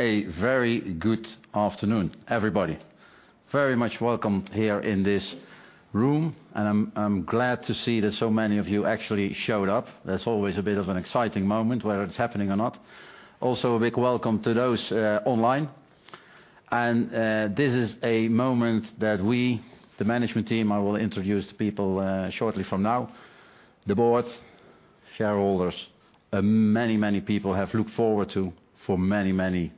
A very good afternoon, everybody. Very much welcome here in this room. I'm glad to see that so many of you actually showed up. That's always a bit of an exciting moment, whether it's happening or not. Also, a big welcome to those online. This is a moment that we, the management team, I will introduce the people shortly from now. The boards, shareholders, and many, many people have looked forward to for many, many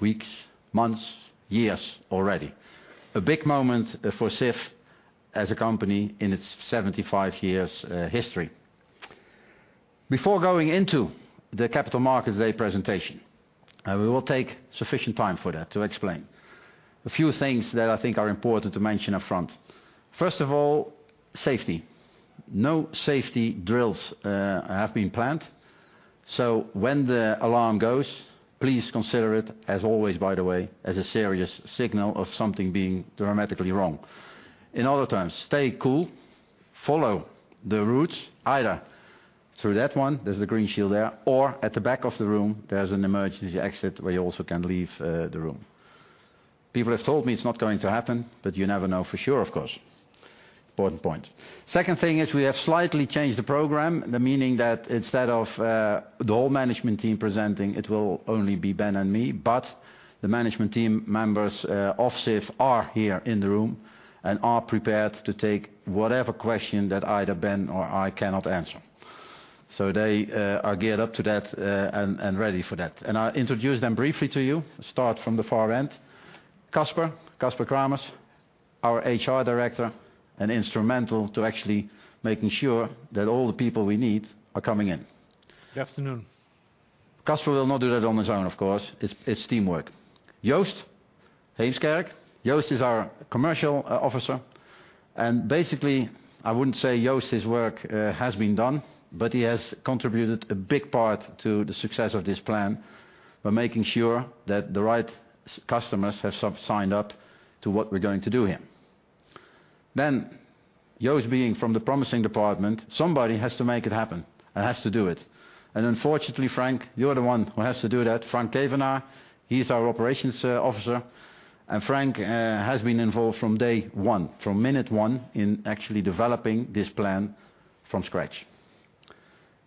weeks, months, years already. A big moment for Sif as a company in its 75 years history. Before going into the Capital Markets Day presentation, we will take sufficient time for that to explain. A few things that I think are important to mention up front. First of all, safety. No safety drills have been planned. When the alarm goes, please consider it, as always, by the way, as a serious signal of something being dramatically wrong. In other times, stay cool, follow the routes, either through that one, there's a green shield there, or at the back of the room, there's an emergency exit where you also can leave the room. People have told me it's not going to happen, but you never know for sure, of course. Important point. Second thing is we have slightly changed the program, the meaning that instead of the whole management team presenting, it will only be Ben and me. The management team members of Sif are here in the room and are prepared to take whatever question that either Ben or I cannot answer. They are geared up to that and ready for that. I'll introduce them briefly to you. Start from the far end. Caspar Kramers, our HR Director, and instrumental to actually making sure that all the people we need are coming in. Good afternoon. Caspar will not do that on his own, of course. It's teamwork. Joost Heemskerk. Joost is our Commercial Officer. Basically, I wouldn't say Joost's work has been done, but he has contributed a big part to the success of this plan by making sure that the right customers have signed up to what we're going to do here. Joost being from the promising department, somebody has to make it happen and has to do it. Unfortunately, Frank, you're the one who has to do that. Frank Kevenaar, he's our Operations Officer. Frank has been involved from day one, from minute one, in actually developing this plan from scratch.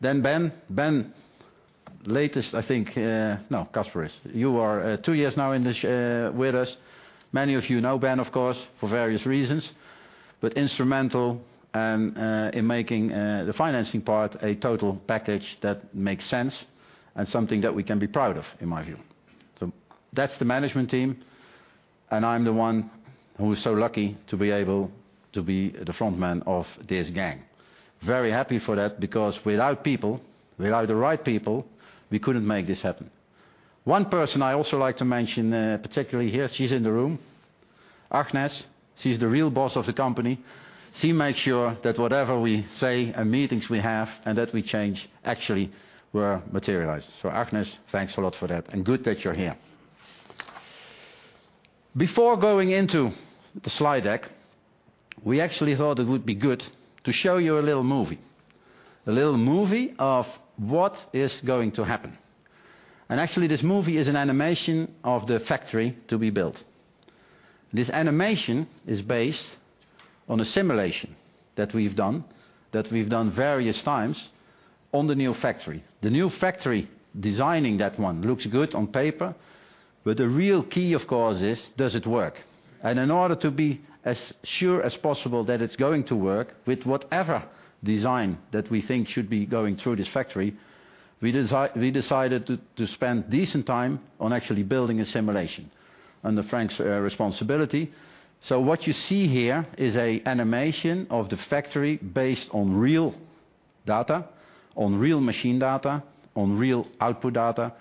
Ben. Ben, latest, I think. No, Caspar is. You are two years now in this with us. Many of you know Ben, of course, for various reasons, but instrumental in making the financing part a total package that makes sense and something that we can be proud of, in my view. That's the management team. I'm the one who is so lucky to be able to be the front man of this gang. Very happy for that because without people, without the right people, we couldn't make this happen. One person I also like to mention, particularly here, she's in the room, Agnes, she's the real boss of the company. She makes sure that whatever we say and meetings we have and that we change actually were materialized. Agnes, thanks a lot for that, and good that you're here. Before going into the slide deck, we actually thought it would be good to show you a little movie. A little movie of what is going to happen. Actually, this movie is an animation of the factory to be built. This animation is based on a simulation that we've done various times on the new factory. The new factory, designing that one, looks good on paper, the real key, of course, is does it work? In order to be as sure as possible that it's going to work with whatever design that we think should be going through this factory, we decided to spend decent time on actually building a simulation under Frank's responsibility. What you see here is an animation of the factory based on real data, on real machine data, on real output data,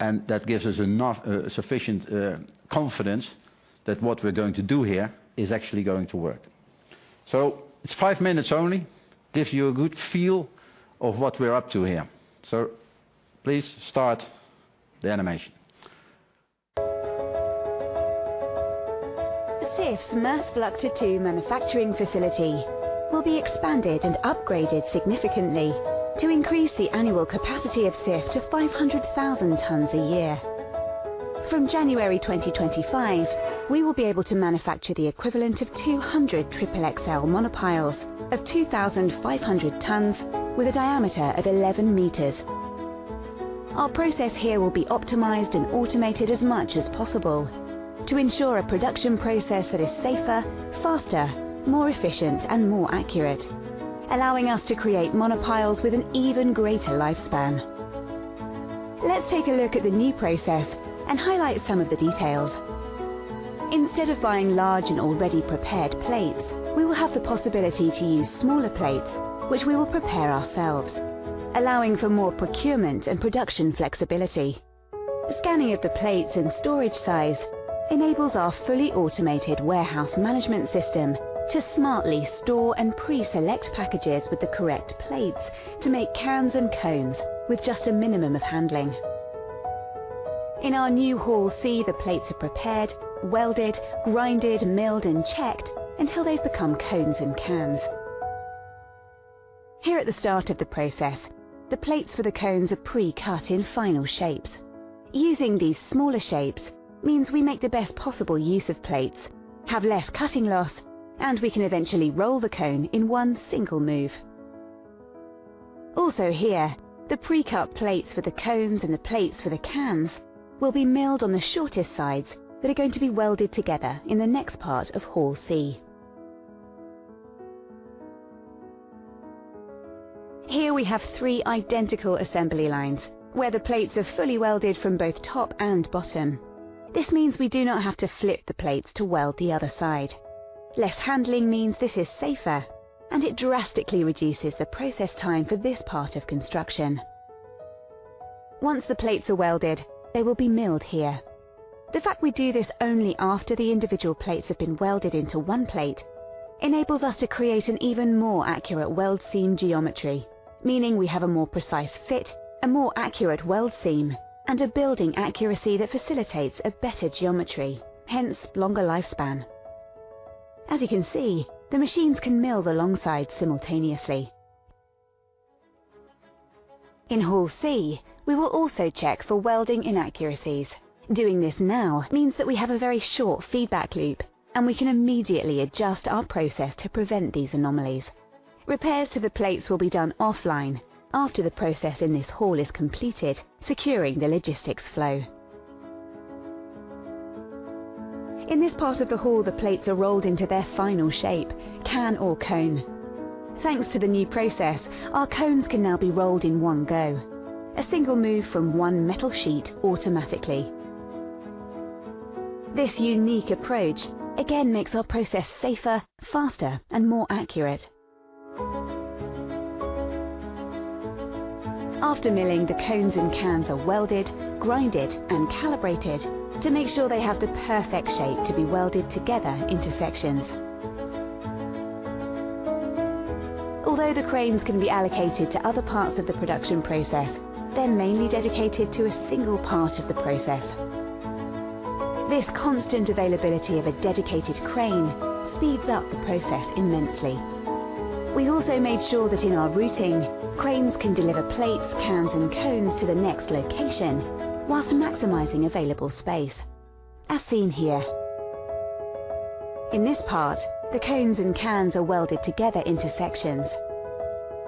and that gives us enough sufficient confidence that what we're going to do here is actually going to work. It's five minutes only. Give you a good feel of what we're up to here. Please start the animation. Sif's Maasvlakte 2 manufacturing facility will be expanded and upgraded significantly to increase the annual capacity of Sif to 500,000 tons a year. From January 2025, we will be able to manufacture the equivalent of 200 XXXL monopiles of 2,500 tons with a diameter of 11 m. Our process here will be optimized and automated as much as possible to ensure a production process that is safer, faster, more efficient, and more accurate, allowing us to create monopiles with an even greater lifespan. Let's take a look at the new process and highlight some of the details. Instead of buying large and already prepared plates, we will have the possibility to use smaller plates, which we will prepare ourselves, allowing for more procurement and production flexibility. The scanning of the plates and storage size enables our fully automated warehouse management system to smartly store and pre-select packages with the correct plates to make cones and cans with just a minimum of handling. In our new Hall C, the plates are prepared, welded, grinded, milled, and checked until they've become cones and cans. Here at the start of the process, the plates for the cones are pre-cut in final shapes. Using these smaller shapes means we make the best possible use of plates, have less cutting loss, and we can eventually roll the cone in one single move. Also here, the pre-cut plates for the cones and the plates for the cans will be milled on the shortest sides that are going to be welded together in the next part of Hall C. Here we have three identical assembly lines where the plates are fully welded from both top and bottom. This means we do not have to flip the plates to weld the other side. Less handling means this is safer, and it drastically reduces the process time for this part of construction. Once the plates are welded, they will be milled here. The fact we do this only after the individual plates have been welded into one plate enables us to create an even more accurate weld seam geometry. Meaning we have a more precise fit, a more accurate weld seam, and a building accuracy that facilitates a better geometry, hence longer lifespan. As you can see, the machines can mill the long side simultaneously. In Hall C, we will also check for welding inaccuracies. Doing this now means that we have a very short feedback loop, and we can immediately adjust our process to prevent these anomalies. Repairs to the plates will be done offline after the process in this hall is completed, securing the logistics flow. In this part of the hall, the plates are rolled into their final shape: can or cone. Thanks to the new process, our cones can now be rolled in one go. A single move from one metal sheet automatically. This unique approach again makes our process safer, faster, and more accurate. After milling, the cones and cans are welded, grinded, and calibrated to make sure they have the perfect shape to be welded together into sections. Although the cranes can be allocated to other parts of the production process, they're mainly dedicated to a single part of the process. This constant availability of a dedicated crane speeds up the process immensely. We also made sure that in our routing, cranes can deliver plates, cans, and cones to the next location whilst maximizing available space. As seen here. In this part, the cones and cans are welded together into sections.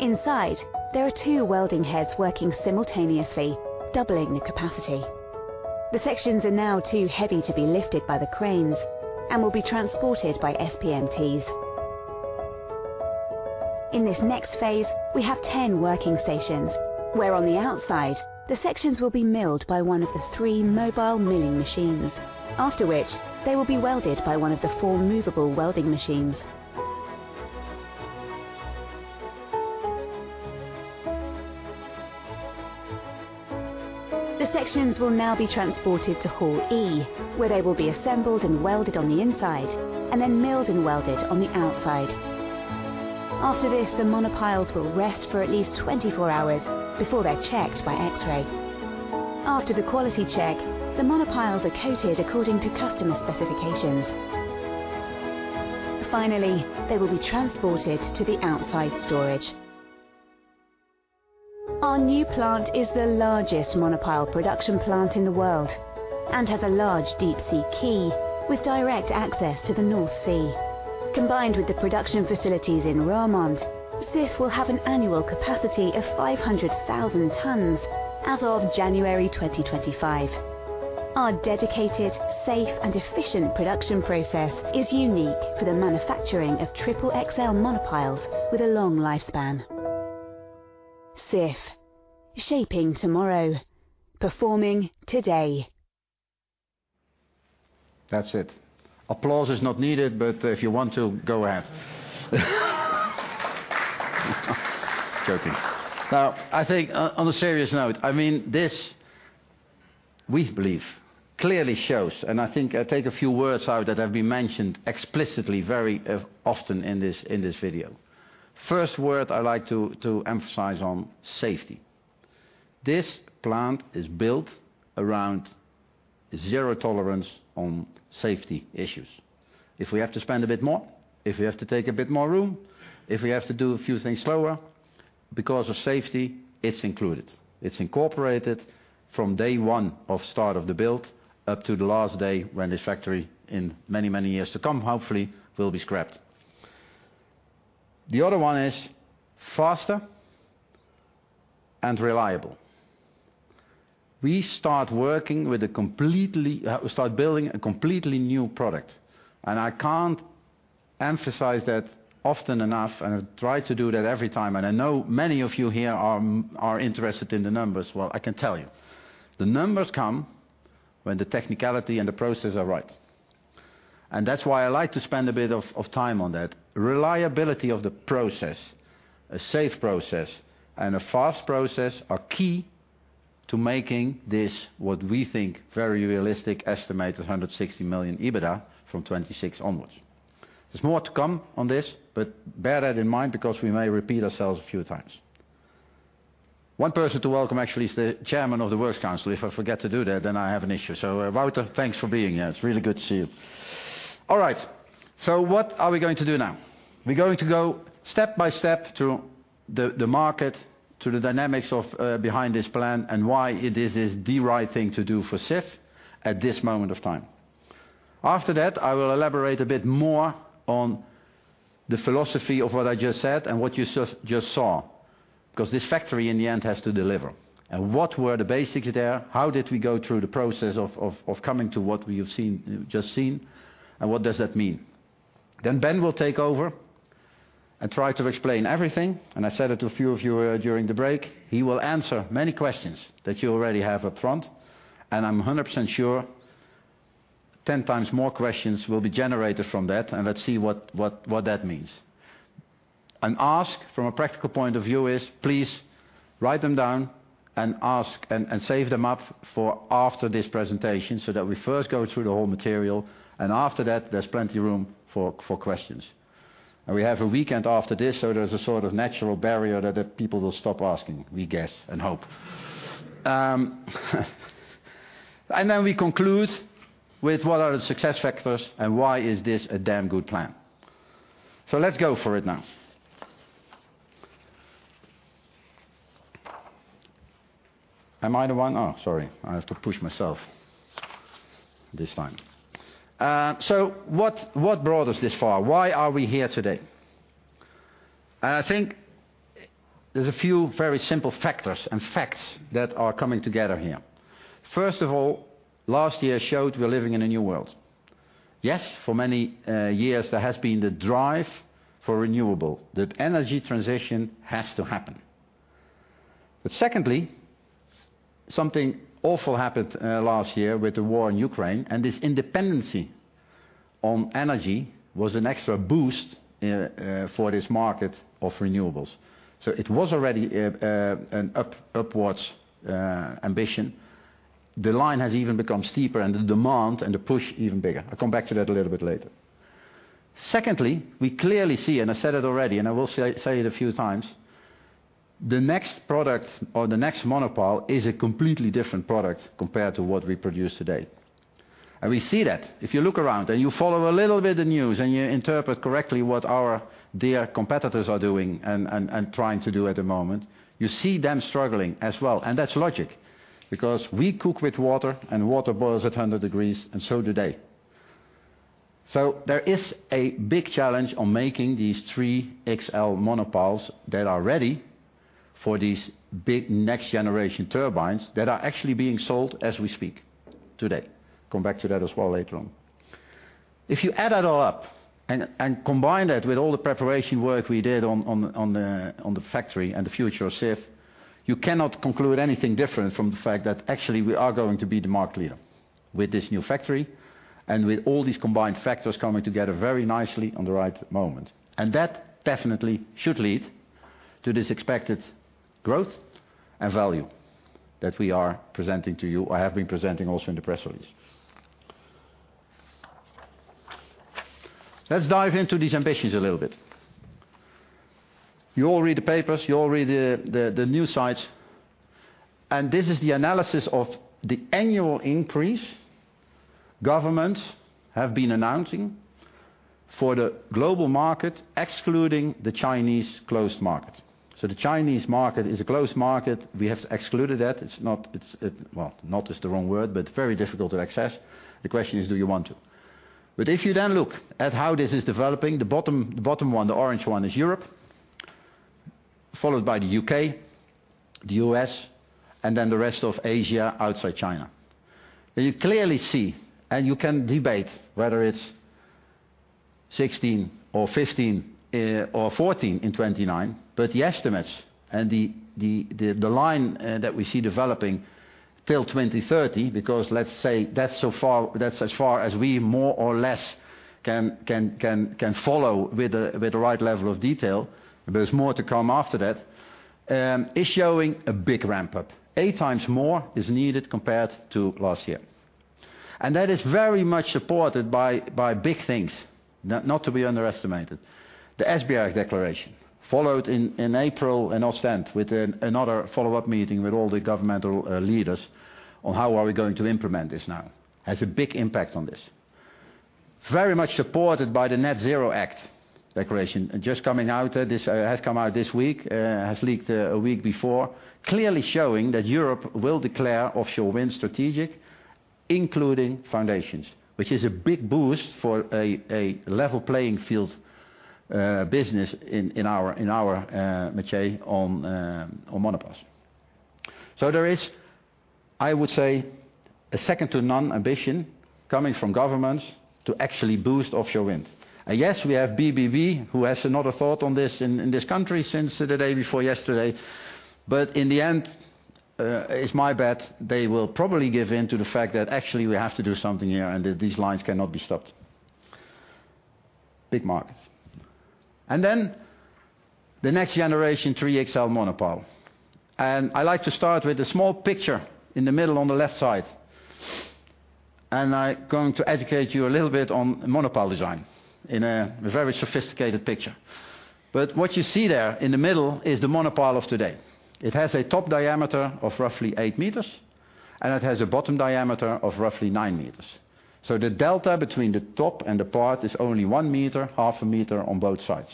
Inside, there are two welding heads working simultaneously, doubling the capacity. The sections are now too heavy to be lifted by the cranes and will be transported by SPMTs. In this next phase, we have 10 working stations, where on the outside, the sections will be milled by one of the three mobile milling machines. After which, they will be welded by one of the four movable welding machines. The sections will now be transported to Hall E, where they will be assembled and welded on the inside, and then milled and welded on the outside. After this, the monopiles will rest for at least 24 hours before they're checked by X-ray. After the quality check, the monopiles are coated according to customer specifications. Finally, they will be transported to the outside storage. Our new plant is the largest monopile production plant in the world and has a large deep sea quay with direct access to the North Sea. Combined with the production facilities in Roermond, this will have an annual capacity of 500,000 tons as of January 2025. Our dedicated, safe, and efficient production process is unique for the manufacturing of XXXL monopiles with a long lifespan. Sif, shaping tomorrow, performing today. That's it. Applause is not needed, but if you want to, go ahead. Joking. I think on a serious note, I mean, this, we believe, clearly shows, and I think I take a few words out that have been mentioned explicitly very often in this, in this video. First word I like to emphasize on: safety. This plant is built around zero tolerance on safety issues. If we have to spend a bit more, if we have to take a bit more room, if we have to do a few things slower because of safety, it's included. It's incorporated from day one of start of the build up to the last day when this factory in many, many years to come, hopefully, will be scrapped. The other one is faster and reliable. We start building a completely new product. I can't emphasize that often enough. I try to do that every time. I know many of you here are interested in the numbers. Well, I can tell you, the numbers come when the technicality and the process are right. That's why I like to spend a bit of time on that. Reliability of the process, a safe process, and a fast process are key to making this what we think very realistic estimate of 160 million EBITDA from 2026 onwards. There's more to come on this. Bear that in mind because we may repeat ourselves a few times. One person to welcome actually is the Chairman of the Works Council. If I forget to do that, I have an issue. Wouter, thanks for being here. It's really good to see you. All right, what are we going to do now? We're going to go step by step through the market, through the dynamics of behind this plan and why it is the right thing to do for Sif at this moment of time. After that, I will elaborate a bit more on the philosophy of what I just said and what you just saw. 'Cause this factory in the end has to deliver. What were the basics there? How did we go through the process of coming to what we've just seen? What does that mean? Ben will take over and try to explain everything. I said it to a few of you during the break, he will answer many questions that you already have up front, and I'm 100% sure 10x more questions will be generated from that. Let's see what that means. An ask from a practical point of view is please write them down and ask and save them up for after this presentation, so that we first go through the whole material, and after that, there's plenty of room for questions. We have a weekend after this, so there's a sort of natural barrier that people will stop asking, we guess, and hope. Then we conclude with what are the success factors, and why is this a damn good plan? Let's go for it now. Am I the one? Oh, sorry. I have to push myself this time. What, what brought us this far? Why are we here today? I think there's a few very simple factors and facts that are coming together here. First of all, last year showed we're living in a new world. Yes, for many years there has been the drive for renewable, that energy transition has to happen. Secondly, something awful happened last year with the war in Ukraine, and this independency on energy was an extra boost for this market of renewables. It was already an upwards ambition. The line has even become steeper and the demand and the push even bigger. I'll come back to that a little bit later. Secondly, we clearly see, and I said it already, and I will say it a few times, the next product or the next monopile is a completely different product compared to what we produce today. We see that. If you look around and you follow a little bit of news and you interpret correctly what our dear competitors are doing and trying to do at the moment, you see them struggling as well. That's logic because we cook with water, and water boils at 100 degrees, do they. There is a big challenge on making these XXXL monopiles that are ready for these big next-generation turbines that are actually being sold as we speak today. Come back to that as well later on. If you add that all up and combine that with all the preparation work we did on the factory and the future of Sif, you cannot conclude anything different from the fact that actually we are going to be the market leader with this new factory and with all these combined factors coming together very nicely on the right moment. That definitely should lead to this expected growth and value that we are presenting to you. I have been presenting also in the press release. Let's dive into these ambitions a little bit. You all read the papers, you all read the news sites, and this is the analysis of the annual increase governments have been announcing for the global market, excluding the Chinese closed market. The Chinese market is a closed market. We have excluded that. It's not. Well, not is the wrong word, very difficult to access. The question is, do you want to? If you look at how this is developing, the bottom one, the orange one is Europe, followed by the U.K., the U.S, and then the rest of Asia outside China. You clearly see and you can debate whether it's 16 or 15, or 14 in 2029, the estimates and the line that we see developing till 2030, because let's say that's as far as we more or less can follow with the right level of detail, there's more to come after that, is showing a big ramp-up. 8x more is needed compared to last year. That is very much supported by big things. Not to be underestimated. The Esbjerg Declaration, followed in April in Ostend with another follow-up meeting with all the governmental leaders on how are we going to implement this now, has a big impact on this. Very much supported by the Net Zero Act declaration. Just coming out, this has come out this week has leaked a week before, clearly showing that Europe will declare offshore wind strategic, including foundations, which is a big boost for a level playing field business in our in our métier on monopiles. There is, I would say, a second-to-none ambition coming from governments to actually boost offshore wind. Yes, we have BBB, who has another thought on this in this country since the day before yesterday. In the end, it's my bet they will probably give in to the fact that actually we have to do something here and that these lines cannot be stopped. Big markets. Then the next generation XXXL monopile. I like to start with the small picture in the middle on the left side. I'm going to educate you a little bit on monopile design in a very sophisticated picture. What you see there in the middle is the monopile of today. It has a top diameter of roughly 8 m, and it has a bottom diameter of roughly 9 m. So the delta between the top and the part is only 1 m, 0.5 m On both sides.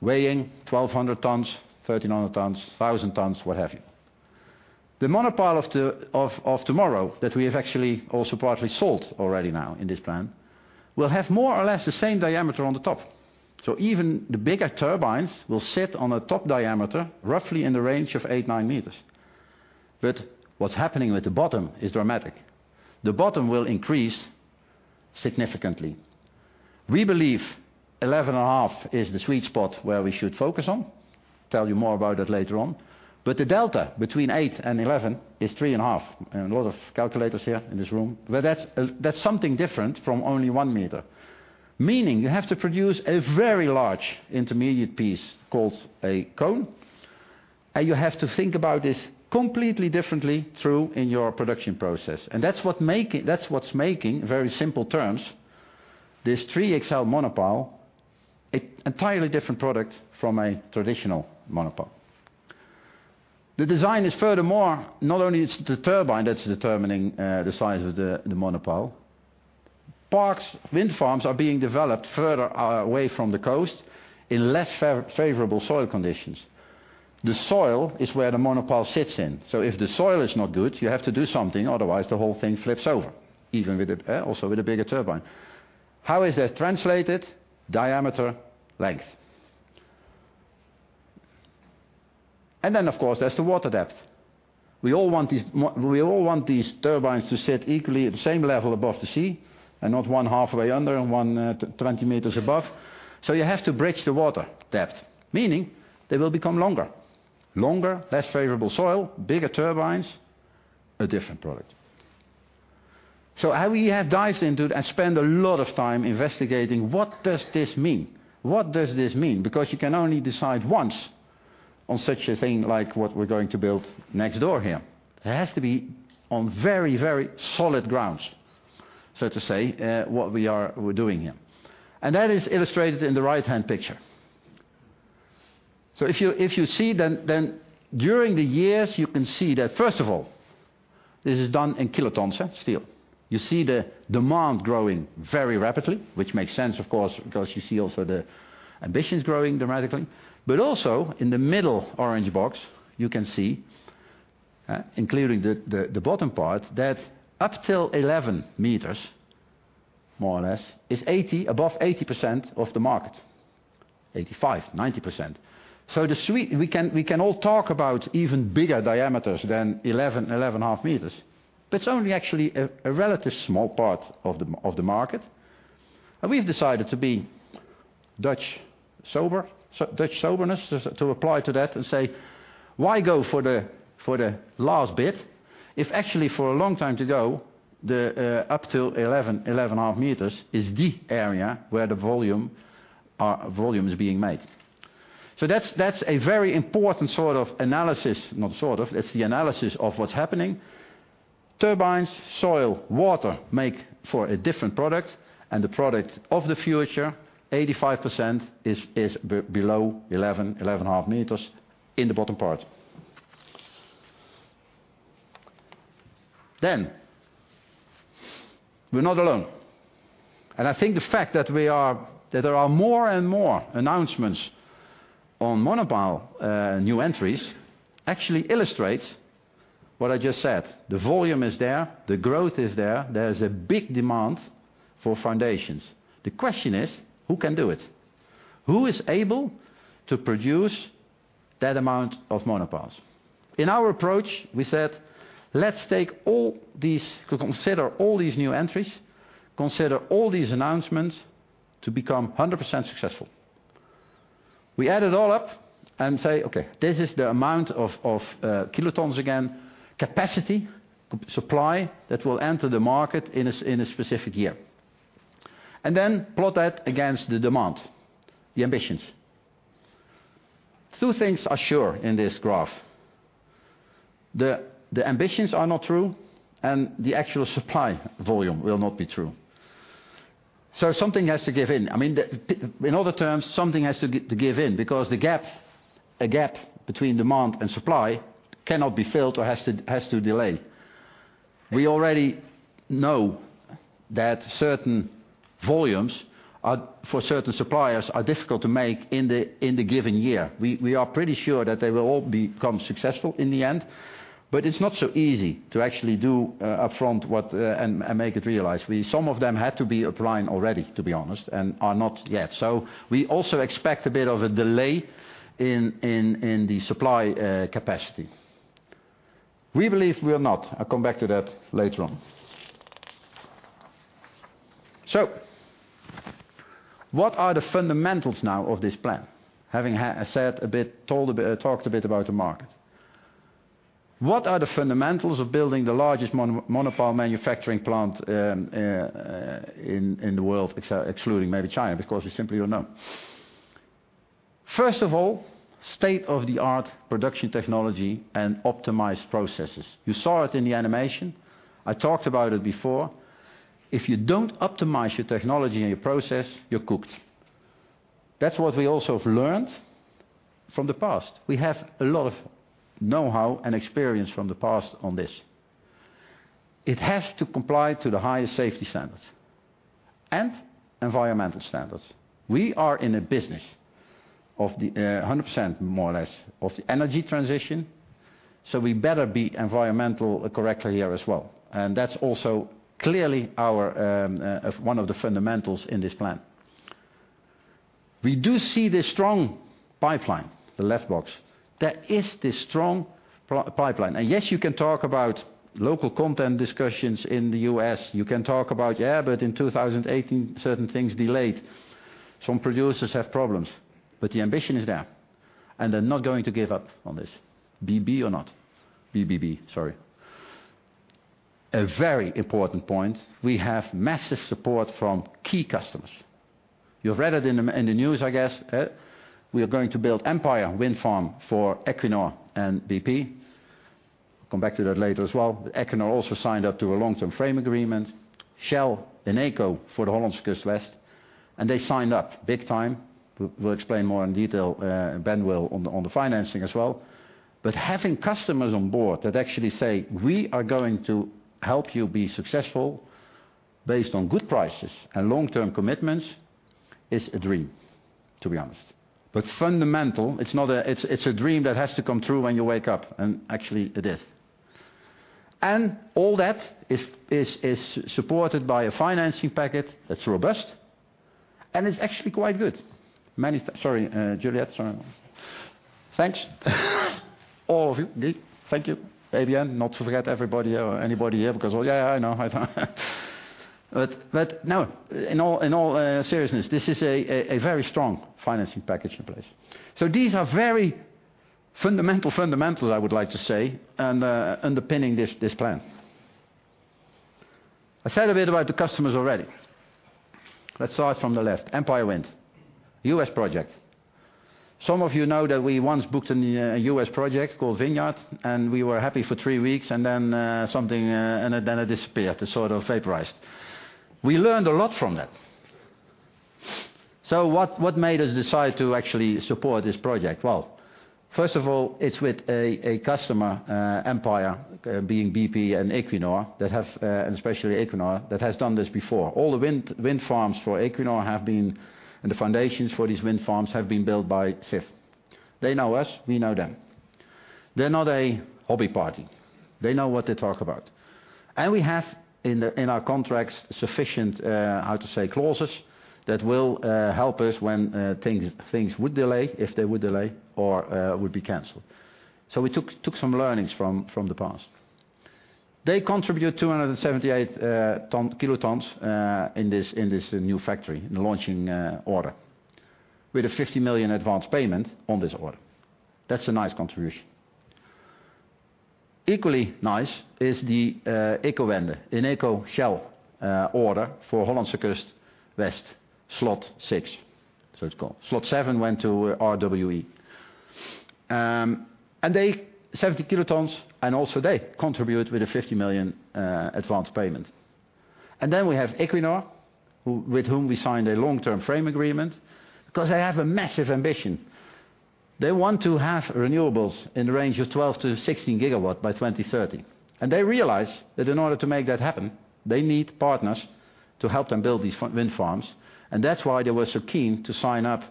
Weighing 1,200 tons, 1,300 tons, 1,000 tons, what have you. The monopile of tomorrow that we have actually also partly sold already now in this plan, will have more or less the same diameter on the top. Even the bigger turbines will sit on a top diameter roughly in the range of 8 m, 9 m. What's happening with the bottom is dramatic. The bottom will increase significantly. We believe 11.5 m is the sweet spot where we should focus on. Tell you more about that later on. The delta between 8 m and 11 m is 3.5 m, and a lot of calculators here in this room. That's something different from only 1 m. Meaning you have to produce a very large intermediate piece called a cone, and you have to think about this completely differently through in your production process. That's what's making, very simple terms, this XXXL monopile an entirely different product from a traditional monopile. The design is furthermore, not only it's the turbine that's determining the size of the monopile. Parks, wind farms are being developed further away from the coast in less favorable soil conditions. The soil is where the monopile sits in. If the soil is not good, you have to do something, otherwise the whole thing flips over, even with a bigger turbine. How is that translated? Diameter, length. Of course, there's the water depth. We all want these turbines to sit equally at the same level above the sea and not one halfway under and one, 20 m above. You have to bridge the water depth, meaning they will become longer. Longer, less favorable soil, bigger turbines, a different product. We have dived into and spent a lot of time investigating what does this mean? What does this mean? You can only decide once on such a thing like what we're going to build next door here. It has to be on very, very solid ground, so to say, what we're doing here. That is illustrated in the right-hand picture. If you see then during the years, you can see that, first of all, this is done in kilotons of steel. You see the demand growing very rapidly, which makes sense, of course, because you see also the ambitions growing dramatically. Also in the middle orange box, you can see, including the, the bottom part, that up till 11 m, more or less, is 80%, above 80% of the market. 85%, 90%. We can all talk about even bigger diameters than 11.5 m, but it's only actually a relative small part of the, of the market. We've decided to be Dutch sober, Dutch soberness, to apply to that and say, "Why go for the, for the last bit if actually for a long time to go, the, up till 11.5 m is the area where the volume is being made?" That's a very important sort of analysis. Not sort of, it's the analysis of what's happening. Turbines, soil, water make for a different product, and the product of the future, 85% is below 11.5 m in the bottom part. We're not alone. I think the fact that we are, that there are more and more announcements on monopile new entries actually illustrates what I just said. The volume is there, the growth is there. There's a big demand for foundations. The question is, who can do it? Who is able to produce that amount of monopiles? In our approach, we said, "Let's take all these... Consider all these new entries, consider all these announcements to become 100% successful. We add it all up and say, "Okay, this is the amount of kilotons, again, capacity, supply that will enter the market in a specific year." Then plot that against the demand, the ambitions. Two things are sure in this graph. The ambitions are not true, and the actual supply volume will not be true. Something has to give in. I mean, in other terms, something has to give in because the gap, a gap between demand and supply cannot be filled or has to delay. We already know that certain volumes for certain suppliers are difficult to make in the given year. We are pretty sure that they will all become successful in the end, it's not so easy to actually do upfront what and make it realized. Some of them had to be up and running already, to be honest, and are not yet. We also expect a bit of a delay in the supply capacity. We believe we are not. I'll come back to that later on. What are the fundamentals now of this plan? Having said a bit, told a bit, talked a bit about the market. What are the fundamentals of building the largest monopile manufacturing plant in the world, excluding maybe China, because we simply don't know. First of all, state-of-the-art production technology and optimized processes. You saw it in the animation. I talked about it before. If you don't optimize your technology and your process, you're cooked. That's what we also have learned from the past. We have a lot of know-how and experience from the past on this. It has to comply to the highest safety standards and environmental standards. We are in a business of the 100% more or less of the energy transition, so we better be environmental correct here as well. That's also clearly our one of the fundamentals in this plan. We do see this strong pipeline, the left box. There is this strong pro-pipeline. Yes, you can talk about local content discussions in the U.S. You can talk about, "Yeah, but in 2018, certain things delayed. Some producers have problems." The ambition is there, and they're not going to give up on this, BB or not, BBB, sorry. A very important point, we have massive support from key customers. You've read it in the, in the news, I guess. We are going to build Empire Wind for Equinor and BP. Come back to that later as well. Equinor also signed up to a long-term frame agreement. Shell and Eneco for the Hollandse Kust West, they signed up big time. We'll, we'll explain more in detail, and Ben will on the, on the financing as well. Having customers on board that actually say, "We are going to help you be successful based on good prices and long-term commitments", is a dream, to be honest. Fundamental, it's a dream that has to come true when you wake up, and actually it is. All that is supported by a financing package that's robust and it's actually quite good. Many... Sorry, Juliette. Sorry. Thanks all of you. Thank you, Adrian, not to forget everybody or anybody here because yeah, I know. No, in all, in all seriousness, this is a very strong financing package in place. These are very fundamental, I would like to say, and underpinning this plan. I said a bit about the customers already. Let's start from the left. Empire Wind, U.S. project. Some of you know that we once booked a U.S. project called Vineyard, and we were happy for three weeks, and then something and then it disappeared. It sort of vaporized. We learned a lot from that. What made us decide to actually support this project? First of all, it's with a customer, Empire, being BP and Equinor that have, and especially Equinor, that has done this before. All the wind farms for Equinor have been, and the foundations for these wind farms have been built by Sif. They know us. We know them. They're not a hobby party. They know what they talk about. We have in our contracts sufficient, how to say, clauses that will help us when things would delay, if they would delay or would be canceled. We took some learnings from the past. They contribute 278 kilotons in this new factory, in the launching order. With a 50 million advanced payment on this order. That's a nice contribution. Equally nice is the Ecowende, Eneco-Shell order for Hollandse Kust West, Slot VI, as it's called. Slot VII went to RWE. They, 70 kilotons, and also they contribute with a 50 million advanced payment. We have Equinor, who, with whom we signed a long-term frame agreement because they have a massive ambition. They want to have renewables in the range of 12 GW-16 GW by 2030. They realize that in order to make that happen, they need partners to help them build these wind farms. That's why they were so keen to sign up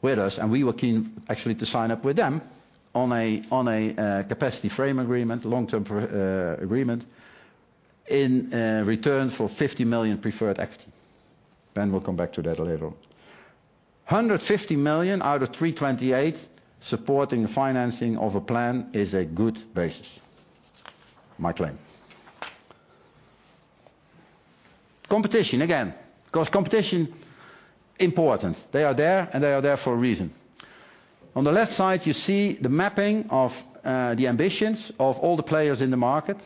with us, and we were keen actually to sign up with them on a, on a capacity frame agreement, long-term agreement, in return for 50 million preferred equity. Ben will come back to that later on. 150 million out of 328 million supporting the financing of a plan is a good basis, my claim. Competition, again, because competition important. They are there, and they are there for a reason. On the left side, you see the mapping of the ambitions of all the players in the market.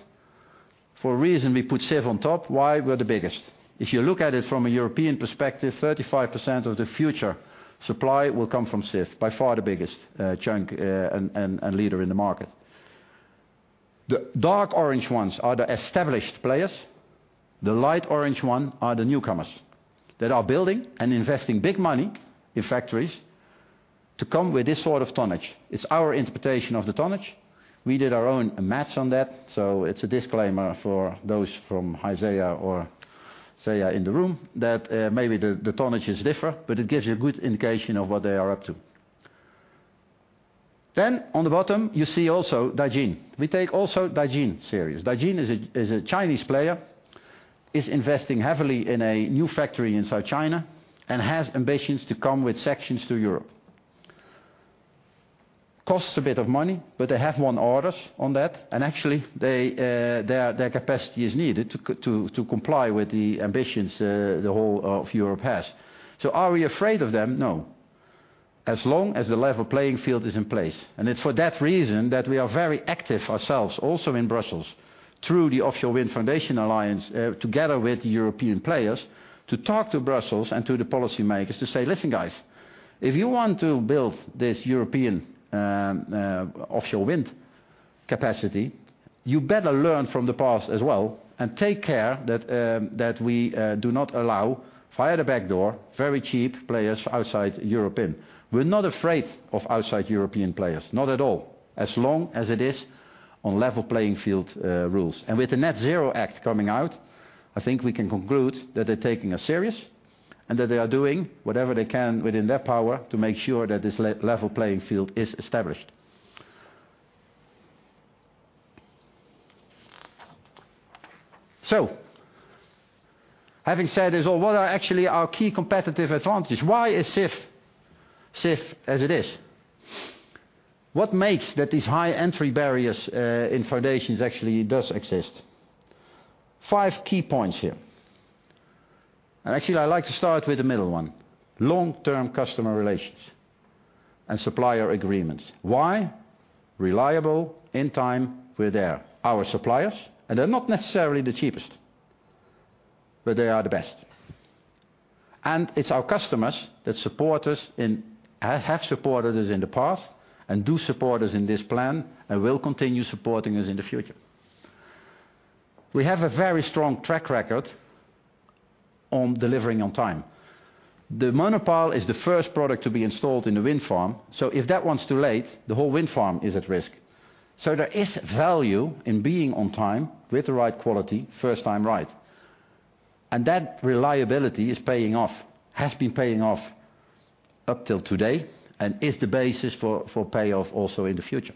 For a reason, we put Sif on top. Why? We're the biggest. If you look at it from a European perspective, 35% of the future supply will come from Sif, by far the biggest chunk and leader in the market. The dark orange ones are the established players. The light orange one are the newcomers that are building and investing big money in factories to come with this sort of tonnage. It's our interpretation of the tonnage. We did our own math on that, so it's a disclaimer for those from Haizea or SeAH in the room that maybe the tonnages differ, but it gives you a good indication of what they are up to. On the bottom, you see also Dajin. Dajin is a Chinese player, is investing heavily in a new factory in South China and has ambitions to come with sections to Europe. Costs a bit of money, but they have won orders on that, and actually their capacity is needed to comply with the ambitions the whole of Europe has. Are we afraid of them? No. As long as the level playing field is in place. It's for that reason that we are very active ourselves also in Brussels. Through the Offshore Wind Foundations Alliance, together with European players, to talk to Brussels and to the policy makers to say, "Listen, guys, if you want to build this European offshore wind capacity, you better learn from the past as well, and take care that we do not allow via the backdoor, very cheap players outside Europe in." We're not afraid of outside European players. Not at all. As long as it is on level playing field rules. With the Net Zero Act coming out, I think we can conclude that they're taking us serious, and that they are doing whatever they can within their power to make sure that this level playing field is established. Having said this all, what are actually our key competitive advantages? Why is Sif, Sif as it is? What makes that these high entry barriers in foundations actually does exist? Five key points here. Actually, I like to start with the middle one: long-term customer relations and supplier agreements. Why? Reliable, in time, we're there, our suppliers, and they're not necessarily the cheapest, but they are the best. It's our customers that support us in have supported us in the past, and do support us in this plan, and will continue supporting us in the future. We have a very strong track record on delivering on time. The monopile is the first product to be installed in the wind farm, if that one's too late, the whole wind farm is at risk. There is value in being on time with the right quality, first time right. That reliability is paying off. Has been paying off up till today and is the basis for payoff also in the future.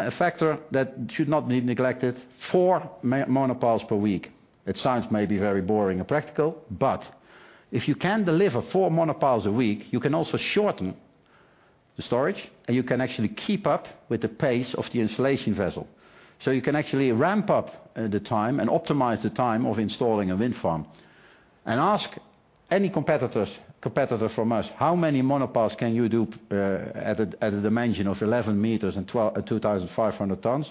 A factor that should not be neglected, four monopiles per week. It sounds maybe very boring and practical, but if you can deliver four monopiles a week, you can also shorten the storage, and you can actually keep up with the pace of the installation vessel. You can actually ramp up the time and optimize the time of installing a wind farm. Ask any competitor from us, "How many monopiles can you do at a dimension of 11 m and 2,500 tons?"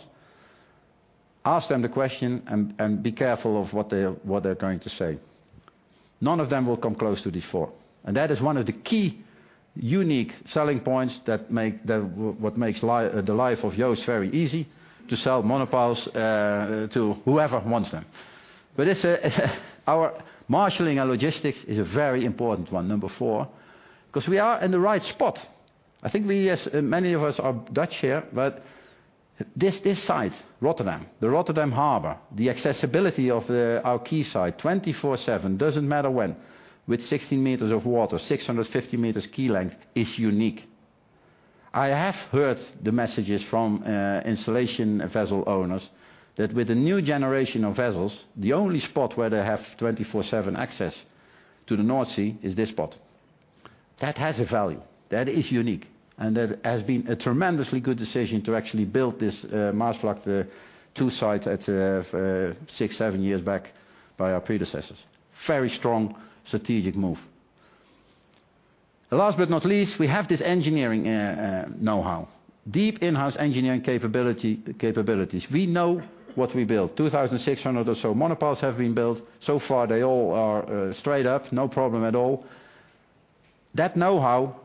Ask them the question and be careful of what they're going to say. None of them will come close to the four. That is one of the key unique selling points that make what makes the life of Joost very easy to sell monopiles to whoever wants them. Our marshaling and logistics is a very important one, number four, 'cause we are in the right spot. I think we, as many of us are Dutch here, but this site, Rotterdam, the Rotterdam Harbor, the accessibility of our quay site, 24/7, doesn't matter when, with 16 m of water, 650 m quay length, is unique. I have heard the messages from installation vessel owners that with the new generation of vessels, the only spot where they have 24/7 access to the North Sea is this spot. That has a value. That is unique. That has been a tremendously good decision to actually build this Maasvlakte 2 site at six, seven years back by our predecessors. Very strong strategic move. Last but not least, we have this engineering know-how, deep in-house engineering capability, capabilities. We know what we build. 2,600 or so monopiles have been built. So far, they all are straight up, no problem at all. That know-how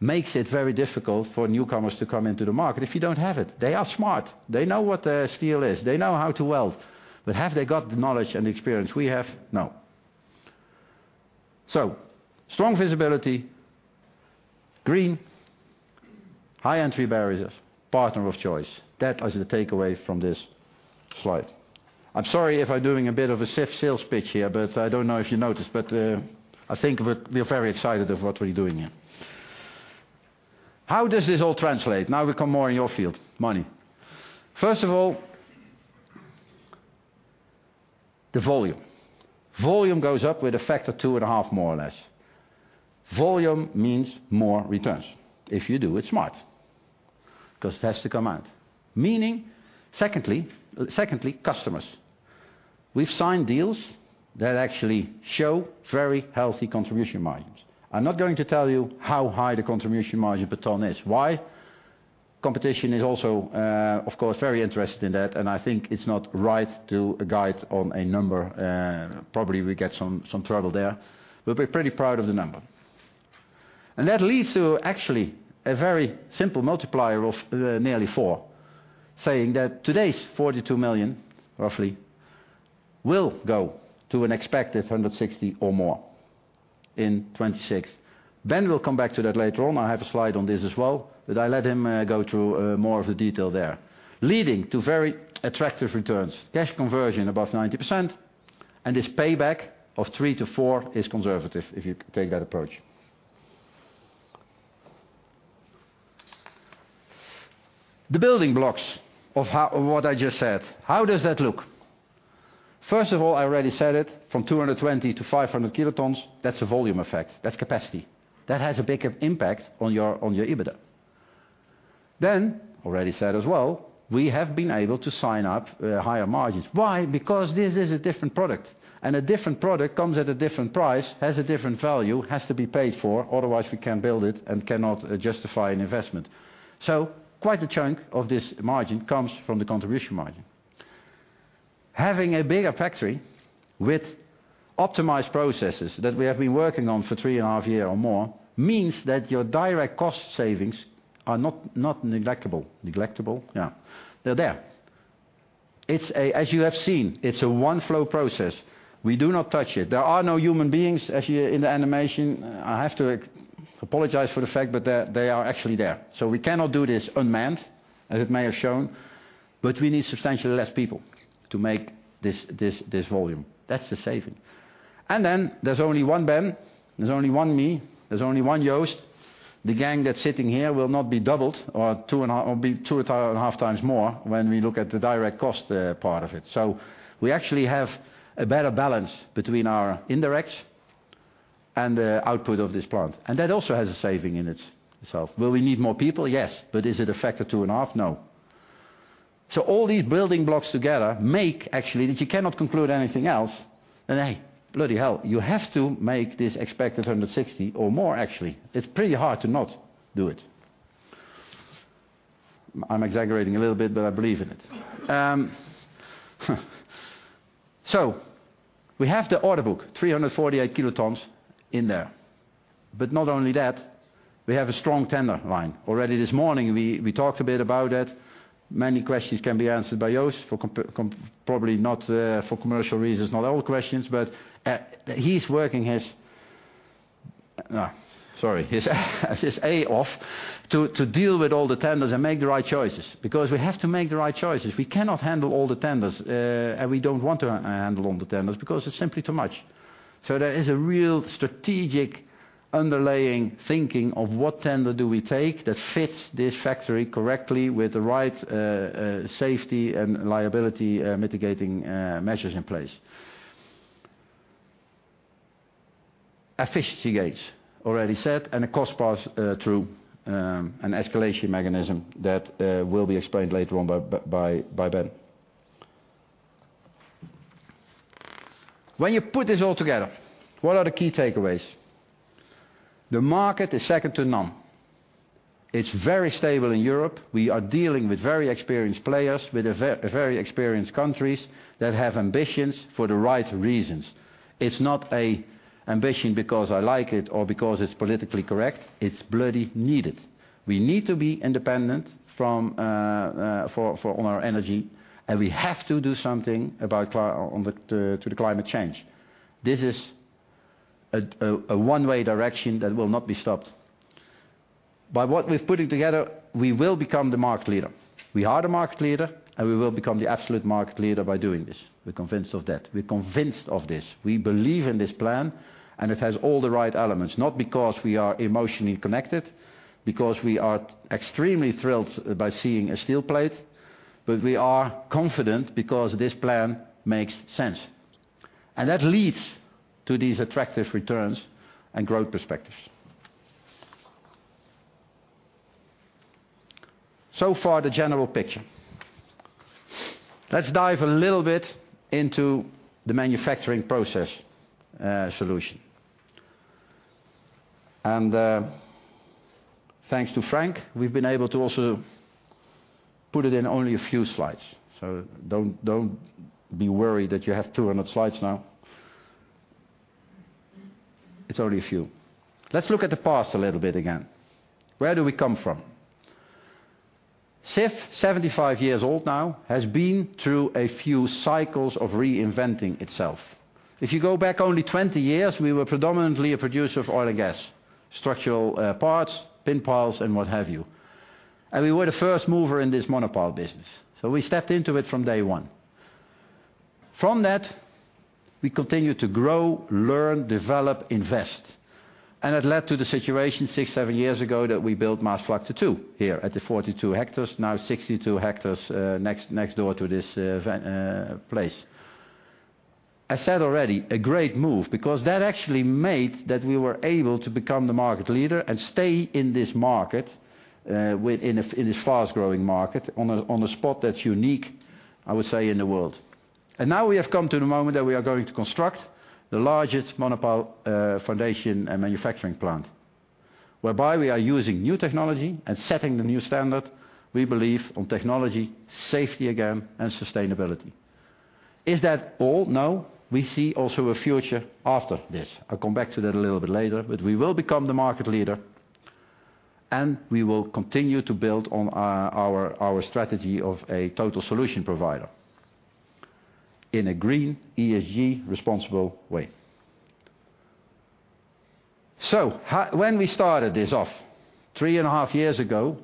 makes it very difficult for newcomers to come into the market if you don't have it. They are smart. They know what steel is. They know how to weld. Have they got the knowledge and experience we have? No. Strong visibility, green, high entry barriers, partner of choice. That is the takeaway from this slide. I'm sorry if I'm doing a bit of a Sif sales pitch here, but I don't know if you noticed, but I think we're very excited of what we're doing here. How does this all translate? We come more in your field, money. First of all, the volume. Volume goes up with a factor 2.5x more or less. Volume means more returns if you do it smart, 'cause it has to come out. Meaning, secondly, customers. We've signed deals that actually show very healthy contribution margins. I'm not going to tell you how high the contribution margin per ton is. Why? Competition is also, of course, very interested in that, and I think it's not right to guide on a number. Probably we get some trouble there. We're pretty proud of the number. That leads to actually a very simple multiplier of nearly 4x, saying that today's 42 million, roughly, will go to an expected 160 million or more in 2026. Ben will come back to that later on. I have a slide on this as well, but I let him go through more of the detail there. Leading to very attractive returns. Cash conversion above 90%, and this payback of three to four years is conservative if you take that approach. The building blocks of what I just said, how does that look? First of all, I already said it, from 220 to 500 kilotons, that's a volume effect. That's capacity. That has a big impact on your EBITDA. Already said as well, we have been able to sign up higher margins. Why? This is a different product, and a different product comes at a different price, has a different value, has to be paid for, otherwise we can't build it and cannot justify an investment. Quite a chunk of this margin comes from the contribution margin. Having a bigger factory with optimized processes that we have been working on for three and a half years or more means that your direct cost savings are not neglectable. Neglectable? Yeah, they're there. As you have seen, it's a one-flow process. We do not touch it. There are no human beings as you in the animation. I have to apologize for the fact, but they are actually there. We cannot do this unmanned, as it may have shown, but we need substantially less people to make this volume. That's the saving. There's only one Ben, there's only one me, there's only one Joost. The gang that's sitting here will not be doubled or 2.5x more when we look at the direct cost part of it. We actually have a better balance between our indirects and the output of this plant. That also has a saving in its itself. Will we need more people? Yes. Is it a factor 2.5x? No. All these building blocks together make actually, that you cannot conclude anything else, that, hey, bloody hell, you have to make this expected 160 million or more actually. It's pretty hard to not do it. I'm exaggerating a little bit, but I believe in it. We have the order book, 348 kilotons in there. Not only that, we have a strong tender line. Already this morning, we talked a bit about that. Many questions can be answered by Joost for commercial reasons, not all questions, but he's working his... Sorry. His A off to deal with all the tenders and make the right choices, because we have to make the right choices. We cannot handle all the tenders, and we don't want to handle all the tenders because it's simply too much. There is a real strategic underlaying thinking of what tender do we take that fits this factory correctly with the right safety and liability mitigating measures in place. Efficiency gates, already said, and a cost pass-through, an escalation mechanism that will be explained later on by Ben. When you put this all together, what are the key takeaways? The market is second to none. It's very stable in Europe. We are dealing with very experienced players, with a very experienced countries that have ambitions for the right reasons. It's not a ambition because I like it or because it's politically correct. It's bloody needed. We need to be independent on our energy, and we have to do something to the climate change. This is a one-way direction that will not be stopped. By what we're putting together, we will become the market leader. We are the market leader, and we will become the absolute market leader by doing this. We're convinced of that. We're convinced of this. We believe in this plan. It has all the right elements, not because we are emotionally connected, because we are extremely thrilled by seeing a steel plate, but we are confident because this plan makes sense. That leads to these attractive returns and growth perspectives. Far, the general picture. Let's dive a little bit into the manufacturing process solution. Thanks to Frank, we've been able to also put it in only a few slides. Don't be worried that you have 200 slides now. It's only a few. Let's look at the past a little bit again. Where do we come from? Sif, 75 years old now, has been through a few cycles of reinventing itself. If you go back only 20 years, we were predominantly a producer of oil and gas, structural parts, pin piles, and what have you. We were the first mover in this monopile business. We stepped into it from day one. From that, we continued to grow, learn, develop, invest. It led to the situation six, seven years ago that we built Maasvlakte 2 here at the 42 hectares, now 62 hectares, next door to this place. I said already, a great move because that actually made that we were able to become the market leader and stay in this market in this fast-growing market on a spot that's unique, I would say, in the world. Now we have come to the moment that we are going to construct the largest monopile foundation and manufacturing plant, whereby we are using new technology and setting the new standard, we believe, on technology, safety again, and sustainability. Is that all? No. We see also a future after this. I'll come back to that a little bit later. We will become the market leader, and we will continue to build on our strategy of a total solution provider in a green ESG responsible way. When we started this off three and a half years ago,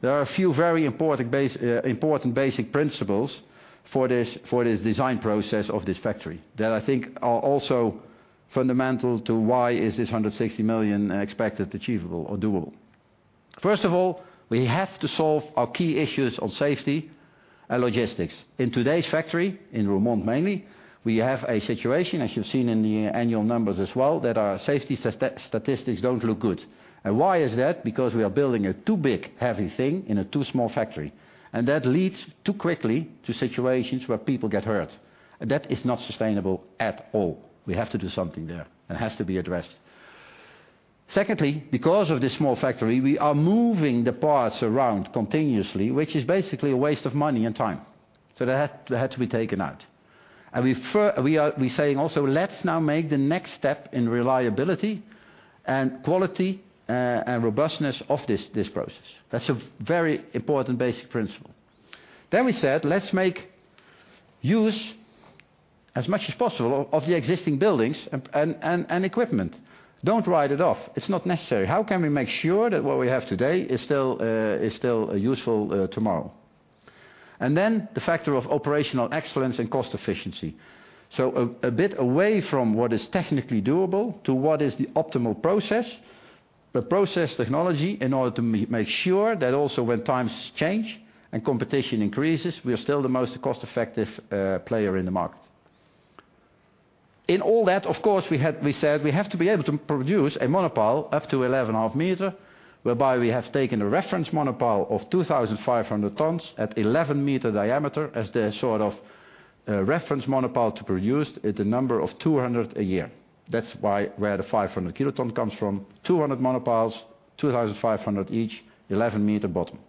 there are a few very important basic principles for this, for this design process of this factory that I think are also fundamental to why is this 160 million expected achievable or doable. First of all, we have to solve our key issues on safety and logistics. In today's factory, in Roermond mainly, we have a situation, as you've seen in the annual numbers as well, that our safety statistics don't look good. Why is that? We are building a too big, heavy thing in a too small factory, that leads too quickly to situations where people get hurt. That is not sustainable at all. We have to do something there. It has to be addressed. Because of this small factory, we are moving the parts around continuously, which is basically a waste of money and time. That had to be taken out. We saying also, let's now make the next step in reliability and quality and robustness of this process. That's a very important basic principle. We said, "Let's make use as much as possible of the existing buildings and equipment. Don't write it off. It's not necessary. How can we make sure that what we have today is still, is still useful tomorrow? The factor of operational excellence and cost efficiency. A bit away from what is technically doable to what is the optimal process, but process technology in order to make sure that also when times change and competition increases, we are still the most cost-effective player in the market. In all that, of course, we said, we have to be able to produce a monopile up to 11.5 m, whereby we have taken a reference monopile of 2,500 tons at 11 m diameter as the sort of reference monopile to produce at the number of 200 a year. Where the 500 kiloton comes from, 200 monopiles, 2,500 each, 11 m bottom.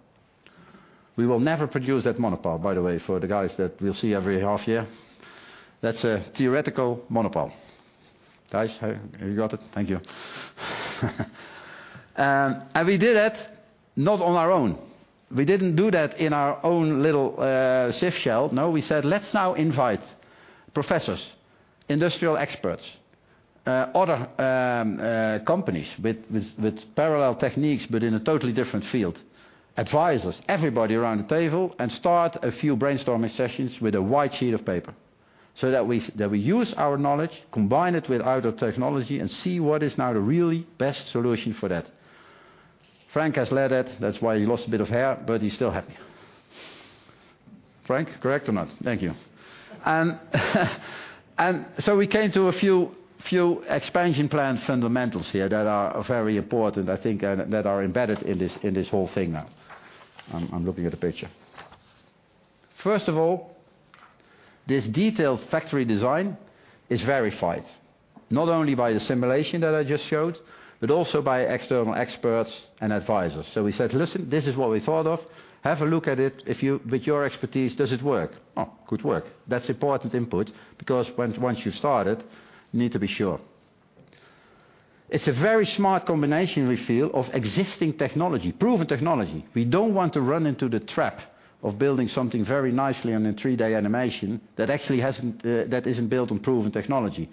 We will never produce that monopile, by the way, for the guys that we'll see every half year. That's a theoretical monopile. Guys, hope you got it. Thank you. We did it not on our own. We didn't do that in our own little safe shell. No, we said, "Let's now invite professors, industrial experts, other companies with parallel techniques but in a totally different field. Advisors, everybody around the table, and start a few brainstorming sessions with a white sheet of paper, so that we, that we use our knowledge, combine it with other technology, and see what is now the really best solution for that." Frank has led it. That's why he lost a bit of hair, but he's still happy. Frank, correct or not? Thank you. We came to a few expansion plan fundamentals here that are very important, I think, and that are embedded in this, in this whole thing now. I'm looking at a picture. First of all, this detailed factory design is verified not only by the simulation that I just showed, but also by external experts and advisors. We said, "Listen, this is what we thought of. Have a look at it. If with your expertise, does it work? Could work." That's important input because once you've started, you need to be sure. It's a very smart combination we feel of existing technology, proven technology. We don't want to run into the trap of building something very nicely on a three-day animation that actually hasn't that isn't built on proven technology.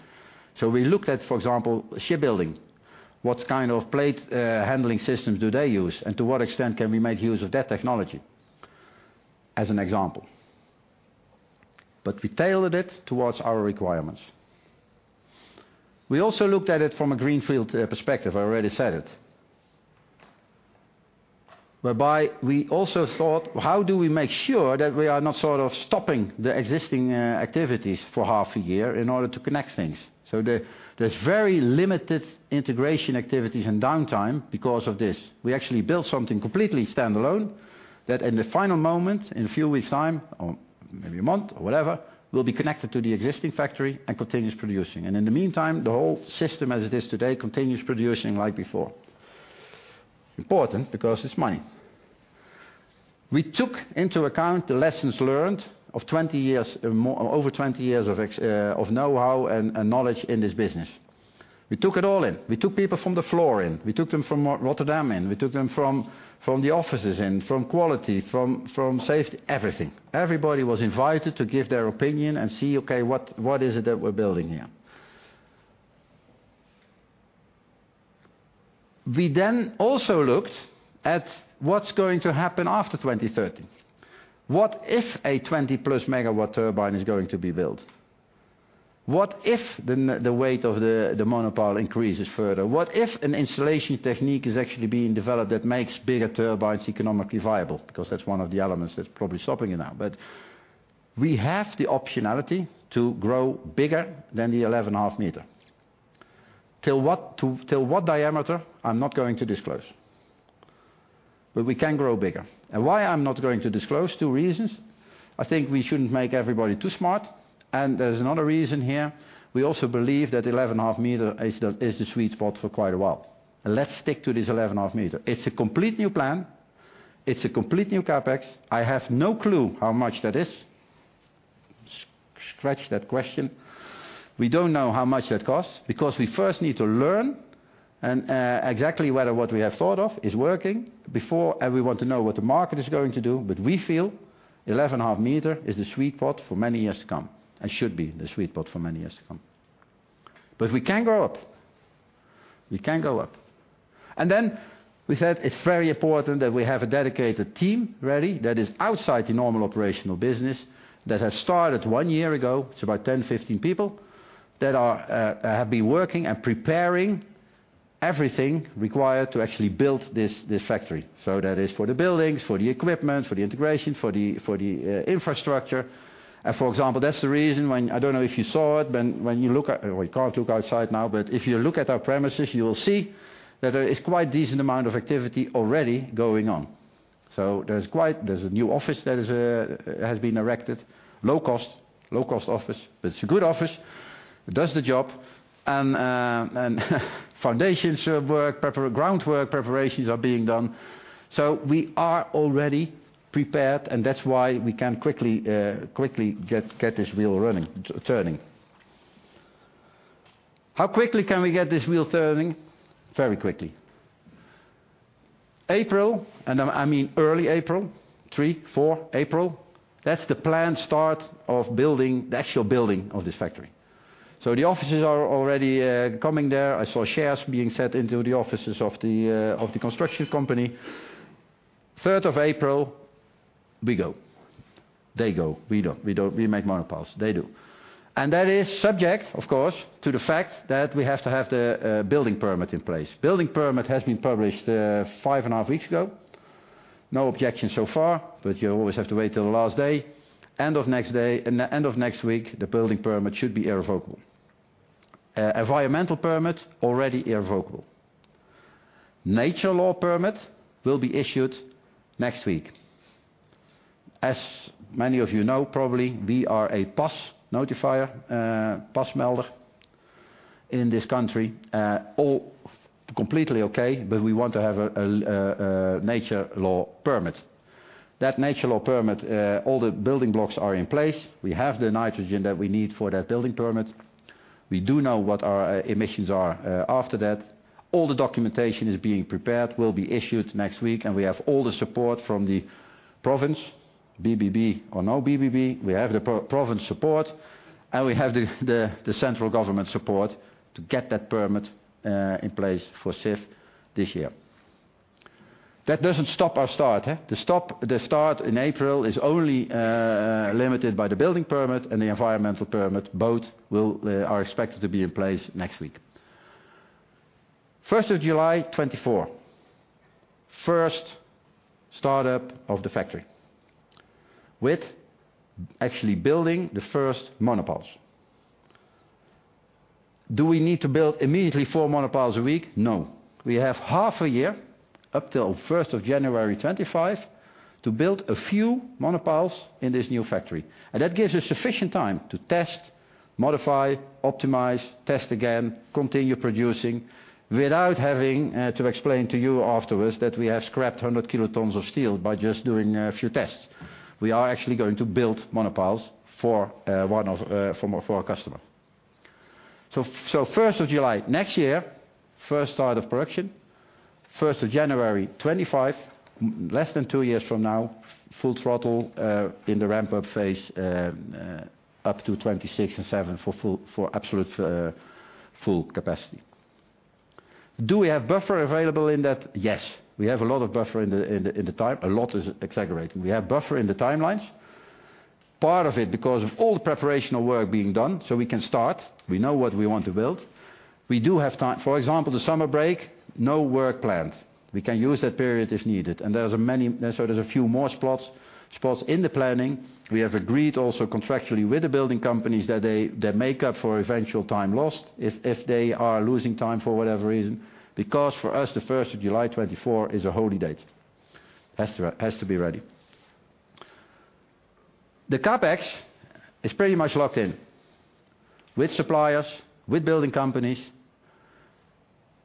We looked at, for example, shipbuilding. What kind of plate handling systems do they use, and to what extent can we make use of that technology? As an example. We tailored it towards our requirements. We also looked at it from a greenfield perspective, I already said it. Whereby we also thought, "How do we make sure that we are not sort of stopping the existing activities for half a year in order to connect things?" There's very limited integration activities and downtime because of this. We actually built something completely standalone that in the final moment, in a few weeks' time, or maybe a month or whatever, will be connected to the existing factory and continues producing. In the meantime, the whole system as it is today, continues producing like before. Important because it's mine. We took into account the lessons learned of 20 years and more, over 20 years of know-how and knowledge in this business. We took it all in. We took people from the floor in. We took them from Rotterdam in. We took them from the offices in, from quality, from safety, everything. Everybody was invited to give their opinion and see, okay, what is it that we're building here? We then also looked at what's going to happen after 2030. What if a 20+ MW turbine is going to be built? What if the weight of the monopile increases further? What if an installation technique is actually being developed that makes bigger turbines economically viable? That's one of the elements that's probably stopping it now. We have the optionality to grow bigger than the 11.5 m. Till what, till what diameter, I'm not going to disclose. We can grow bigger. Why I'm not going to disclose? Two reasons. I think we shouldn't make everybody too smart, and there's another reason here. We also believe that 11.5 m is the sweet spot for quite a while. Let's stick to this 11.5 m. It's a complete new plan. It's a complete new CapEx. I have no clue how much that is. Scratch that question. We don't know how much that costs because we first need to learn and exactly whether what we have thought of is working before, and we want to know what the market is going to do. We feel 11.5 m is the sweet spot for many years to come, and should be the sweet spot for many years to come. We can grow up. We can grow up. Then we said it's very important that we have a dedicated team ready that is outside the normal operational business that has started one year ago. It's about 10, 15 people that have been working and preparing everything required to actually build this factory. That is for the buildings, for the equipment, for the integration, for the infrastructure. For example, that's the reason when... I don't know if you saw it when you look at... You can't look outside now, but if you look at our premises, you will see that there is quite decent amount of activity already going on. There's a new office that has been erected. Low cost, low cost office. It's a good office. It does the job and foundation work, groundwork preparations are being done. We are already prepared, and that's why we can quickly get this wheel running, turning. How quickly can we get this wheel turning? Very quickly. April, I mean early April, April 3, April 4, that's the planned start of building, the actual building of this factory. The offices are already coming there. I saw chairs being set into the offices of the construction company. April 3rd, we go. They go, we don't, we don't. We make monopiles, they do. That is subject, of course, to the fact that we have to have the building permit in place. Building permit has been published five and a half weeks ago. No objections so far, but you always have to wait till the last day. End of next week, the building permit should be irrevocable. Environmental permit, already irrevocable. nature law permit will be issued next week. As many of you know, probably we are a PAS notifier, PAS-melder in this country. All completely okay, but we want to have a nature law permit. That nature law permit, all the building blocks are in place. We have the nitrogen that we need for that building permit. We do know what our emissions are after that. All the documentation is being prepared, will be issued next week. We have all the support from the province, BBB or no BBB. We have the province support and we have the central government support to get that permit in place for Sif this year. That doesn't stop our start, huh? The start in April is only limited by the building permit and the environmental permit. Both are expected to be in place next week. July 1st, 2024, first start-up of the factory with actually building the first monopiles. Do we need to build immediately four monopiles a week? No. We have half a year, up till January 1st, 2025, to build a few monopiles in this new factory. That gives us sufficient time to test, modify, optimize, test again, continue producing without having to explain to you afterwards that we have scrapped 100 kilotons of steel by just doing a few tests. We are actually going to build monopiles for one of for a customer. First of July next year, first start of production. January 1st, 2025, less than two years from now, full throttle in the ramp-up phase up to 2026 and 2027 for full, for absolute full capacity. Do we have buffer available in that? Yes, we have a lot of buffer in the time. A lot is exaggerating. We have buffer in the timelines. Part of it because of all the preparational work being done so we can start. We know what we want to build. We do have time. For example, the summer break, no work planned. We can use that period if needed. There's a few more spots in the planning. We have agreed also contractually with the building companies that they make up for eventual time lost if they are losing time for whatever reason, because for us, the July 1st, 2024 is a holy date. Has to be ready. The CapEx is pretty much locked in. With suppliers, with building companies.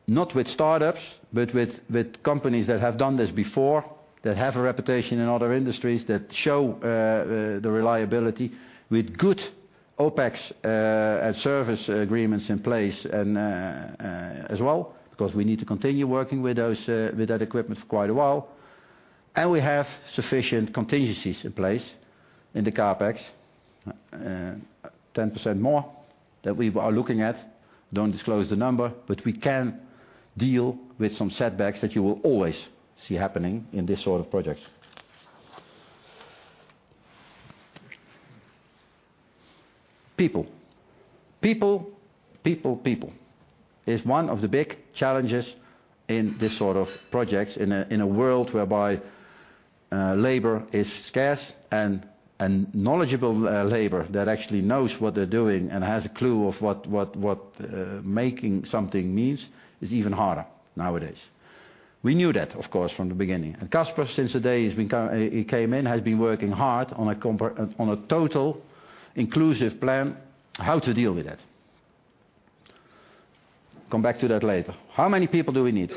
Not with startups, but with companies that have done this before, that have a reputation in other industries, that show the reliability with good OpEx service agreements in place as well, because we need to continue working with those with that equipment for quite a while. We have sufficient contingencies in place in the CapEx, 10% more that we are looking at. Don't disclose the number. We can deal with some setbacks that you will always see happening in this sort of project. People is one of the big challenges in this sort of projects, in a world whereby labor is scarce and knowledgeable labor that actually knows what they're doing and has a clue of what making something means is even harder nowadays. We knew that, of course, from the beginning. Caspar, since the day he came in, has been working hard on a total inclusive plan how to deal with that. Come back to that later. How many people do we need?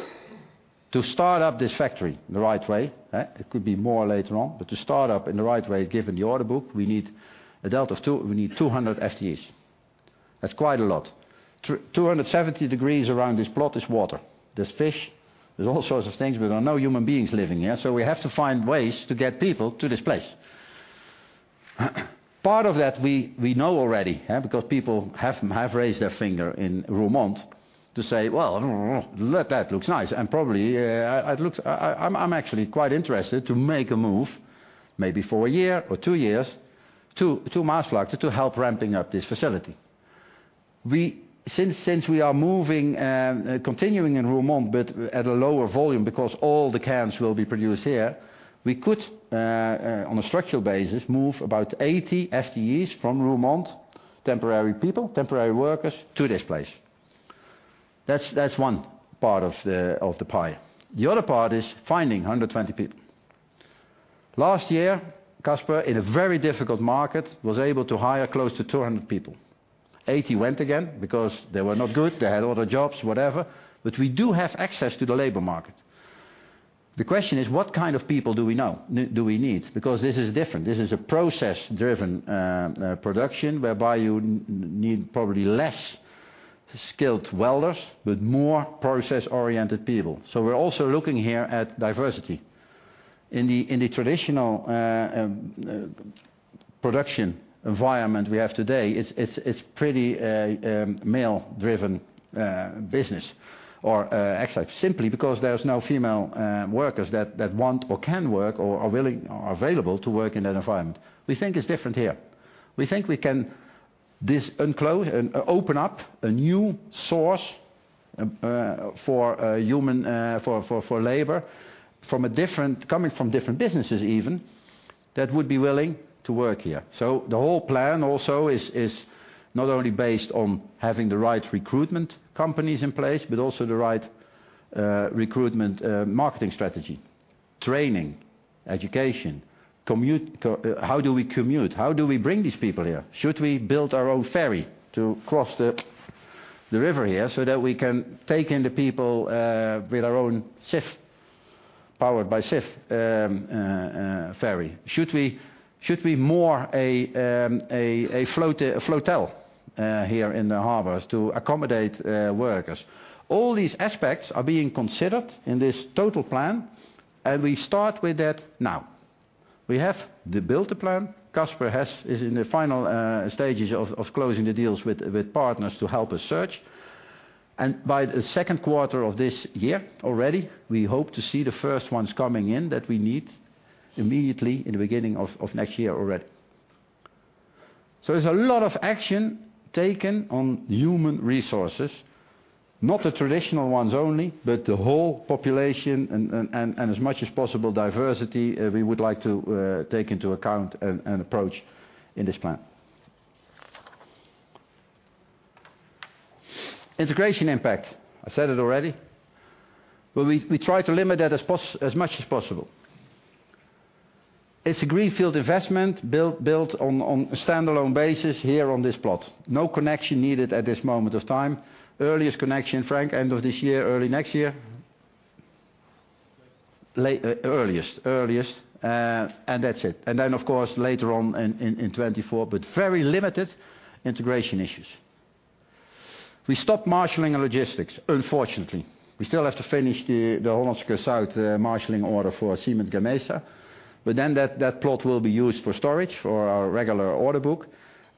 To start up this factory the right way, it could be more later on, but to start up in the right way, given the order book, we need a delta of two, we need 200 FTEs. That's quite a lot. 270 degrees around this plot is water. There's fish, there's all sorts of things. We've got no human beings living here. We have to find ways to get people to this place. Part of that we know already, because people have raised their finger in Roermond to say, "Well, that looks nice, and probably, it looks... I'm actually quite interested to make a move, maybe for a year or two years, to Maassluis to help ramping up this facility. Since we are moving, continuing in Roermond, but at a lower volume because all the cans will be produced here, we could on a structural basis, move about 80 FTEs from Roermond, temporary people, temporary workers, to this place. That's one part of the pie. The other part is finding 120 people. Last year, Caspar, in a very difficult market, was able to hire close to 200 people. 80 went again because they were not good, they had other jobs, whatever. We do have access to the labor market. The question is what kind of people do we need? Because this is different. This is a process-driven, production whereby you need probably less skilled welders, but more process-oriented people. We're also looking here at diversity. In the, in the traditional, production environment we have today, it's, it's pretty, male-driven, business, or, actually simply because there's no female, workers that want or can work or are willing or available to work in that environment. We think it's different here. We think we can open up a new source, for, human, for labor from a different... coming from different businesses even, that would be willing to work here. The whole plan also is not only based on having the right recruitment companies in place, but also the right, recruitment, marketing strategy, training, education, commute. How do we commute? How do we bring these people here? Should we build our own ferry to cross the river here so that we can take in the people with our own Sif, powered by Sif, ferry? Should we moor a floatel here in the harbors to accommodate workers? All these aspects are being considered in this total plan. We start with that now. We have the builder plan. Caspar is in the final stages of closing the deals with partners to help us search. By the second quarter of this year already, we hope to see the first ones coming in that we need immediately in the beginning of next year already. There's a lot of action taken on human resources, not the traditional ones only, but the whole population and as much as possible diversity, we would like to take into account and approach in this plan. Integration impact, I said it already, but we try to limit that as much as possible. It's a greenfield investment built on a standalone basis here on this plot. No connection needed at this moment of time. Earliest connection, Frank, end of this year, early next year? Earliest. Earliest. That's it. Of course, later on in 2024, but very limited integration issues. We stop marshaling and logistics, unfortunately. We still have to finish the Hollandse Kust Zuid marshaling order for Siemens Gamesa. That plot will be used for storage for our regular order book,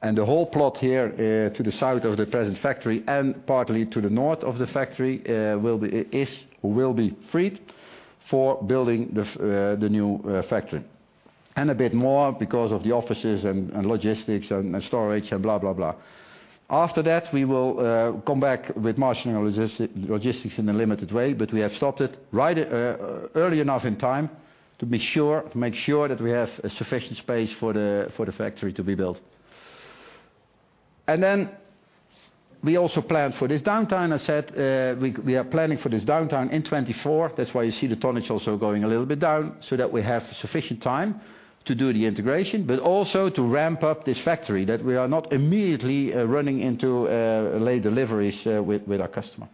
and the whole plot here to the south of the present factory and partly to the north of the factory will be freed for building the new factory. A bit more because of the offices and logistics and storage and blah, blah. After that, we will come back with marshaling logistics in a limited way, but we have stopped it right early enough in time to be sure, to make sure that we have a sufficient space for the factory to be built. Then we also plan for this downtime. I said, we are planning for this downtime in 2024. That's why you see the tonnage also going a little bit down so that we have sufficient time to do the integration, but also to ramp up this factory that we are not immediately running into late deliveries with our customer.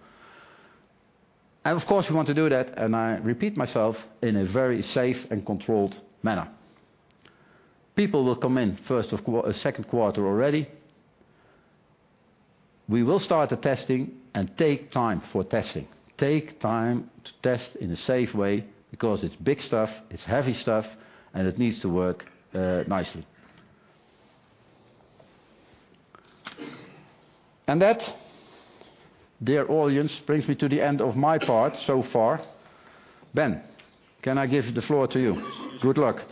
Of course, we want to do that, and I repeat myself, in a very safe and controlled manner. People will come in second quarter already. We will start the testing and take time for testing, take time to test in a safe way because it's big stuff, it's heavy stuff, and it needs to work nicely. That, dear audience, brings me to the end of my part so far. Ben, can I give the floor to you? Yes. Good luck.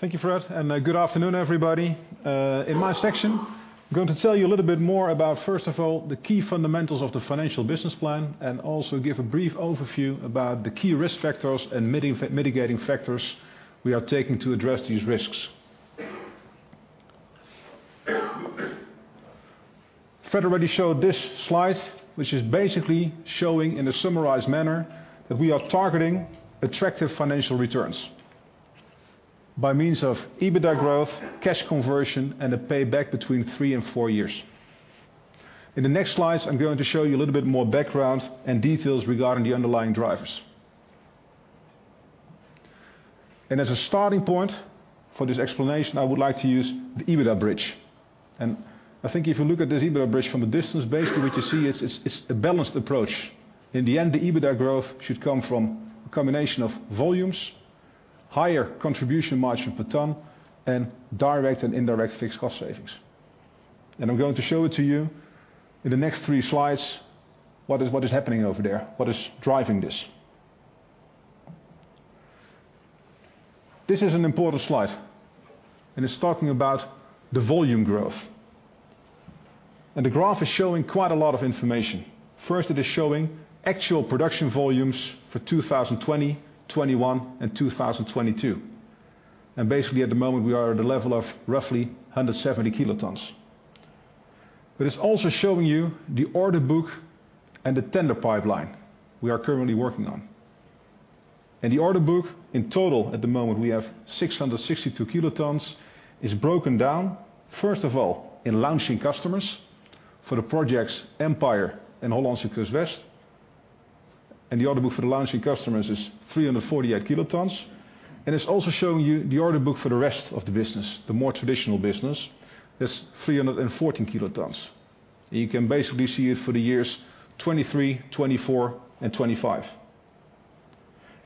Thank you, Fred. Good afternoon, everybody. In my section, I'm going to tell you a little bit more about, first of all, the key fundamentals of the financial business plan and also give a brief overview about the key risk factors and mitigating factors we are taking to address these risks. Fred already showed this slide, which is basically showing in a summarized manner that we are targeting attractive financial returns by means of EBITDA growth, cash conversion, and a payback between three and four years. In the next slides, I'm going to show you a little bit more background and details regarding the underlying drivers. As a starting point for this explanation, I would like to use the EBITDA bridge. I think if you look at this EBITDA bridge from a distance, basically what you see it's a balanced approach. In the end, the EBITDA growth should come from a combination of volumes, higher contribution margin per ton, and direct and indirect fixed cost savings. I'm going to show it to you in the next three slides, what is, what is happening over there, what is driving this. This is an important slide, and it's talking about the volume growth. The graph is showing quite a lot of information. First, it is showing actual production volumes for 2020, 2021, and 2022. Basically, at the moment, we are at a level of roughly 170 kilotons. It's also showing you the order book and the tender pipeline we are currently working on. In the order book, in total at the moment, we have 662 kilotons. It's broken down, first of all, in launching customers for the projects Empire and Hollandse Kust West. The order book for the launching customers is 348 kilotons. It's also showing you the order book for the rest of the business, the more traditional business. That's 314 kilotons. You can basically see it for the years 2023, 2024, and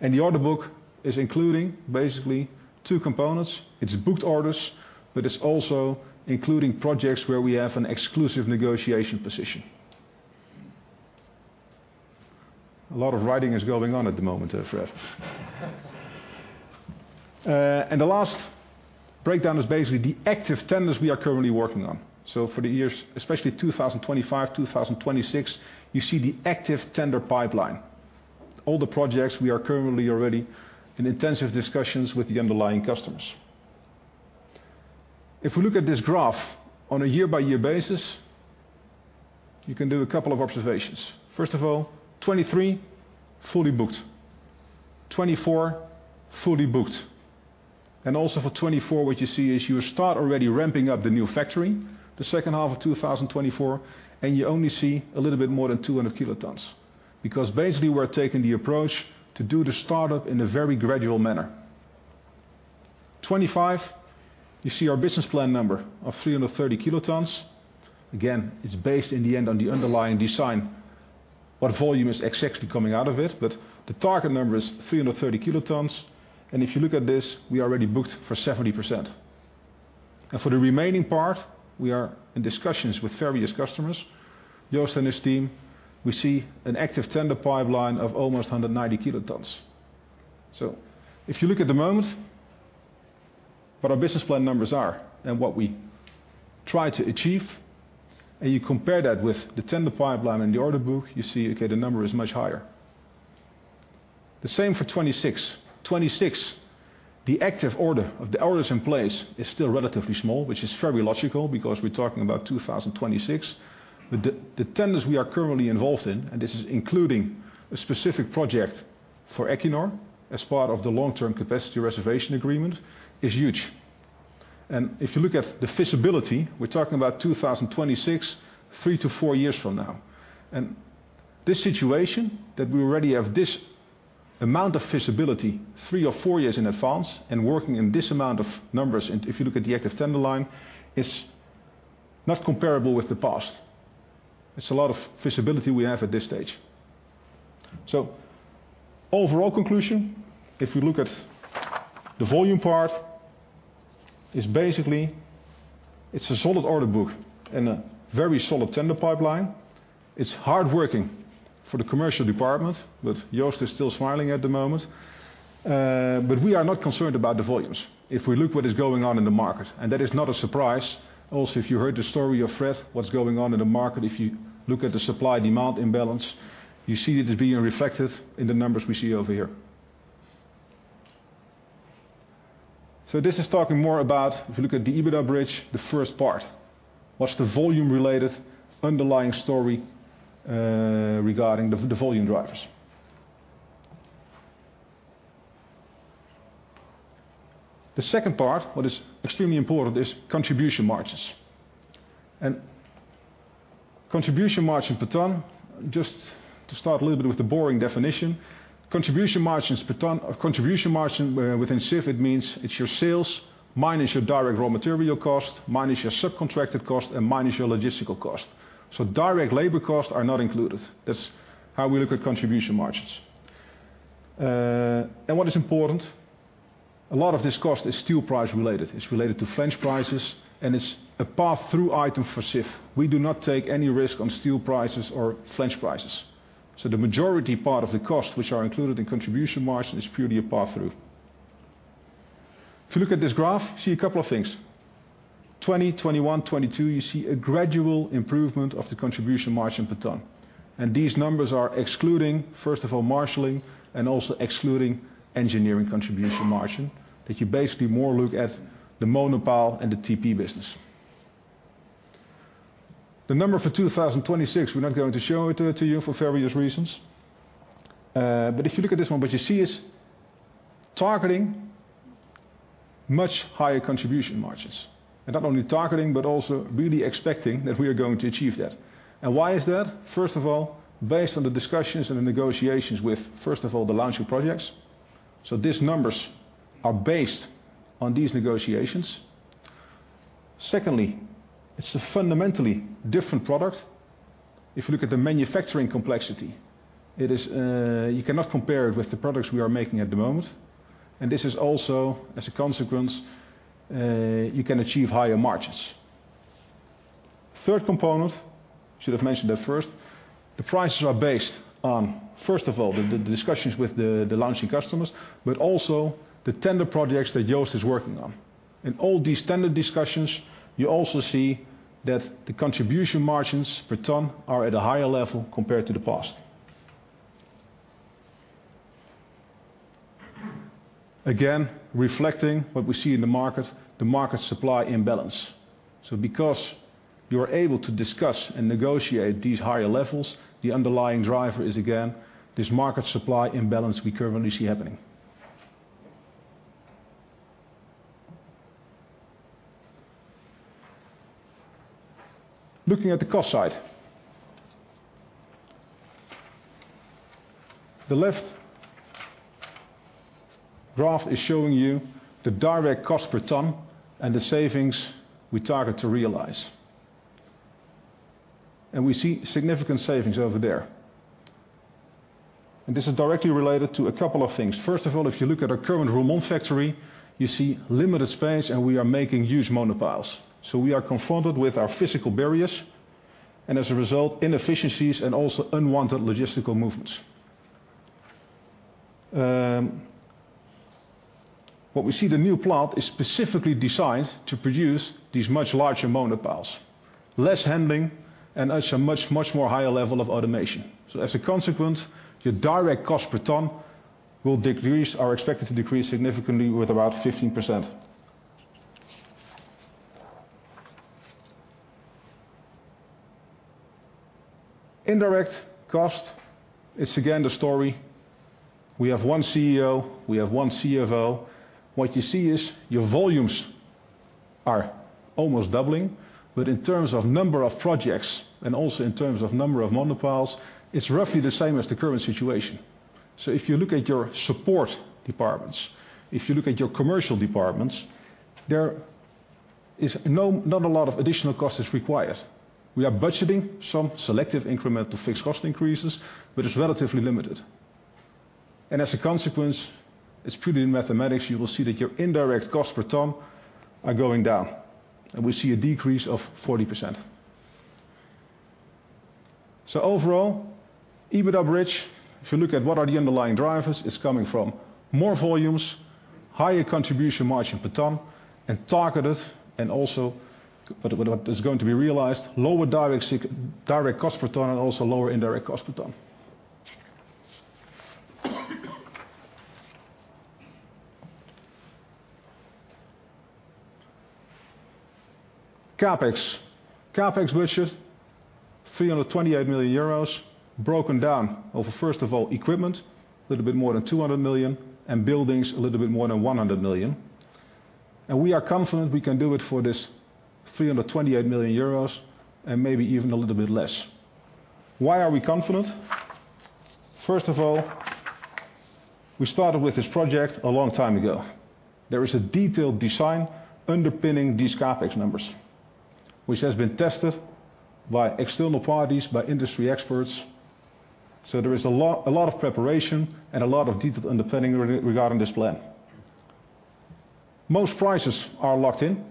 2025. The order book is including basically two components. It's booked orders, but it's also including projects where we have an exclusive negotiation position. A lot of writing is going on at the moment, Fred. The last breakdown is basically the active tenders we are currently working on. For the years, especially 2025, 2026, you see the active tender pipeline. All the projects we are currently already in intensive discussions with the underlying customers. If we look at this graph on a year-by-year basis, you can do a couple of observations. First of all, 2023, fully booked, 2024, fully booked. Also for 2024, what you see is you start already ramping up the new factory, the second half of 2024, and you only see a little bit more than 200 kilotons. Because basically, we're taking the approach to do the startup in a very gradual manner. 2025, you see our business plan number of 330 kilotons. Again, it's based in the end on the underlying design, what volume is exactly coming out of it, but the target number is 330 kilotons. If you look at this, we are already booked for 70%. For the remaining part, we are in discussions with various customers. Joost and his team, we see an active tender pipeline of almost 190 kilotons. If you look at the moment, what our business plan numbers are and what we try to achieve, and you compare that with the tender pipeline and the order book, you see, okay, the number is much higher. The same for 2026. 2026, the active order of the orders in place is still relatively small, which is very logical because we're talking about 2026. The tenders we are currently involved in, and this is including a specific project for Equinor as part of the long-term capacity reservation agreement, is huge. If you look at the feasibility, we're talking about 2026, three to four years from now. This situation that we already have this amount of visibility three or four years in advance and working in this amount of numbers, and if you look at the active tender line, is not comparable with the past. It's a lot of visibility we have at this stage. Overall conclusion, if you look at the volume part, is basically it's a solid order book and a very solid tender pipeline. It's hardworking for the commercial department, but Joost is still smiling at the moment. But we are not concerned about the volumes. If we look what is going on in the market. That is not a surprise. Also, if you heard the story of Fred, what's going on in the market, if you look at the supply-demand imbalance, you see it as being reflected in the numbers we see over here. This is talking more about, if you look at the EBITDA bridge, the first part. What's the volume-related underlying story, regarding the volume drivers? The second part, what is extremely important is contribution margins. Contribution margin per ton, just to start a little bit with the boring definition. Contribution margins per ton or contribution margin, within SIF it means it's your sales minus your direct raw material cost, minus your subcontracted cost, and minus your logistical cost. Direct labor costs are not included. That's how we look at contribution margins. What is important, a lot of this cost is steel price related. It's related to flange prices, it's a pass-through item for SIF. We do not take any risk on steel prices or flange prices. The majority part of the costs which are included in contribution margin is purely a pass-through. If you look at this graph, you see a couple of things. 2020, 2021, 2022, you see a gradual improvement of the contribution margin per ton. These numbers are excluding, first of all, marshaling and also excluding engineering contribution margin, that you basically more look at the monopile and the TP business. The number for 2026, we're not going to show it to you for various reasons. If you look at this one, what you see is targeting much higher contribution margins. Not only targeting, but also really expecting that we are going to achieve that. Why is that? First of all, based on the discussions and the negotiations with, first of all, the launching projects. These numbers are based on these negotiations. Secondly, it's a fundamentally different product. If you look at the manufacturing complexity, it is, you cannot compare it with the products we are making at the moment. This is also, as a consequence, you can achieve higher margins. Third component. Should have mentioned that first. The prices are based on, first of all, the discussions with the launching customers, but also the tender projects that Joost is working on. In all these tender discussions, you also see that the contribution margins per ton are at a higher level compared to the past. Again, reflecting what we see in the market, the market supply imbalance. Because you are able to discuss and negotiate these higher levels, the underlying driver is again, this market supply imbalance we currently see happening. Looking at the cost side. The left graph is showing you the direct cost per ton and the savings we target to realize. We see significant savings over there. This is directly related to a couple of things. First of all, if you look at our current Roermond factory, you see limited space, and we are making huge monopiles. We are confronted with our physical barriers, and as a result, inefficiencies and also unwanted logistical movements. What we see the new plant is specifically designed to produce these much larger monopiles, less handling and also much, much more higher level of automation. As a consequence, your direct cost per ton will decrease or expected to decrease significantly with about 15%. Indirect cost is again the story. We have one CEO, we have one CFO. What you see is your volumes are almost doubling, but in terms of number of projects and also in terms of number of monopiles, it's roughly the same as the current situation. If you look at your support departments, if you look at your commercial departments, there is not a lot of additional cost is required. We are budgeting some selective incremental fixed cost increases, but it's relatively limited. As a consequence, it's pretty in mathematics, you will see that your indirect costs per ton are going down, and we see a decrease of 40%. Overall, EBITDA bridge, if you look at what are the underlying drivers, it's coming from more volumes, higher contribution margin per ton and targeted, and also what is going to be realized, lower direct cost per ton and also lower indirect cost per ton. CapEx. CapEx budget 328 million euros broken down of, first of all, equipment, a little bit more than 200 million, and buildings, a little bit more than 100 million. We are confident we can do it for this 328 million euros and maybe even a little bit less. Why are we confident? First of all, we started with this project a long time ago. There is a detailed design underpinning these CapEx numbers, which has been tested by external parties, by industry experts. There is a lot of preparation and a lot of detail underpinning regarding this plan. Most prices are locked in.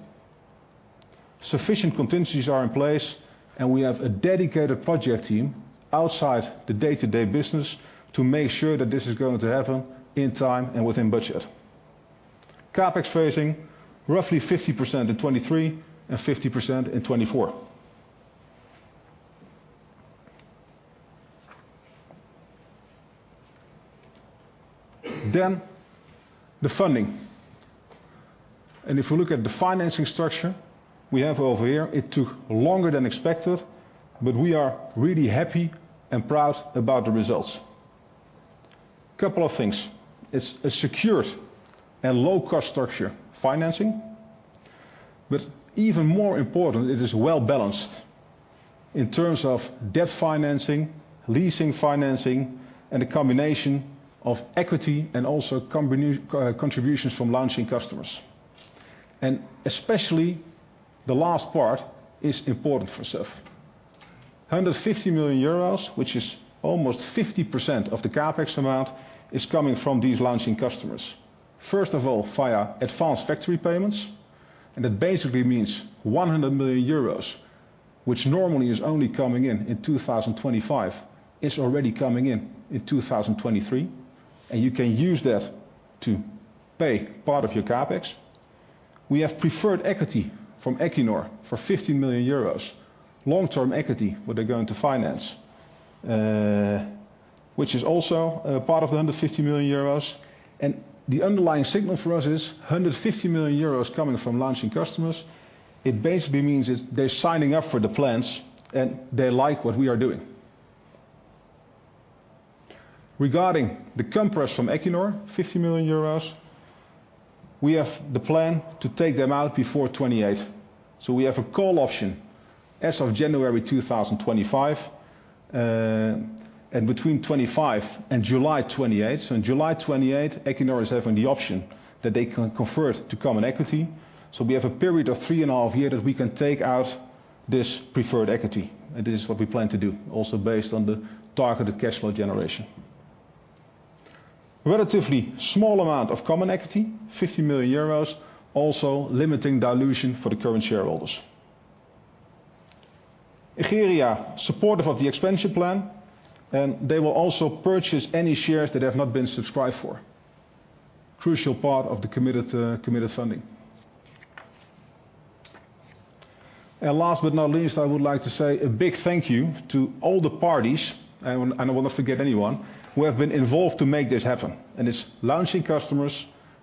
Sufficient contingencies are in place, and we have a dedicated project team outside the day-to-day business to make sure that this is going to happen in time and within budget. CapEx phasing, roughly 50% in 2023 and 50% in 2024. The funding. If we look at the financing structure we have over here, it took longer than expected, but we are really happy and proud about the results. Couple of things. It's a secured and low-cost structure financing. Even more important, it is well-balanced in terms of debt financing, leasing financing, and a combination of equity and also contributions from launching customers. Especially the last part is important for Sif. 150 million euros, which is almost 50% of the CapEx amount, is coming from these launching customers. First of all, via advanced factory payments, and that basically means 100 million euros, which normally is only coming in in 2025, is already coming in in 2023. You can use that to pay part of your CapEx. We have preferred equity from Equinor for 50 million euros, long-term equity, what they're going to finance, which is also a part of the 150 million euros. The underlying signal for us is 150 million euros coming from launching customers. It basically means is they're signing up for the plans, and they like what we are doing. Regarding the compref from Equinor, 50 million euros, we have the plan to take them out before 2028. We have a call option as of January 2025 and between 2025 and July 2028. In July 2028, Equinor is having the option that they can convert to common equity. We have a period of three and a half year that we can take out this preferred equity. This is what we plan to do, also based on the targeted cash flow generation. A relatively small amount of common equity, 50 million euros, also limiting dilution for the current shareholders. Egeria, supportive of the expansion plan. They will also purchase any shares that have not been subscribed for. Crucial part of the committed funding. Last but not least, I would like to say a big thank you to all the parties, and I will not forget anyone, who have been involved to make this happen. It's launching customers,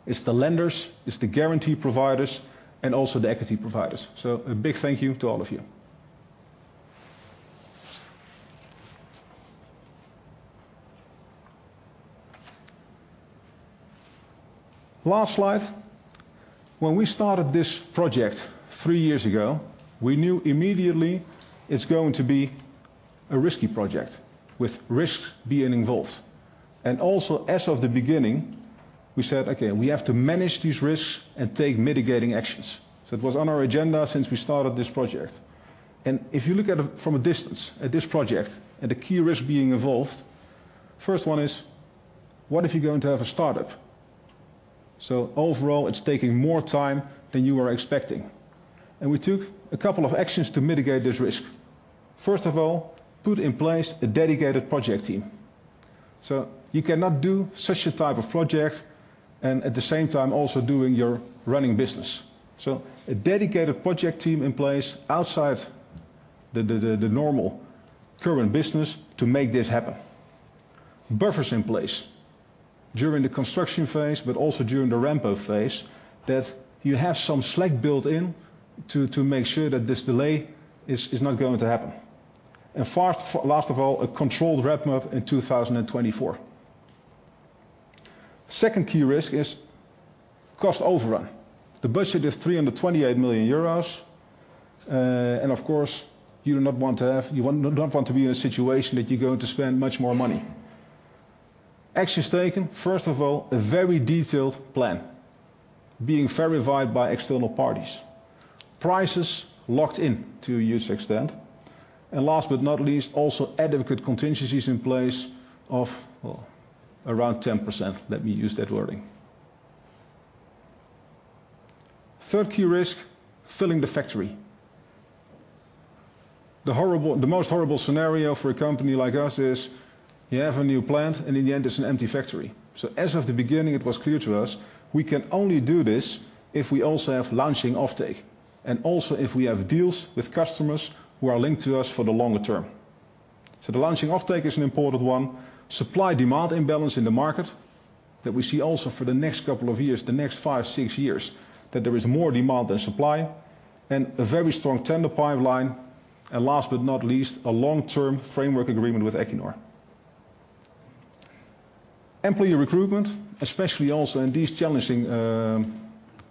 it's the lenders, it's the guarantee providers, and also the equity providers. A big thank you to all of you. Last slide. When we started this project three years ago, we knew immediately it's going to be a risky project with risks being involved. Also, as of the beginning, we said, "Okay, we have to manage these risks and take mitigating actions." It was on our agenda since we started this project. If you look at it from a distance, at this project and the key risks being involved, first one is, what if you're going to have a startup? Overall, it's taking more time than you were expecting. We took a couple of actions to mitigate this risk. First of all, put in place a dedicated project team. You cannot do such a type of project and at the same time also doing your running business. A dedicated project team in place outside the normal current business to make this happen. Buffers in place during the construction phase, but also during the ramp-up phase, that you have some slack built in to make sure that this delay is not going to happen. Last of all, a controlled ramp-up in 2024. Second key risk is cost overrun. The budget is 328 million euros. Of course, you do not want to be in a situation that you're going to spend much more money. Actions taken, first of all, a very detailed plan being verified by external parties. Prices locked in to a huge extent. Last but not least, also adequate contingencies in place of, well, around 10%. Let me use that wording. Third key risk, filling the factory. The most horrible scenario for a company like us is you have a new plant and in the end it's an empty factory. As of the beginning, it was clear to us we can only do this if we also have launching offtake, and also if we have deals with customers who are linked to us for the longer term. The launching offtake is an important one. Supply-demand imbalance in the market that we see also for the next couple of years, the next five, six years, that there is more demand than supply, and a very strong tender pipeline. Last but not least, a long-term framework agreement with Equinor. Employee recruitment, especially also in these challenging,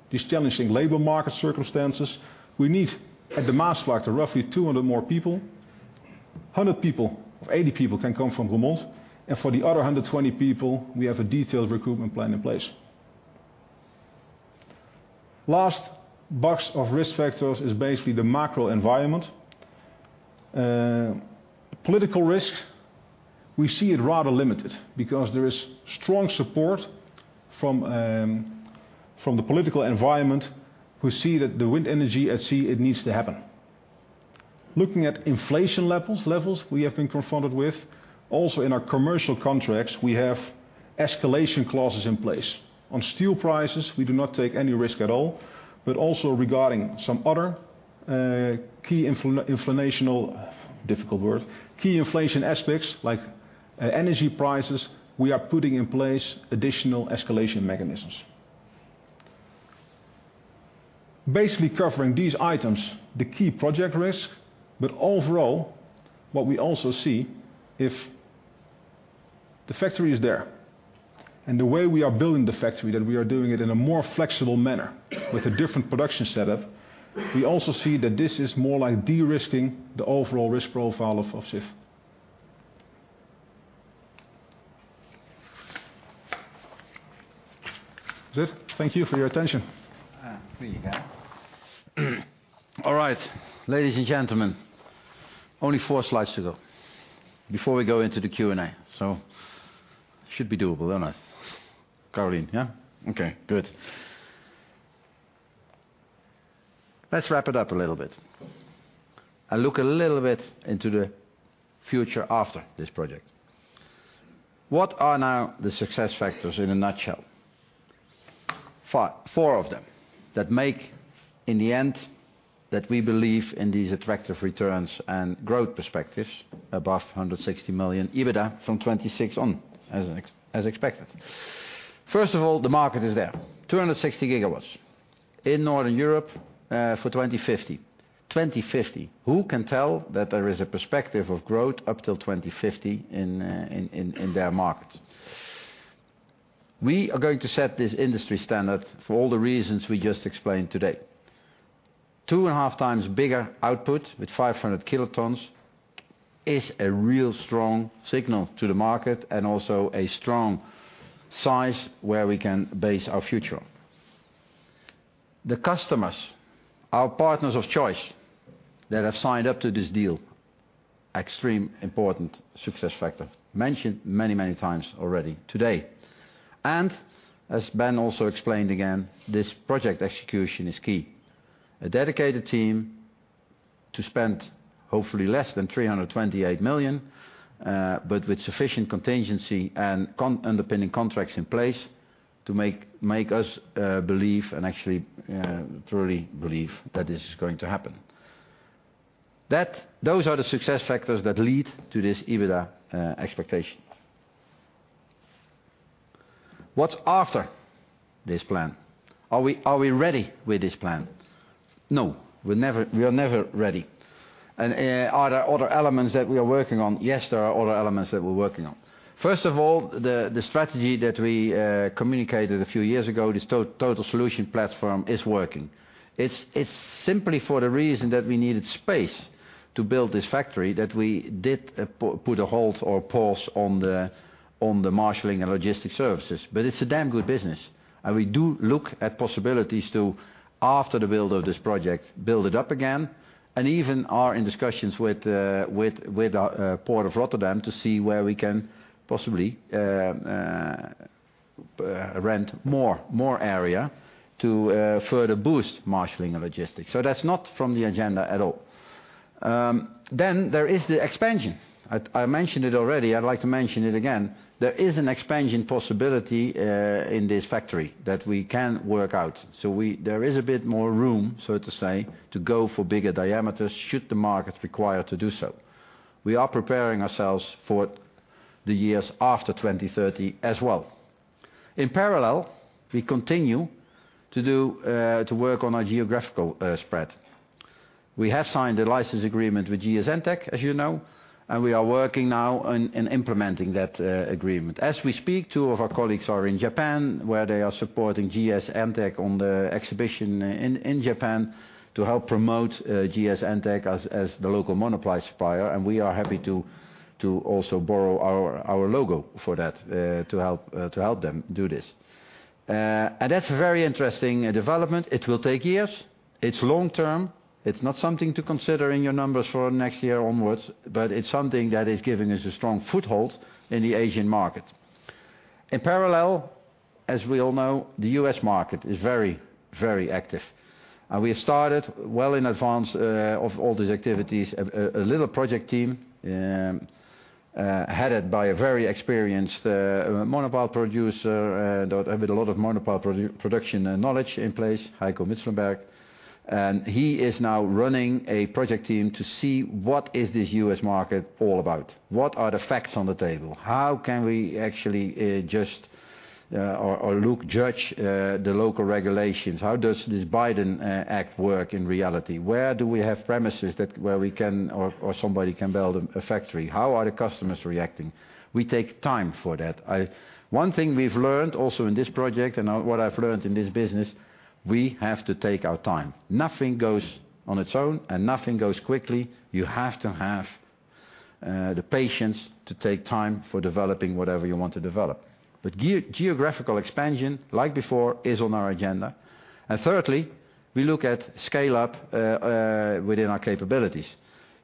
these challenging labor market circumstances. We need, at the Maasvlakte, roughly 200 more people. 100 people, or 80 people can come from Roermond, and for the other 120 people, we have a detailed recruitment plan in place. Last box of risk factors is basically the macro environment. Political risk, we see it rather limited because there is strong support from the political environment who see that the wind energy at sea, it needs to happen. Looking at inflation levels we have been confronted with, also in our commercial contracts, we have escalation clauses in place. On steel prices, we do not take any risk at all, but also regarding some other. Difficult word. Key inflation aspects like energy prices, we are putting in place additional escalation mechanisms. Basically covering these items, the key project risk. Overall, what we also see, if the factory is there and the way we are building the factory, that we are doing it in a more flexible manner with a different production setup, we also see that this is more like de-risking the overall risk profile of Sif. That's it. Thank you for your attention. There you go. All right. Ladies and gentlemen, only four slides to go before we go into the Q&A. Should be doable, don't I? Caroline, yeah? Okay, good. Let's wrap it up a little bit and look a little bit into the future after this project. What are now the success factors in a nutshell? Four of them that make, in the end, that we believe in these attractive returns and growth perspectives above 160 million EBITDA from 2026 on, as expected. First of all, the market is there, 260 GW in Northern Europe for 2050. 2050. Who can tell that there is a perspective of growth up till 2050 in their market? We are going to set this industry standard for all the reasons we just explained today. 2.5x bigger output with 500 kilotons is a real strong signal to the market and also a strong size where we can base our future on. The customers are partners of choice that have signed up to this deal. Extreme important success factor. Mentioned many, many times already today. As Ben also explained again, this project execution is key. A dedicated team to spend hopefully less than 328 million, but with sufficient contingency and underpinning contracts in place to make us believe and actually truly believe that this is going to happen. Those are the success factors that lead to this EBITDA expectation. What's after this plan? Are we ready with this plan? No. We're never, we are never ready. Are there other elements that we are working on? There are other elements that we're working on. First of all, the strategy that we communicated a few years ago, this total solution platform is working. It's simply for the reason that we needed space to build this factory that we did put a halt or pause on the marshaling and logistics services, but it's a damn good business. We do look at possibilities to, after the build of this project, build it up again, and even are in discussions with Port of Rotterdam to see where we can possibly rent more area to further boost marshaling and logistics. That's not from the agenda at all. There is the expansion. I mentioned it already. I'd like to mention it again. There is an expansion possibility in this factory that we can work out. There is a bit more room, so to say, to go for bigger diameters should the market require to do so. We are preparing ourselves for the years after 2030 as well. In parallel, we continue to do to work on our geographical spread. We have signed a license agreement with GS Entec, as you know, and we are working now on, in implementing that agreement. As we speak, two of our colleagues are in Japan, where they are supporting GS Entec on the exhibition in Japan to help promote GS Entec as the local monopile supplier, and we are happy to also borrow our logo for that to help to help them do this. That's a very interesting development. It will take years. It's long-term. It's not something to consider in your numbers for next year onwards, but it's something that is giving us a strong foothold in the Asian market. In parallel, as we all know, the U.S. market is very, very active. We started well in advance of all these activities. A little project team headed by a very experienced monopile producer with a lot of monopile production and knowledge in place, Heiko Mützelburg. He is now running a project team to see what is this U.S. market all about. What are the facts on the table? How can we actually just or look, judge the local regulations? How does this Biden Act work in reality? Where do we have premises that where we can or somebody can build a factory? How are the customers reacting? We take time for that. One thing we've learned also in this project and what I've learned in this business, we have to take our time. Nothing goes on its own and nothing goes quickly. You have to have the patience to take time for developing whatever you want to develop. Geographical expansion, like before, is on our agenda. Thirdly, we look at scale-up within our capabilities.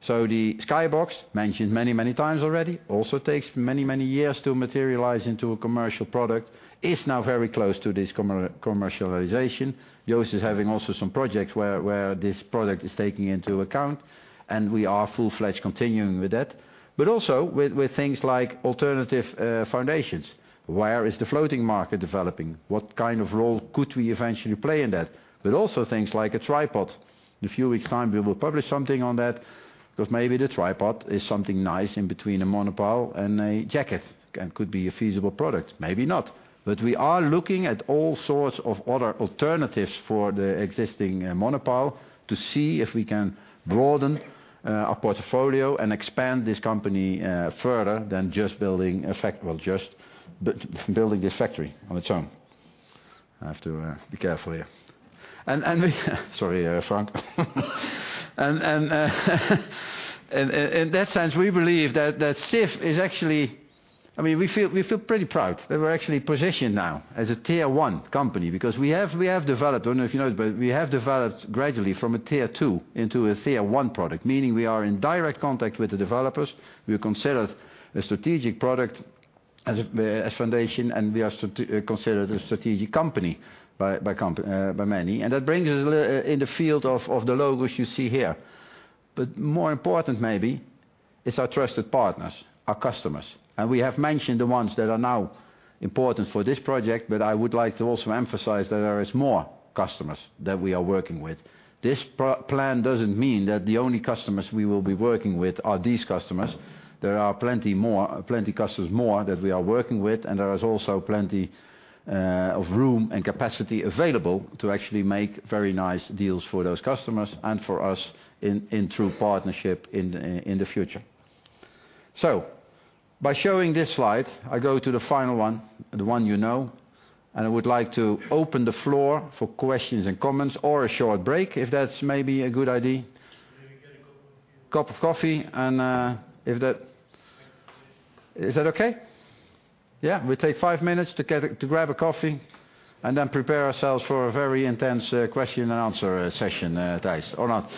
The Skybox, mentioned many, many times already, also takes many, many years to materialize into a commercial product, is now very close to this commercialization. Joost is having also some projects where this product is taking into account, and we are full-fledged continuing with that. Also with things like alternative foundations. Where is the floating market developing? What kind of role could we eventually play in that? Also things like a tripod. In a few weeks' time, we will publish something on that, because maybe the tripod is something nice in between a monopile and a jacket and could be a feasible product. Maybe not. We are looking at all sorts of other alternatives for the existing, monopile to see if we can broaden, our portfolio and expand this company, further than just building a well, just building this factory on its own. I have to be careful here. We Sorry, Frank. In that sense, we believe that Sif is actually... I mean, we feel pretty proud that we're actually positioned now as a Tier 1 company because we have developed, I don't know if you know this, we have developed gradually from a Tier 2 into a Tier 1 product, meaning we are in direct contact with the developers. We are considered a strategic product as foundation, and we are considered a strategic company by many. That brings us in the field of the logos you see here. More important maybe is our trusted partners, our customers. We have mentioned the ones that are now important for this project, I would like to also emphasize that there is more customers that we are working with. This plan doesn't mean that the only customers we will be working with are these customers. There are plenty more, plenty customers more that we are working with, there is also plenty of room and capacity available to actually make very nice deals for those customers and for us in true partnership in the future. By showing this slide, I go to the final one, the one you know, I would like to open the floor for questions and comments or a short break, if that's maybe a good idea. Maybe get a cup of coffee. Cup of coffee. Is that okay? Yeah, we take five minutes to grab a coffee and then prepare ourselves for a very intense question and answer session, guys or not?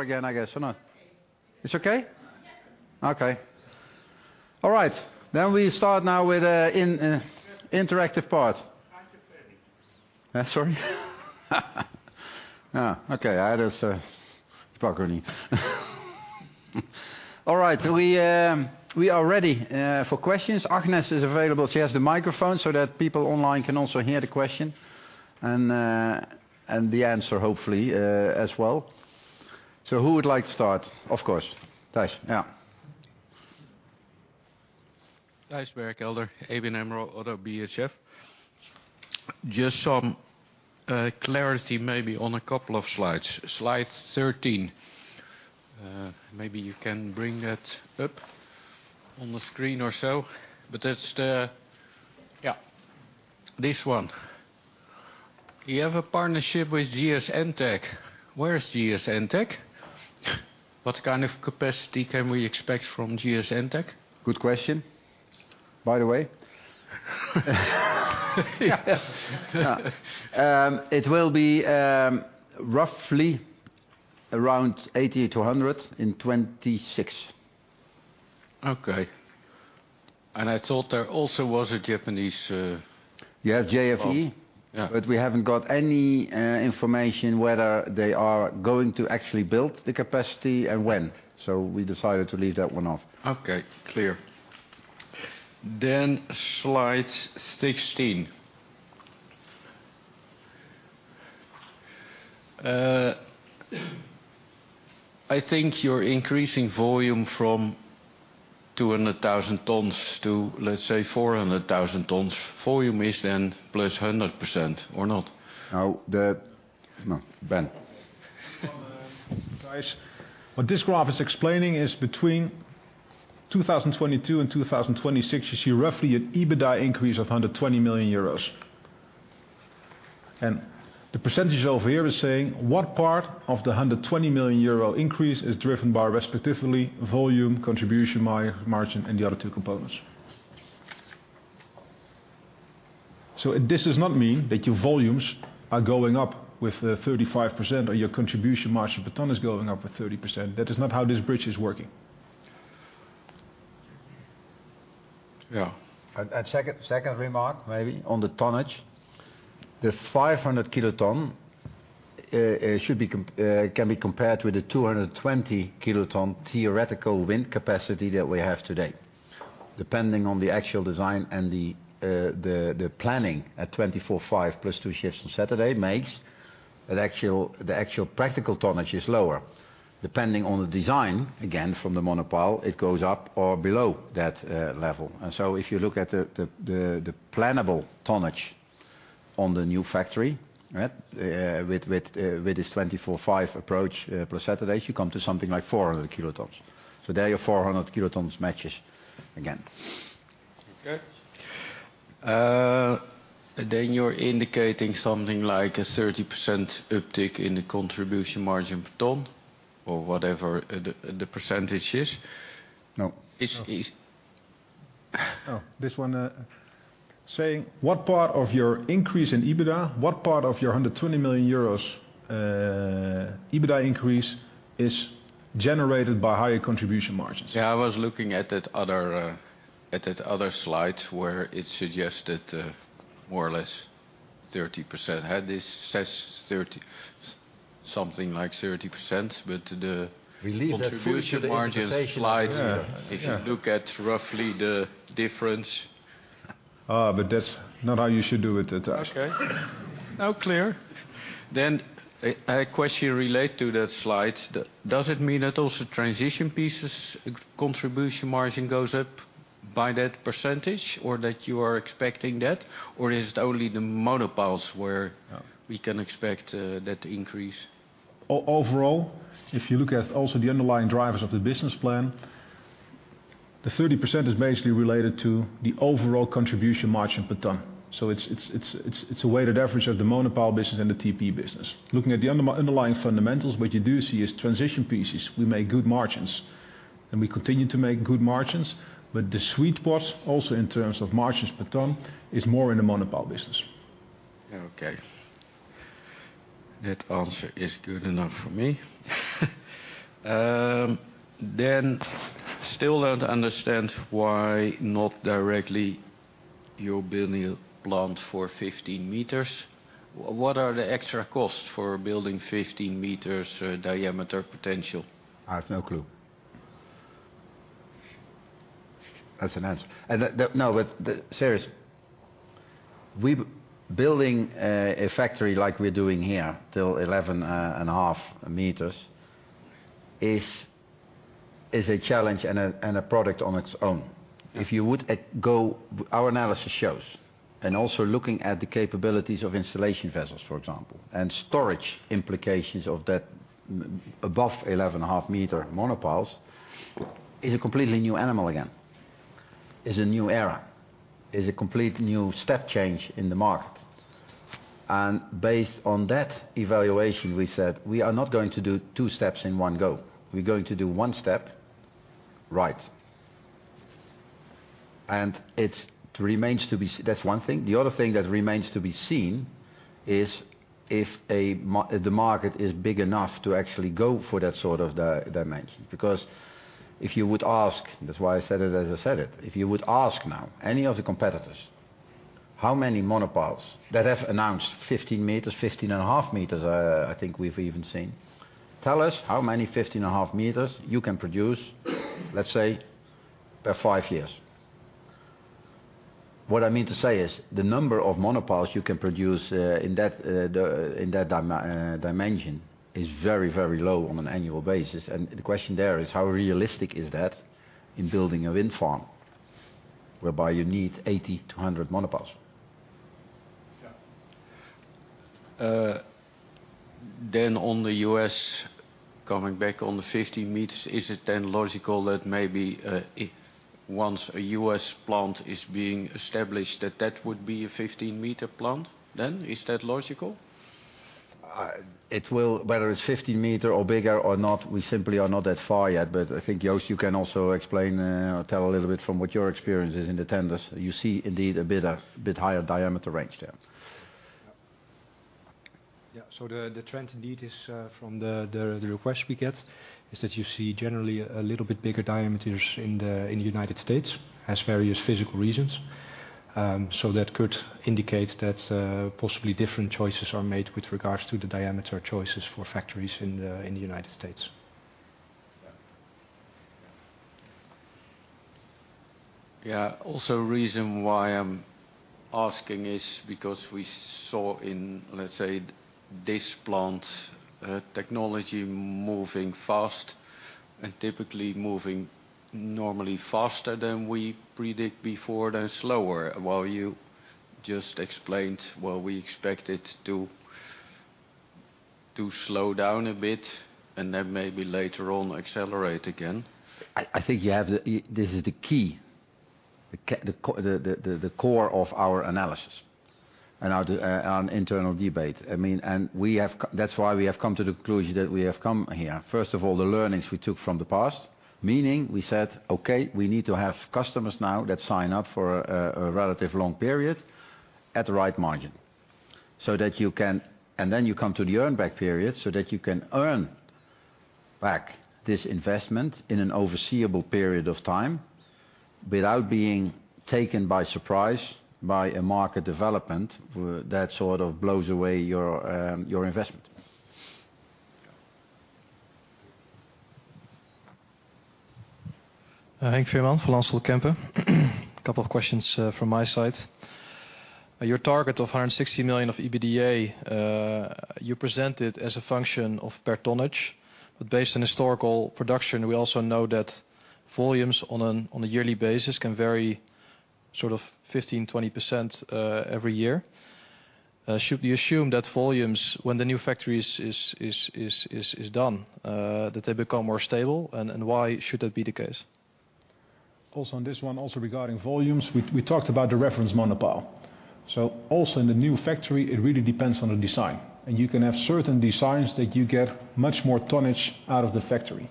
Thank you. You have to open the floor again, I guess, or not? It's okay? Okay. All right. We start now with in interactive part. Sorry. Okay. I just... All right. We are ready for questions. Agnes is available. She has the microphone so that people online can also hear the question and the answer, hopefully, as well. Who would like to start? Of course, Thijs, yeah. Thijs Bergelder, ABN AMRO - ODDO BHF. Just some clarity maybe on a couple of slides. Slide 13. Maybe you can bring that up on the screen or so. Yeah. This one. You have a partnership with GS Entec. Where is GS Entec? What kind of capacity can we expect from GS Entec? Good question, by the way. Yeah. It will be roughly around 80 million-100 million in 2026. Okay. I thought there also was a Japanese. Yeah, JFE. Yeah. We haven't got any information whether they are going to actually build the capacity and when. We decided to leave that one off. Okay, clear. Slide 16, I think you're increasing volume from 200,000 tons to, let's say, 400,000 tons. Volume is then +100% or not? No. No. Ben. What this graph is explaining is between 2022 and 2026, you see roughly an EBITDA increase of 120 million euros. The percentage over here is saying what part of the 120 million euro increase is driven by respectively volume, contribution margin, and the other two components. This does not mean that your volumes are going up with 35% or your contribution margin per ton is going up with 30%. That is not how this bridge is working. Yeah. Second remark maybe on the tonnage. The 500 kiloton can be compared with the 220 kiloton theoretical wind capacity that we have today. Depending on the actual design and the planning at 24/5 plus two shifts on Saturday makes the actual practical tonnage is lower. Depending on the design, again, from the monopile, it goes up or below that level. If you look at the plannable tonnage on the new factory, right? with this 24/5 approach plus Saturdays, you come to something like 400 kilotons. There your 400 kilotons matches again. You're indicating something like a 30% uptick in the contribution margin per ton or whatever the percentage is. No. Is, is... No. This one, saying what part of your increase in EBITDA, what part of your 120 million euros, EBITDA increase is generated by higher contribution margins? Yeah, I was looking at that other, at that other slide where it suggested, more or less 30%. This says something like 30%. We leave that fully to the interpretation. contribution margin slide. Yeah. You look at roughly the difference. That's not how you should do it, Thijs. Okay. Now clear. A question relate to that slide. Does it mean that also transition pieces contribution margin goes up by that percentage or that you are expecting that? Is it only the monopiles where- No. we can expect, that increase? Overall, if you look at also the underlying drivers of the business plan, the 30% is basically related to the overall contribution margin per ton. It's a weighted average of the monopile business and the TP business. Looking at the underlying fundamentals, what you do see is transition pieces, we make good margins, and we continue to make good margins, but the sweet spot also in terms of margins per ton is more in the monopile business. Okay. That answer is good enough for me. Still don't understand why not directly you're building a plant for 15 m. What are the extra costs for building 15 m diameter potential? I have no clue. That's an answer. That, no, but serious. We building a factory like we're doing here till 11.5 m is a challenge and a product on its own. If you would, Our analysis shows, and also looking at the capabilities of installation vessels, for example, and storage implications of that above 11.5 m monopiles is a completely new animal again. Is a new era, is a complete new step change in the market. Based on that evaluation, we said, "We are not going to do two steps in one go. We're going to do one step right." It remains to be. That's one thing. The other thing that remains to be seen is if the market is big enough to actually go for that sort of dimension. If you would ask, that's why I said it as I said it, if you would ask now any of the competitors how many monopiles that have announced 15 m, 15.5 m, I think we've even seen, tell us how many 15.5 m you can produce, let's say, per five years. What I mean to say is the number of monopiles you can produce, in that dimension is very, very low on an annual basis. The question there is how realistic is that in building a wind farm whereby you need 80-100 monopiles? Yeah. On the U.S., coming back on the 15 m, is it then logical that maybe, once a U.S. plant is being established, that that would be a 15 m plant then? Is that logical? Whether it's 15 m or bigger or not, we simply are not that far yet. I think, Joost, you can also explain or tell a little bit from what your experience is in the tenders. You see indeed a bit of, bit higher diameter range there. The trend indeed is from the request we get is that you see generally a little bit bigger diameters in the United States, has various physical reasons. That could indicate that possibly different choices are made with regards to the diameter choices for factories in the United States. Yeah. Reason why I'm asking is because we saw in, let's say, this plant, technology moving fast and typically moving normally faster than we predict before, then slower. While you just explained well we expect it to slow down a bit and then maybe later on accelerate again. I think you have the. This is the key, the core of our analysis and our internal debate. I mean, that's why we have come to the conclusion that we have come here. First of all, the learnings we took from the past, meaning we said, "Okay, we need to have customers now that sign up for a relative long period at the right margin, so that you can. Then you come to the earn back period, so that you can earn back this investment in an foreseeable period of time without being taken by surprise by a market development that sort of blows away your investment. Henk Veerman, Van Lanschot Kempen. A couple of questions from my side. Your target of 160 million of EBITDA, you present it as a function of per tonnage. Based on historical production, we also know that volumes on a yearly basis can vary sort of 15%-20% every year. Should we assume that volumes when the new factory is done, that they become more stable? And why should that be the case? On this one, also regarding volumes, we talked about the reference monopile. Also in the new factory, it really depends on the design. You can have certain designs that you get much more tonnage out of the factory.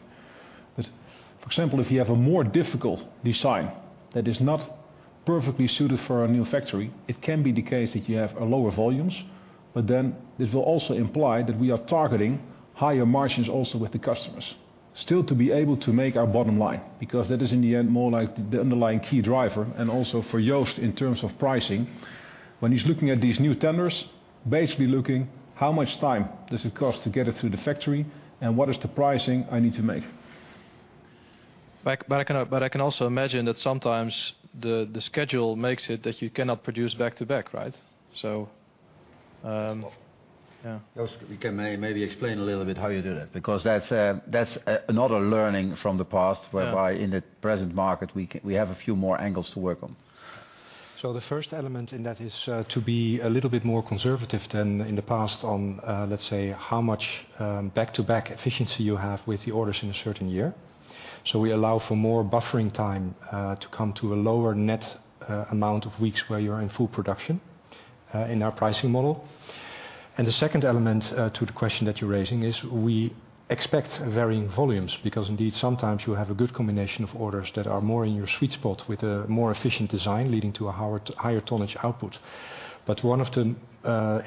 For example, if you have a more difficult design that is not perfectly suited for our new factory, it can be the case that you have a lower volumes, then it will also imply that we are targeting higher margins also with the customers. Still to be able to make our bottom line, because that is in the end, more like the underlying key driver and also for Joost in terms of pricing. When he's looking at these new tenders, basically looking how much time does it cost to get it through the factory and what is the pricing I need to make. I can also imagine that sometimes the schedule makes it that you cannot produce back to back, right? Yeah. Joost, you can maybe explain a little bit how you do that, because that's another learning from the past whereby in the present market we have a few more angles to work on. The first element in that is to be a little bit more conservative than in the past on, let's say how much back to back efficiency you have with the orders in a certain year. We allow for more buffering time to come to a lower net amount of weeks where you're in full production in our pricing model. The second element to the question that you're raising is we expect varying volumes, because indeed sometimes you have a good combination of orders that are more in your sweet spot with a more efficient design leading to a higher tonnage output. One of the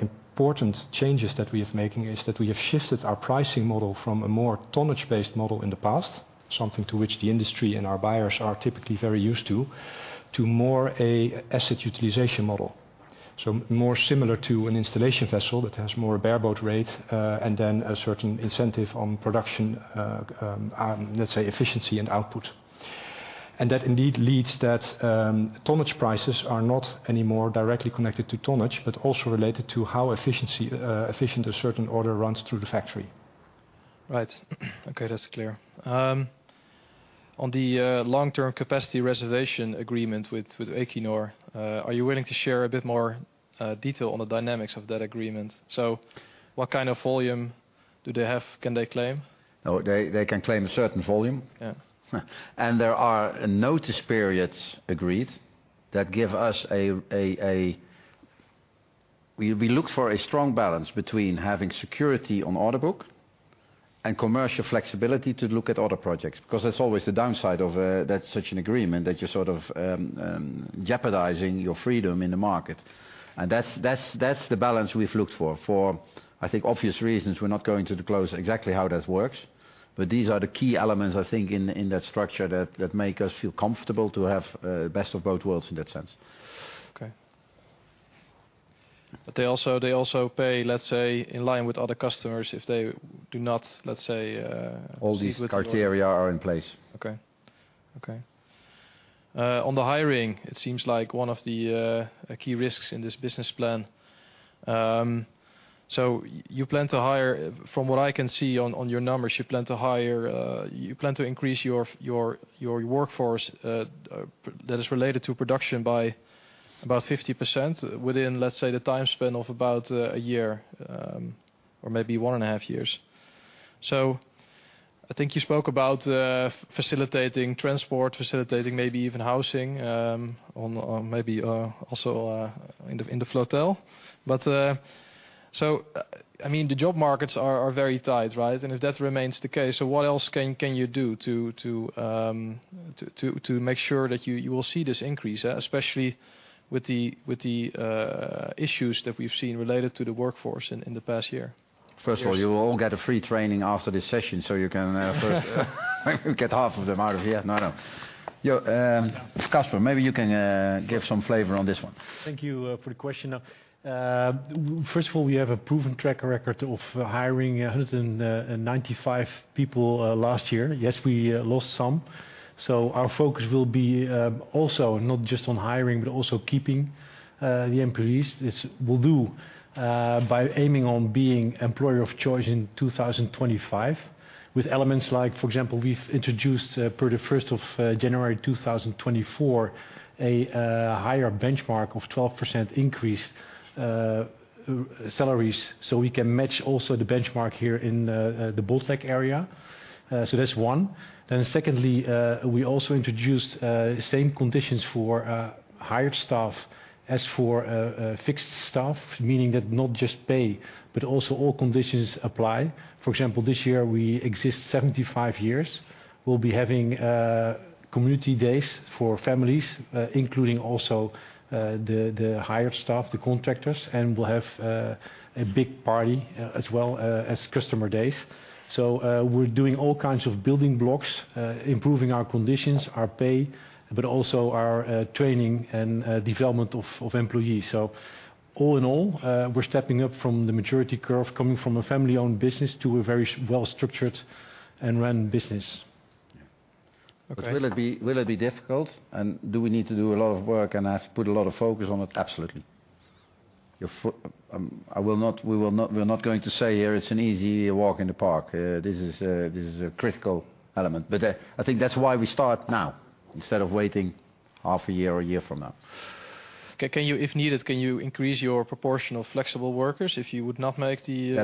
important changes that we are making is that we have shifted our pricing model from a more tonnage-based model in the past, something to which the industry and our buyers are typically very used to more a asset-utilization model. More similar to an installation vessel that has more bareboat rate, and then a certain incentive on production, let's say efficiency and output. That indeed leads that tonnage prices are not anymore directly connected to tonnage, but also related to how efficiency, efficient a certain order runs through the factory. Right. Okay, that's clear. On the long-term capacity reservation agreement with Equinor, are you willing to share a bit more detail on the dynamics of that agreement? What kind of volume do they have, can they claim? No, they can claim a certain volume. Yeah. There are notice periods agreed that give us. We look for a strong balance between having security on order book and commercial flexibility to look at other projects. That's always the downside of that such an agreement that you're sort of jeopardizing your freedom in the market. That's the balance we've looked for. For, I think, obvious reasons we're not going to disclose exactly how that works. These are the key elements, I think, in that structure that make us feel comfortable to have best of both worlds in that sense. Okay. They also pay, let's say, in line with other customers, if they do not, let's say. All these criteria are in place. Okay. Okay. On the hiring, it seems like one of the key risks in this business plan. You plan to hire, from what I can see on your numbers, you plan to hire, you plan to increase your workforce that is related to production by about 50% within, let's say, the time span of about a year, or maybe one and a half years. I think you spoke about facilitating transport, facilitating maybe even housing, on maybe, also, in the, in the flotel. I mean, the job markets are very tight, right? If that remains the case, so what else can you do to make sure that you will see this increase, especially with the issues that we've seen related to the workforce in the past year? First of all, you all get a free training after this session, you can first get half of them out of here. No, no. Caspar, maybe you can give some flavor on this one. Thank you, for the question. First of all, we have a proven track record of hiring 195 people, last year. Yes, we lost some Our focus will be also not just on hiring, but also keeping the employees. This will do by aiming on being employer of choice in 2025 with elements like, for example, we've introduced per January 1st, 2024, a higher benchmark of 12% increase salaries, so we can match also the benchmark here in the Botlek area. That's one. Secondly, we also introduced same conditions for hired staff as for fixed staff, meaning that not just pay, but also all conditions apply. For example, this year we exist 75 years. We'll be having community days for families, including also the hired staff, the contractors, and we'll have a big party as well as customer days. We're doing all kinds of building blocks, improving our conditions, our pay, but also our training and development of employees. All in all, we're stepping up from the maturity curve, coming from a family-owned business to a very well-structured and run business. Yeah. Okay. Will it be difficult? Do we need to do a lot of work and have to put a lot of focus on it? Absolutely. We're not going to say here it's an easy walk in the park. This is a critical element. I think that's why we start now instead of waiting half a year or a year from now. If needed, can you increase your proportion of flexible workers if you would not make the.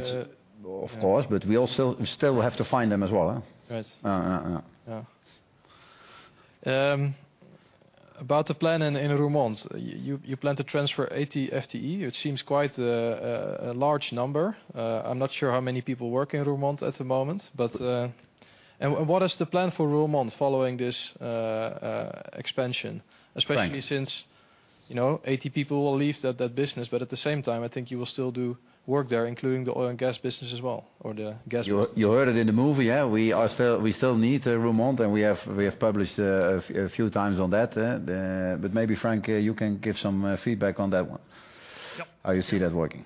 Of course, but we also, we still have to find them as well. Right. Yeah. Yeah. About the plan in Roermond, you plan to transfer 80 FTE. It seems quite a large number. I'm not sure how many people work in Roermond at the moment, but. What is the plan for Roermond following this expansion? Frank. Especially since, you know, 80 people will leave that business, but at the same time, I think you will still do work there, including the oil and gas business as well, or the gas business. You heard it in the movie, yeah. We still need Roermond, and we have published a few times on that. Maybe Frank, you can give some feedback on that one. Yep. How you see that working?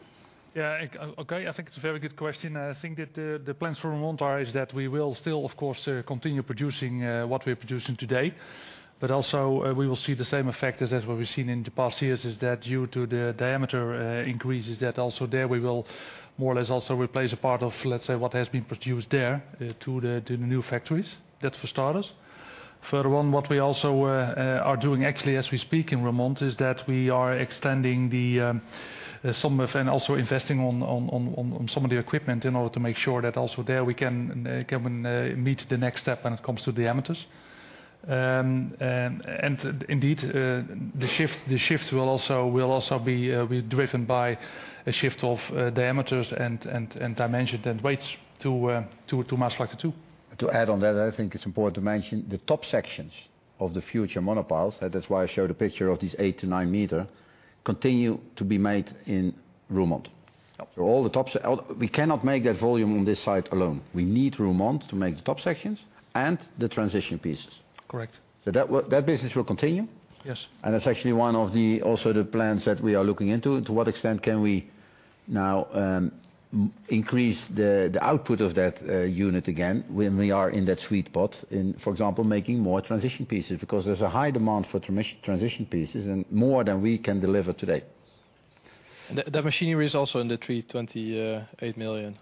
Yeah. Okay. I think it's a very good question. I think that the plans for Roermond are is that we will still, of course, continue producing what we're producing today. Also, we will see the same effect as what we've seen in the past years, is that due to the diameter increases, that also there we will more or less also replace a part of, let's say, what has been produced there to the, to the new factories. That's for starters. Further on, what we also are doing actually as we speak in Roermond is that we are extending the some and also investing on some of the equipment in order to make sure that also there we can meet the next step when it comes to diameters. Indeed, the shift will also be driven by a shift of diameters and dimension and weights to Maasvlakte 2. To add on that, I think it's important to mention the top sections of the future monopiles, that's why I showed a picture of this 8 m-9 m, continue to be made in Roermond. Yep. We cannot make that volume on this site alone. We need Roermond to make the top sections and the transition pieces. Correct. That business will continue. Yes. That's actually one of the, also the plans that we are looking into. To what extent can we now increase the output of that unit again when we are in that sweet spot in, for example, making more transition pieces? Because there's a high demand for transition pieces and more than we can deliver today. The machinery is also in the 328 million.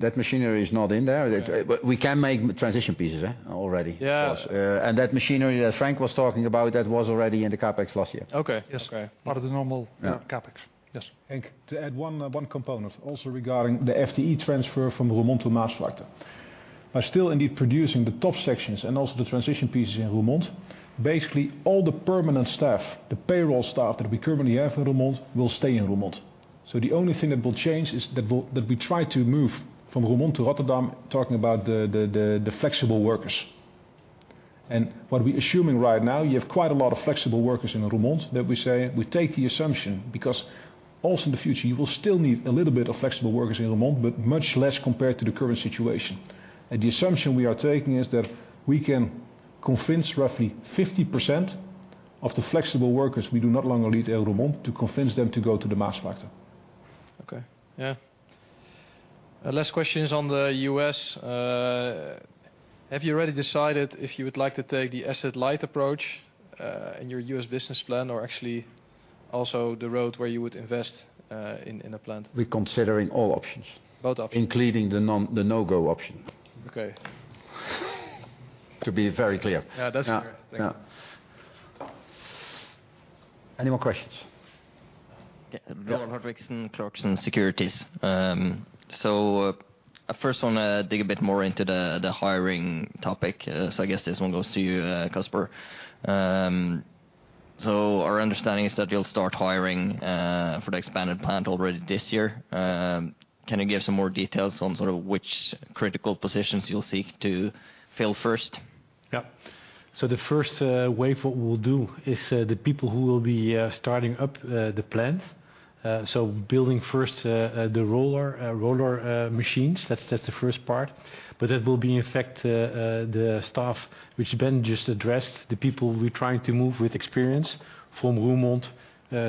That machinery is not in there. We can make transition pieces, huh, already. Yeah. Of course. That machinery that Frank was talking about, that was already in the CapEx last year. Okay. Part of the normal. Yeah. CapEx. Yes. Henk, to add one component also regarding the FTE transfer from Roermond to Maasvlakte. By still indeed producing the top sections and also the transition pieces in Roermond, basically all the permanent staff, the payroll staff that we currently have in Roermond, will stay in Roermond. The only thing that will change is that we'll try to move from Roermond to Rotterdam, talking about the flexible workers. What we're assuming right now, you have quite a lot of flexible workers in Roermond that we say we take the assumption, because also in the future, you will still need a little bit of flexible workers in Roermond, but much less compared to the current situation. The assumption we are taking is that we can convince roughly 50% of the flexible workers we do not longer need in Roermond, to convince them to go to the Maasvlakte. Okay. Yeah. Last question is on the U.S. Have you already decided if you would like to take the asset-light approach, in your U.S. business plan, or actually also the road where you would invest, in a plant? We're considering all options. Both options. Including the no-go option. Okay. To be very clear. Yeah, that's clear. Thank you. Yeah. Any more questions? Roald Hartvigsen, Clarksons Securities. I first wanna dig a bit more into the hiring topic. I guess this one goes to you, Caspar. Our understanding is that you'll start hiring for the expanded plant already this year. Can you give some more details on sort of which critical positions you'll seek to fill first? Yeah. The first wave what we'll do is, the people who will be starting up the plant, building first the roller machines. That's the first part. That will be, in fact, the staff which Ben just addressed, the people we're trying to move with experience from Roermond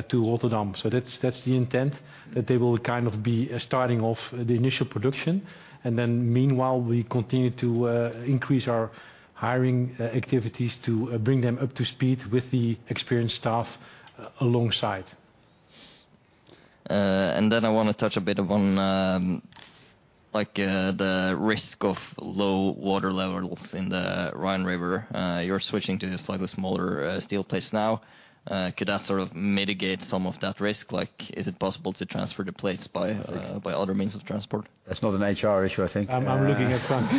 to Rotterdam. That's the intent, that they will kind of be starting off the initial production. Meanwhile, we continue to increase our hiring activities to bring them up to speed with the experienced staff alongside. I want to touch a bit upon the risk of low water levels in the Rhine River. You're switching to the slightly smaller steel plates now. Could that sort of mitigate some of that risk? Is it possible to transfer the plates by other means of transport? That's not an HR issue, I think. I'm looking at Frank.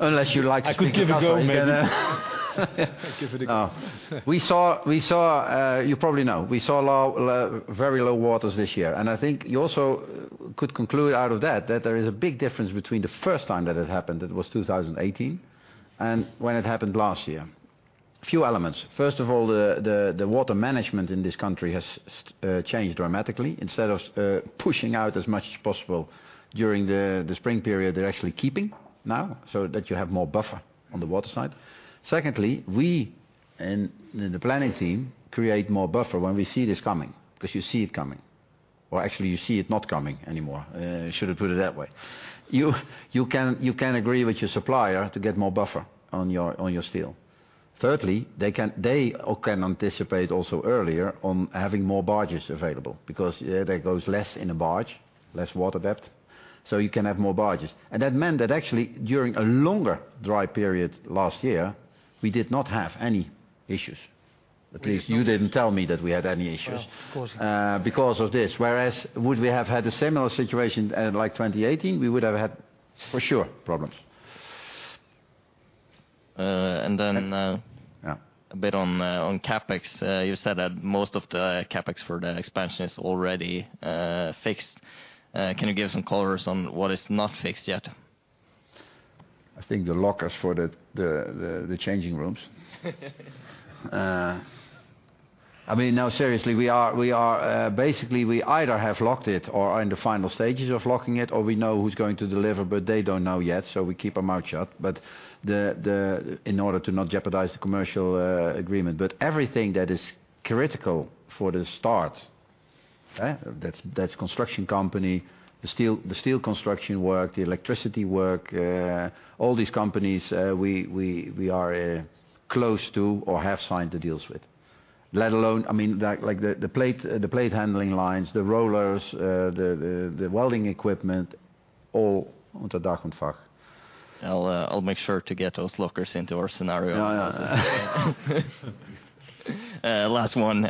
Unless you like to speak up. I could give a go, maybe. No. We saw, you probably know, we saw very low waters this year. I think you also could conclude out of that there is a big difference between the first time that it happened, it was 2018, and when it happened last year. A few elements. First of all, the water management in this country has changed dramatically. Instead of pushing out as much as possible during the spring period, they're actually keeping now, so that you have more buffer on the water side. Secondly, we, in the planning team, create more buffer when we see this coming, 'cause you see it coming. Actually, you see it not coming anymore. Should have put it that way. You can agree with your supplier to get more buffer on your steel. Thirdly, they can anticipate also earlier on having more barges available because, yeah, there goes less in a barge, less water depth, so you can have more barges. That meant that actually, during a longer dry period last year, we did not have any issues. At least you didn't tell me that we had any issues. Well, of course. ...because of this. Whereas would we have had a similar situation, like 2018, we would have had for sure problems. Uh, and then, uh- Yeah ...a bit on CapEx. You said that most of the CapEx for the expansion is already fixed. Can you give some colors on what is not fixed yet? I think the changing rooms. I mean, no, seriously, we are basically we either have locked it or are in the final stages of locking it, or we know who's going to deliver, but they don't know yet, so we keep our mouth shut. The in order to not jeopardize the commercial agreement. Everything that is critical for the start, that's construction company, the steel construction work, the electricity work, all these companies, we are close to or have signed the deals with. Let alone, I mean, like, the plate handling lines, the rollers, the welding equipment, all under dak en vak. I'll make sure to get those lockers into our scenario. Yeah. Yeah. Last one.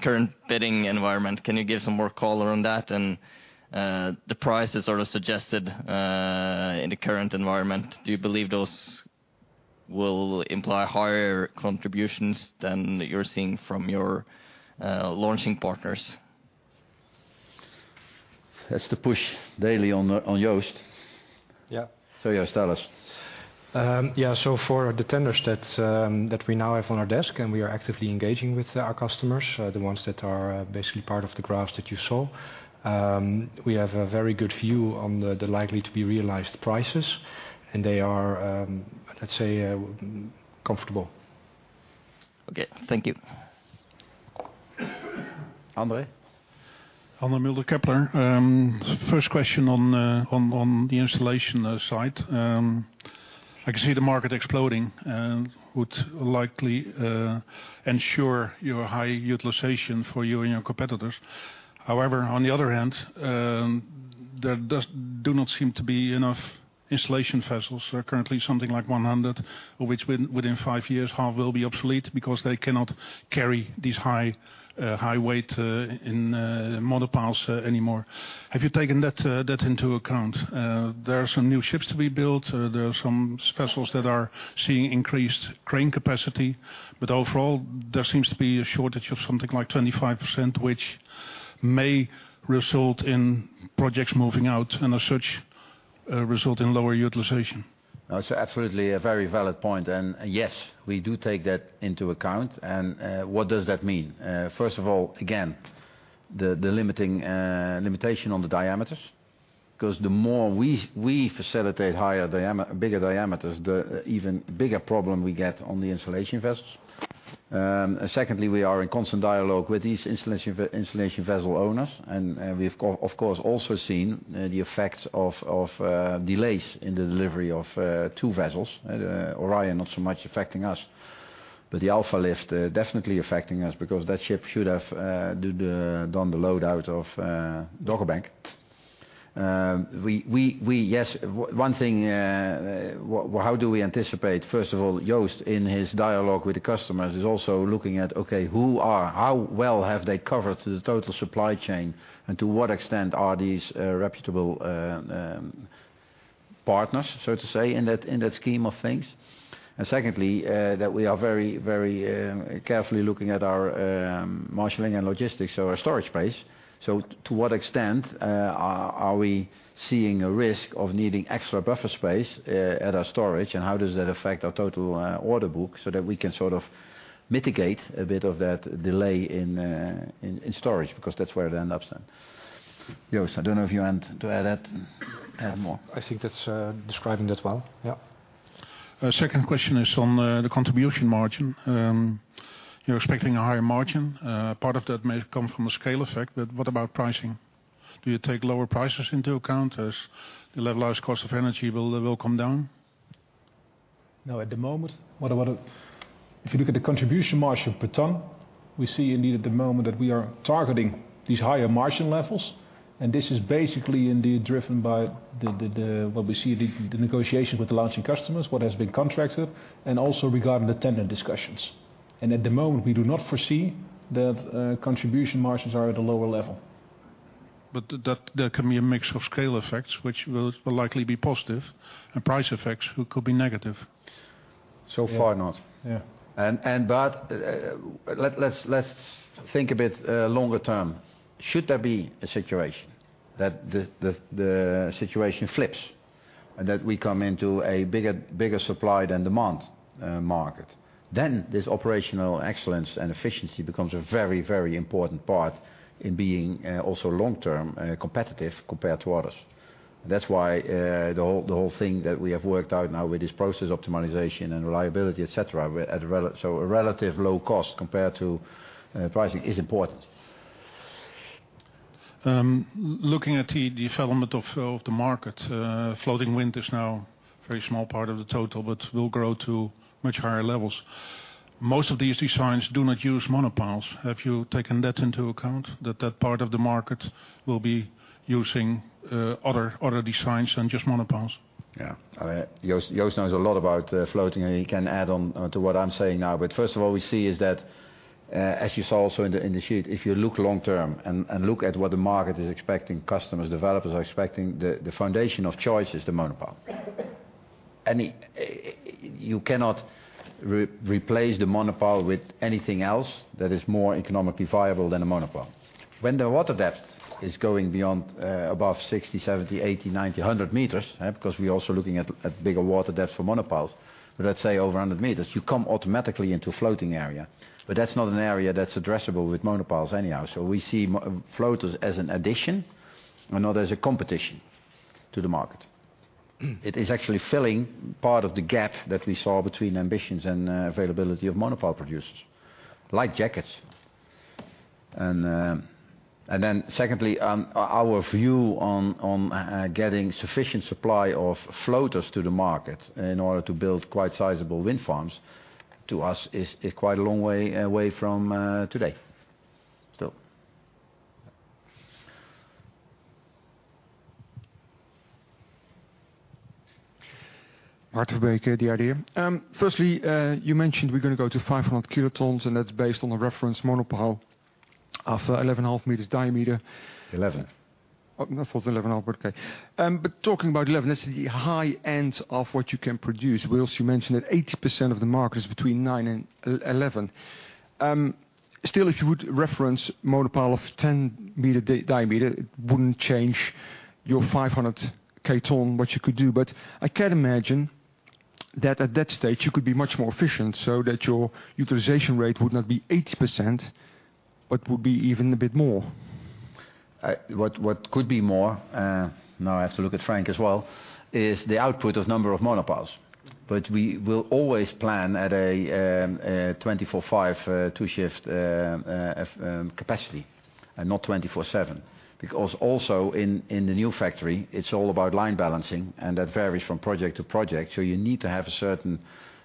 Current bidding environment, can you give some more color on that? The prices sort of suggested, in the current environment, do you believe those will imply higher contributions than you're seeing from your launching partners? That's the push daily on Joost. Yeah. Joost, tell us. Yeah. For the tenders that we now have on our desk, and we are actively engaging with our customers, the ones that are basically part of the graphs that you saw, we have a very good view on the likely to be realized prices, and they are, let's say, comfortable. Okay. Thank you. Andre? Andre Mulder, Kepler. First question on the installation site. I can see the market exploding, would likely ensure your high utilization for you and your competitors. However, on the other hand, there do not seem to be enough installation vessels. There are currently something like 100, which within five years, half will be obsolete because they cannot carry this high weight in monopiles anymore. Have you taken that into account? There are some new ships to be built, there are some specials that are seeing increased crane capacity, overall, there seems to be a shortage of something like 25%, which may result in projects moving out and as such, result in lower utilization. That's absolutely a very valid point. Yes, we do take that into account. What does that mean? First of all, again, the limiting limitation on the diameters. 'Cause the more we facilitate bigger diameters, the even bigger problem we get on the installation vessels. Secondly, we are in constant dialogue with these installation vessel owners, and we've of course also seen the effects of delays in the delivery of two vessels. Orion not so much affecting us, but the AlfaLift definitely affecting us because that ship should have done the load out of Dogger Bank. We, yes. One, one thing, how do we anticipate, first of all, Joost in his dialogue with the customers, is also looking at, okay, how well have they covered the total supply chain, and to what extent are these reputable partners, so to say, in that scheme of things? Secondly, that we are very carefully looking at our marshaling and logistics, so our storage space. To what extent are we seeing a risk of needing extra buffer space at our storage, and how does that affect our total order book so that we can sort of mitigate a bit of that delay in storage, because that's where it ends up then. Joost, I don't know if you want to add that, add more. I think that's describing that well. Yeah. Second question is on the contribution margin. You're expecting a higher margin. Part of that may come from a scale effect, but what about pricing? Do you take lower prices into account as the levelized cost of energy will come down? No, at the moment, what about it? If you look at the contribution margin per ton, we see indeed at the moment that we are targeting these higher margin levels, and this is basically indeed driven by the, what we see the negotiation with the launching customers, what has been contracted, and also regarding the tenant discussions. At the moment, we do not foresee that contribution margins are at a lower level. That, that can be a mix of scale effects, which will likely be positive and price effects who could be negative. Far not. Yeah. Let's think a bit longer term. Should there be a situation that the situation flips, that we come into a bigger supply than demand market, then this operational excellence and efficiency becomes a very, very important part in being also long-term competitive compared to others. That's why the whole thing that we have worked out now with this process optimization and reliability, et cetera, we're at so a relative low cost compared to pricing is important. Looking at the development of the market, floating wind is now very small part of the total, but will grow to much higher levels. Most of these designs do not use monopiles. Have you taken that into account, that that part of the market will be using other designs than just monopiles? I mean, Joost knows a lot about floating, and he can add on to what I'm saying now. First of all, we see is that, as you saw also in the sheet, if you look long-term and look at what the market is expecting, customers, developers are expecting, the foundation of choice is the monopile. You cannot replace the monopile with anything else that is more economically viable than a monopile. When the water depth is going beyond, above 60 m, 70 m, 80 m, 90 m, 100 m, huh? Because we're also looking at bigger water depth for monopiles. Let's say over 100 m, you come automatically into floating area. That's not an area that's addressable with monopiles anyhow. We see floaters as an addition and not as a competition to the market. It is actually filling part of the gap that we saw between ambitions and availability of monopile producers, like jackets. Secondly, our view on getting sufficient supply of floaters to the market in order to build quite sizable wind farms, to us, is quite a long way away from today. Still. Maarten Verbeek, The Idea. Firstly, you mentioned we're gonna go to 500 kilotons, that's based on the reference monopile of 11.5 m diameter. 11 m. Oh, I thought it was 11.5 m, but okay. Talking about 11 m, that's the high end of what you can produce. We also mentioned that 80% of the market is between 9 m and 11 m. Still, if you would reference monopile of 10 m diameter, it wouldn't change your 500 kilotons, what you could do. I can imagine that at that stage, you could be much more efficient so that your utilization rate would not be 80%, but would be even a bit more. What could be more, now I have to look at Frank as well, is the output of number of monopiles. We will always plan at a 24/5 two-shift capacity and not 24/7. Because also in the new factory, it's all about line balance, and that varies from project to project. You need to have a certain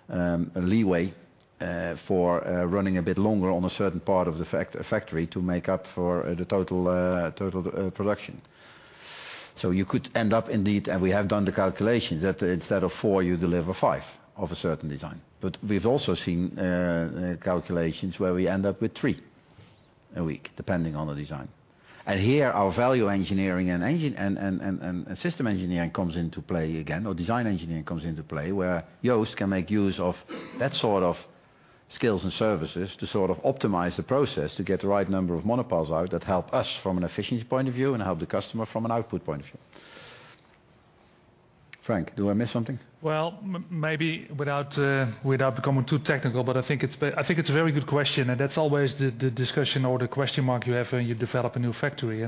leeway for running a bit longer on a certain part of the factory to make up for the total production. You could end up indeed, and we have done the calculations, that instead of four, you deliver five of a certain design. We've also seen calculations where we end up with three a week, depending on the design. Here, our value engineering and engine, and system engineering comes into play again, or design engineering comes into play, where Joost can make use of that sort of skills and services to sort of optimize the process to get the right number of monopiles out that help us from an efficiency point of view and help the customer from an output point of view. Frank, do I miss something? Well, maybe without without becoming too technical, but I think it's I think it's a very good question, and that's always the discussion or the question mark you have when you develop a new factory.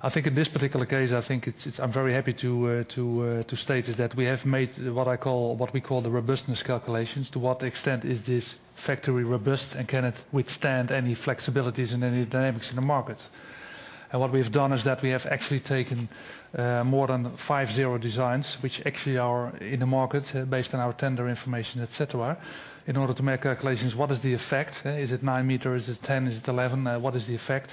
I think in this particular case, I think it's I'm very happy to state is that we have made what I call, what we call the robustness calculations. To what extent is this factory robust, and can it withstand any flexibilities and any dynamics in the market? What we've done is that we have actually taken more than 50 designs, which actually are in the market based on our tender information, et cetera, in order to make calculations, what is the effect? Is it 9 m? Is it 10 m? Is it 11 m? What is the effect?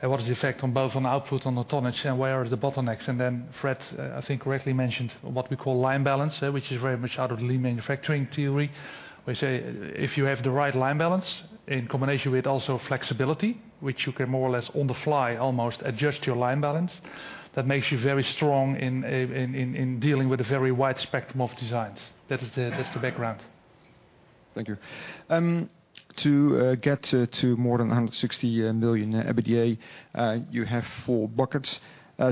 What is the effect on both on output, on the tonnage, and where are the bottlenecks? Then Fred, I think, correctly mentioned what we call line balance, which is very much out of lean manufacturing theory. We say if you have the right line balance in combination with also flexibility, which you can more or less on the fly, almost adjust your line balance, that makes you very strong in dealing with a very wide spectrum of designs. That is the, that's the background. Thank you. to get to more than 160 million EBITDA, you have four buckets.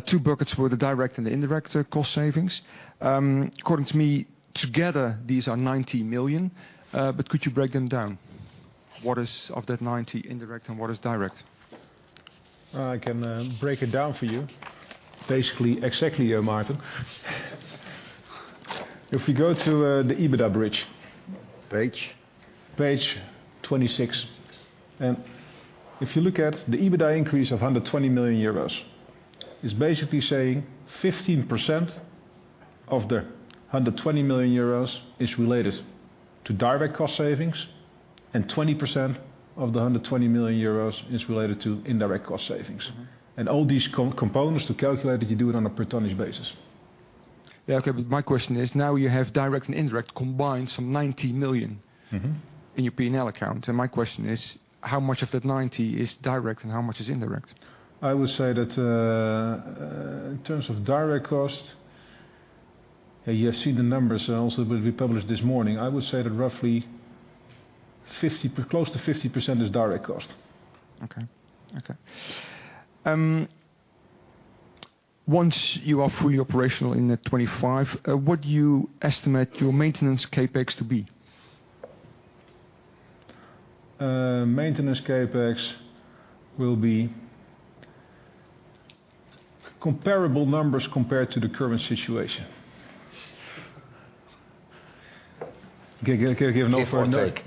Two buckets were the direct and the indirect cost savings. According to me, together, these are 90 million, but could you break them down? What is, of that 90, indirect, and what is direct? I can break it down for you. Basically, exactly, Maarten. If you go to the EBITDA bridge Page? Page 26. If you look at the EBITDA increase of EUR 120 million, it's basically saying 15% of the EUR 120 million is related to direct cost savings, and 20% of the 120 million euros is related to indirect cost savings. All these components to calculate it, you do it on a per tonnage basis. Yeah, okay. My question is now you have direct and indirect combined, some 90 million... Mm-hmm... in your P&L account. My question is, how much of that 90 is direct and how much is indirect? I would say that, in terms of direct costs, you have seen the numbers also that we published this morning. I would say that roughly 50, close to 50% is direct cost. Okay. Once you are fully operational in 2025, what do you estimate your maintenance CapEx to be? Maintenance CapEx will be comparable numbers compared to the current situation. Can I give no further. Give or take?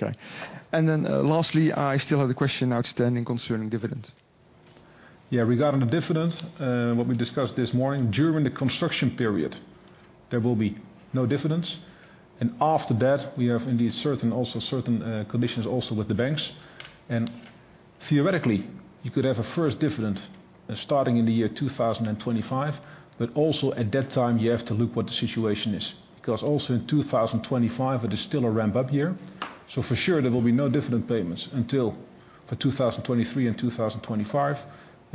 Yeah. Okay. Lastly, I still have the question outstanding concerning dividends. Yeah. Regarding the dividends, what we discussed this morning, during the construction period, there will be no dividends. After that, we have indeed certain, also certain, conditions also with the banks. Theoretically, you could have a first dividend starting in the year 2025, but also at that time, you have to look what the situation is, because also in 2025, it is still a ramp-up year. For sure there will be no dividend payments until 2023 and 2025,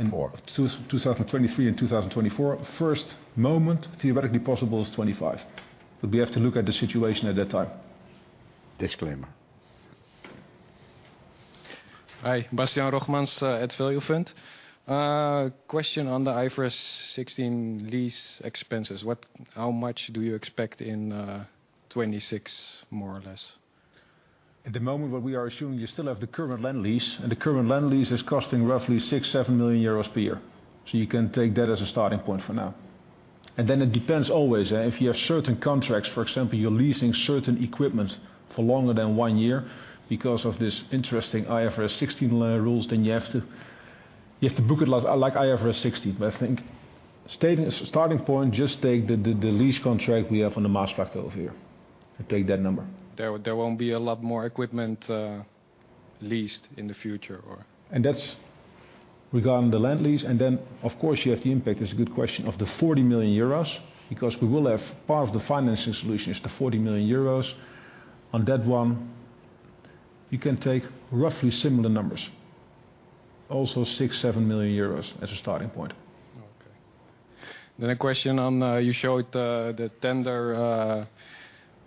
and more, 2023 and 2024. First moment theoretically possible is 2025. We have to look at the situation at that time. Disclaimer. Hi. Bastiaan Rogmans, Add Value Fund. Question on the IFRS 16 lease expenses. What, how much do you expect in 2026, more or less? At the moment what we are assuming, you still have the current land lease, and the current land lease is costing roughly 6 million-7 million euros per year. You can take that as a starting point for now. Then it depends always, if you have certain contracts, for example, you're leasing certain equipment for longer than one year because of this interesting IFRS 16 rules, then you have to book it like IFRS 16. I think stating a starting point, just take the lease contract we have on the Maasvlakte over here and take that number. There won't be a lot more equipment, leased in the future or? That's regarding the land lease. Then of course you have the impact, that's a good question, of the 40 million euros, because we will have part of the financing solution is the 40 million euros. On that one, you can take roughly similar numbers, also 6 million-7 million euros as a starting point. Okay. Then a question on, you showed the tender,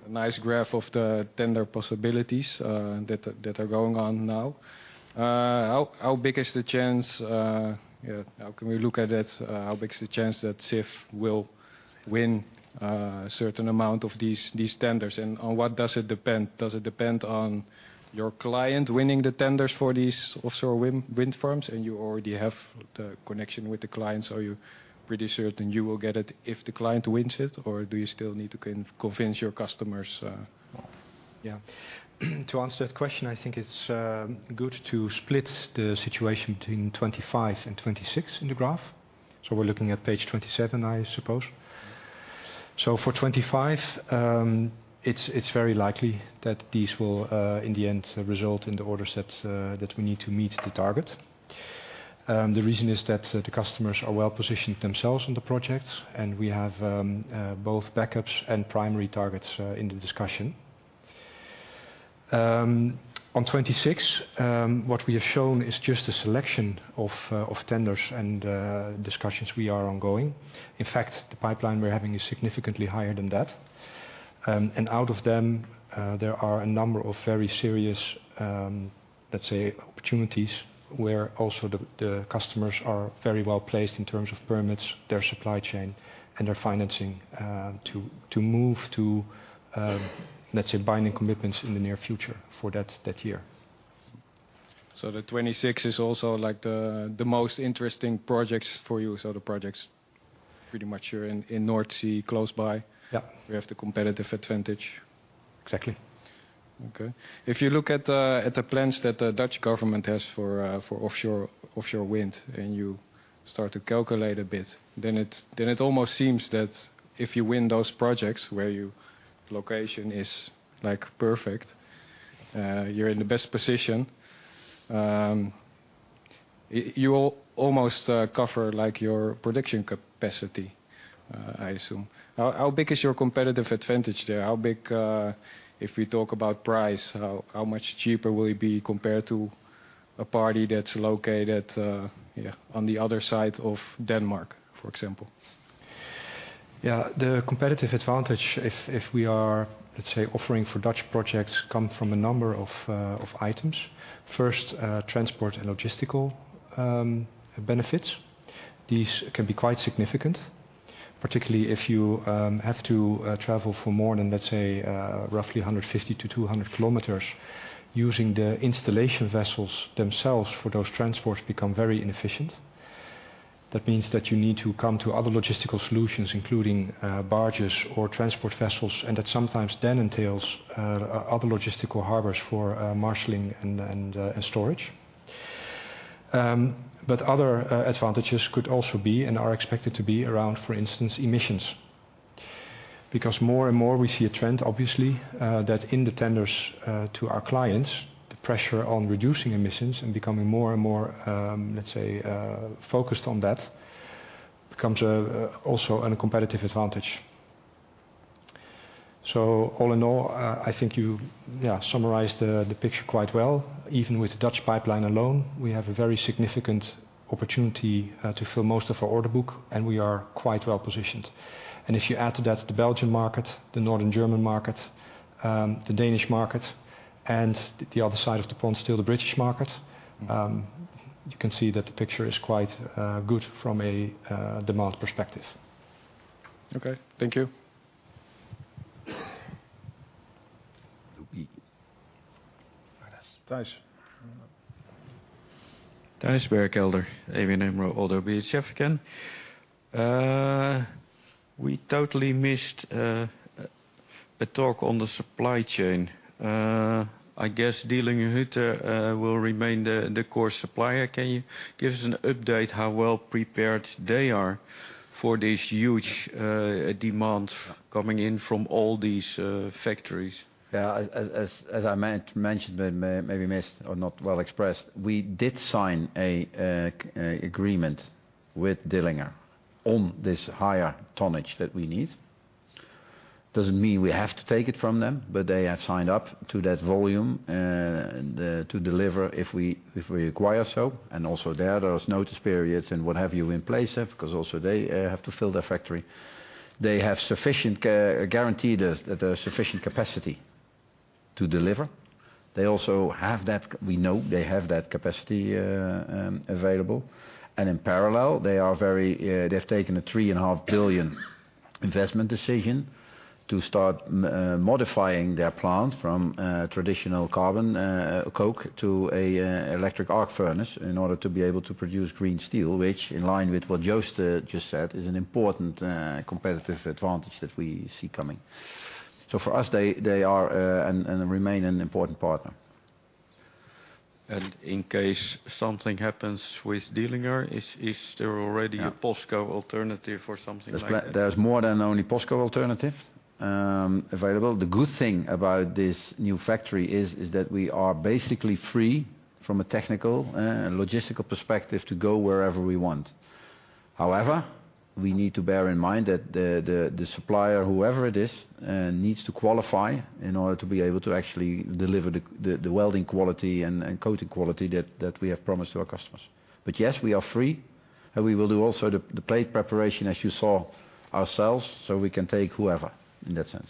nice graph of the tender possibilities that are going on now. How big is the chance, how can we look at it? How big is the chance that Sif will win a certain amount of these tenders? On what does it depend? Does it depend on your client winning the tenders for these offshore wind farms, and you already have the connection with the clients, are you pretty certain you will get it if the client wins it? Or do you still need to convince your customers? Yeah. To answer that question, I think it's good to split the situation between 2025 and 2026 in the graph. We're looking at page 27, I suppose. For 2025, it's very likely that these will in the end result in the order sets that we need to meet the target. The reason is that the customers are well-positioned themselves in the projects and we have both backups and primary targets in the discussion. On 2026, what we have shown is just a selection of tenders and discussions we are ongoing. In fact, the pipeline we're having is significantly higher than that. Out of them, there are a number of very serious, let's say, opportunities where also the customers are very well-placed in terms of permits, their supply chain and their financing, to move to, let's say binding commitments in the near future for that year. The 2026 is also like the most interesting projects for you. The projects pretty much are in North Sea close by. Yeah. We have the competitive advantage. Exactly. Okay. If you look at the plans that the Dutch government has for offshore wind, and you start to calculate a bit, then it almost seems that if you win those projects where your location is, like, perfect, you're in the best position, you will almost, cover, like, your production capacity, I assume. How big is your competitive advantage there? How big, if we talk about price, how much cheaper will it be compared to a party that's located, yeah, on the other side of Denmark, for example? The competitive advantage if we are, let's say, offering for Dutch projects come from a number of items. First, transport and logistical benefits. These can be quite significant, particularly if you have to travel for more than, let's say, roughly 150 km-200 km. Using the installation vessels themselves for those transports become very inefficient. That means that you need to come to other logistical solutions, including barges or transport vessels, and that sometimes then entails other logistical harbors for marshaling and storage. Other advantages could also be and are expected to be around, for instance, emissions. Because more and more we see a trend, obviously, that in the tenders to our clients, the pressure on reducing emissions and becoming more and more, let's say, focused on that becomes also a competitive advantage. All in all, I think you, yeah, summarized the picture quite well. Even with Dutch pipeline alone, we have a very significant opportunity to fill most of our order book, and we are quite well positioned. If you add to that the Belgian market, the northern German market, the Danish market, and the other side of the pond still, the British market, you can see that the picture is quite good from a demand perspective. Okay. Thank you. Thijs. Thijs Bergelder, ABN AMRO again. We totally missed a talk on the supply chain. I guess Dillinger Hütte will remain the core supplier. Can you give us an update how well prepared they are for this huge demand coming in from all these factories? As I mentioned, but maybe missed or not well expressed, we did sign a agreement with Dillinger on this higher tonnage that we need. Doesn't mean we have to take it from them, but they have signed up to that volume to deliver if we require so. Also there's notice periods and what have you in place of, because also they have to fill their factory. They have sufficient guarantee the sufficient capacity to deliver. We know they have that capacity available. In parallel, they've taken a 3.5 billion investment decision to start modifying their plant from traditional carbon coke to an electric arc furnace in order to be able to produce green steel, which in line with what Joost just said, is an important competitive advantage that we see coming. For us, they are and remain an important partner. In case something happens with Dillinger, is there already. Yeah. a POSCO alternative or something like that? There's more than only POSCO alternative available. The good thing about this new factory is that we are basically free from a technical and logistical perspective to go wherever we want. We need to bear in mind that the supplier, whoever it is, needs to qualify in order to be able to actually deliver the welding quality and coating quality that we have promised to our customers. Yes, we are free, and we will do also the plate preparation, as you saw, ourselves, so we can take whoever in that sense.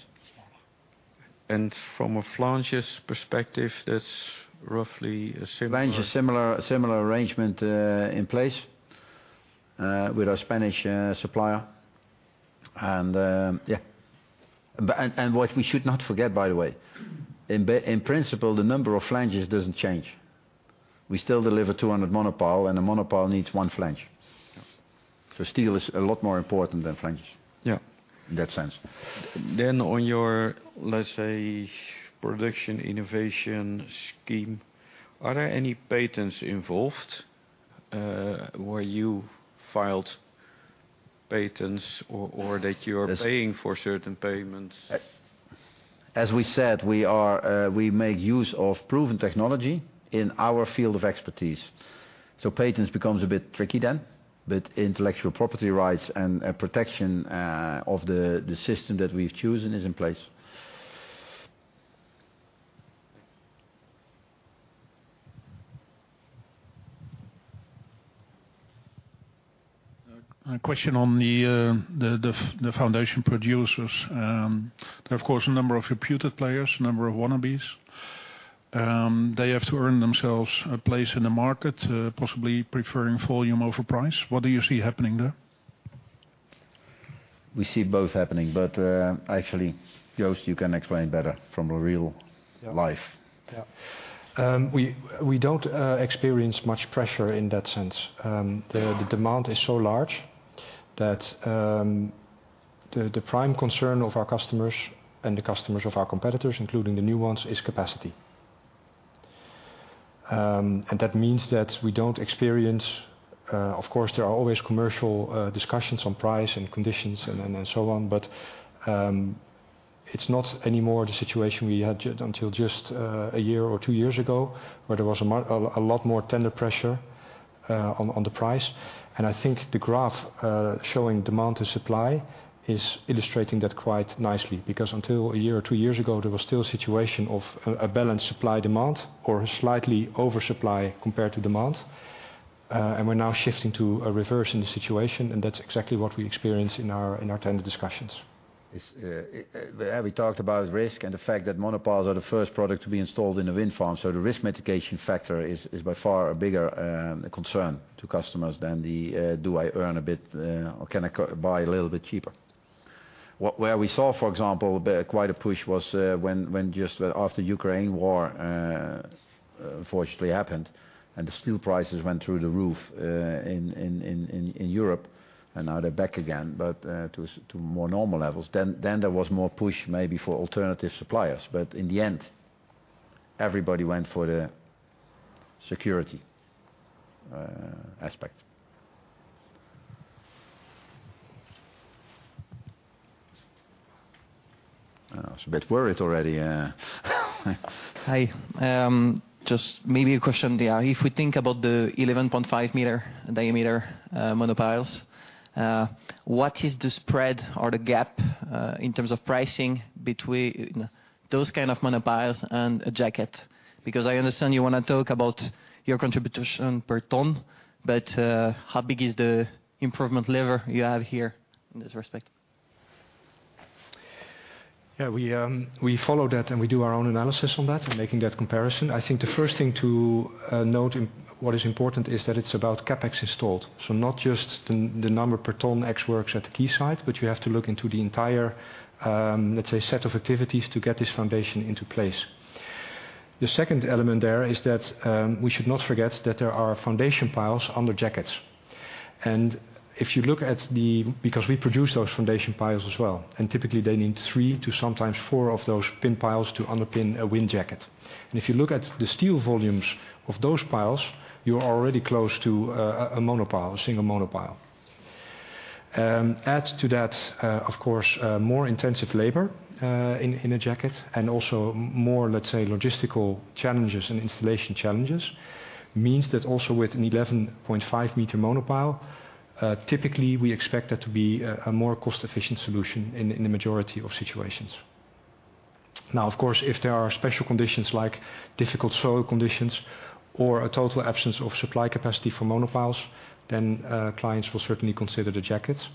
From a flanges perspective, that's roughly a similar... Flange a similar arrangement in place with our Spanish supplier. Yeah. What we should not forget, by the way, in principle, the number of flanges doesn't change. We still deliver 200 monopile, and a monopile needs one flange. Steel is a lot more important than flanges. Yeah in that sense. On your, let's say, production innovation scheme, are there any patents involved, where you filed patents or that you are paying for certain patents? As we said, we are, we make use of proven technology in our field of expertise. Patents becomes a bit tricky then. Intellectual property rights and protection of the system that we've chosen is in place. A question on the foundation producers. There are, of course, a number of reputed players, a number of wannabes. They have to earn themselves a place in the market, possibly preferring volume over price. What do you see happening there? We see both happening. Actually, Joost, you can explain better from real life. Yeah. Yeah. We don't experience much pressure in that sense. The demand is so large that the prime concern of our customers and the customers of our competitors, including the new ones, is capacity. That means that we don't experience, of course, there are always commercial discussions on price and conditions and so on, but it's not anymore the situation we had until just a year or two years ago, where there was a lot more tender pressure on the price. I think the graph showing demand to supply is illustrating that quite nicely. Until one year or two years ago, there was still a situation of a balanced supply demand or a slightly oversupply compared to demand, and we're now shifting to a reverse in the situation, and that's exactly what we experience in our tender discussions. It's, we talked about risk and the fact that monopiles are the first product to be installed in a wind farm, so the risk mitigation factor is by far a bigger concern to customers than the, do I earn a bit, or can I buy a little bit cheaper? Where we saw, for example, quite a push was when just after Ukraine War unfortunately happened, and the steel prices went through the roof in Europe, and now they're back again, but to more normal levels. There was more push maybe for alternative suppliers, but in the end, everybody went for the security aspect. I was a bit worried already. Hi. Just maybe a question there. If we think about the 11.5 m diameter monopiles, what is the spread or the gap in terms of pricing between those kind of monopiles and a jacket? I understand you wanna talk about your contribution per ton, but how big is the improvement level you have here in this respect? We follow that, and we do our own analysis on that and making that comparison. I think the first thing to note and what is important is that it's about CapEx installed. Not just the number per ton X works at the quay site, but you have to look into the entire, let's say, set of activities to get this foundation into place. The second element there is that, we should not forget that there are foundation piles under jackets. Because we produce those foundation piles as well, and typically they need three to sometimes four of those pin piles to underpin a wind jacket. If you look at the steel volumes of those piles, you are already close to a monopile, a single monopile. Add to that, of course, more intensive labor in a jacket and also more, let's say, logistical challenges and installation challenges means that also with an 11.5 m monopile, typically we expect that to be a more cost-efficient solution in the majority of situations. Of course, if there are special conditions like difficult soil conditions or a total absence of supply capacity for monopiles, then, clients will certainly consider the jackets.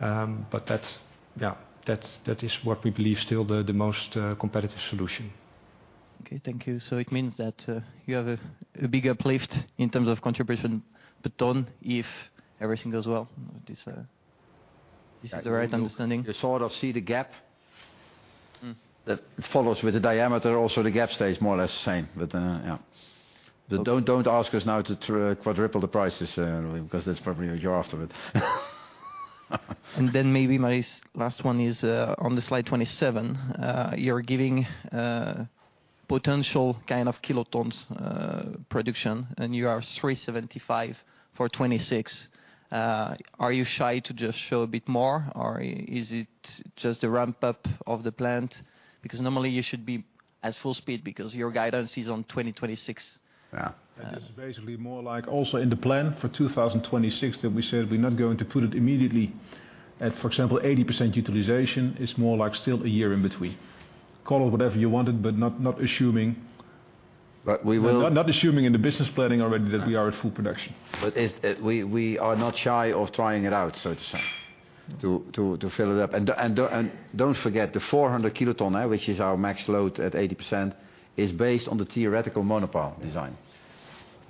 That's, yeah, that is what we believe still the most competitive solution. Okay. Thank you. It means that, you have a bigger lift in terms of contribution per ton if everything goes well. This, this is the right understanding? You sort of see the gap that follows with the diameter. Also, the gap stays more or less the same. Yeah. Don't ask us now to quadruple the prices, because that's probably a year afterwards. Maybe my last one is on the slide 27, you're giving potential kind of kilotons production, and you are 375 kilotons for 2026. Are you shy to just show a bit more, or is it just a ramp up of the plant? Because normally you should be at full speed because your guidance is on 2026. Yeah. That is basically more like also in the plan for 2026 that we said we're not going to put it immediately at, for example, 80% utilization. It's more like still a year in between. Call it whatever you want it, but not assuming. But we will- Not assuming in the business planning already that we are at full production. We are not shy of trying it out, so to say, to fill it up. Don't forget the 400 kiloton, which is our max load at 80%, is based on the theoretical monopile design.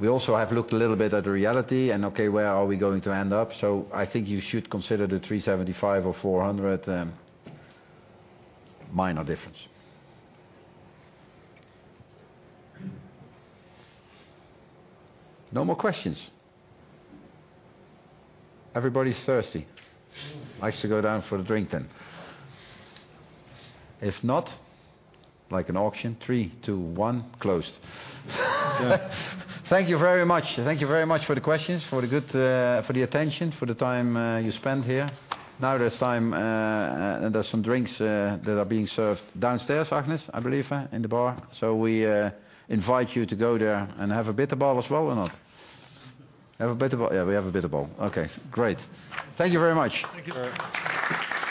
We also have looked a little bit at the reality and, okay, where are we going to end up. I think you should consider the 375 kilotons or 400 kilotons, minor difference. No more questions? Everybody's thirsty. Nice to go down for a drink then. If not, like an auction, three, two, one, closed. Thank you very much. Thank you very much for the questions, for the good, for the attention, for the time you spent here. Now it's time, there's some drinks that are being served downstairs, Agnes, I believe, in the bar. We invite you to go there and have a bitterbal as well or not? Have a bitterbal? Yeah, we have a bitterbal. Okay, great. Thank you very much. Thank you.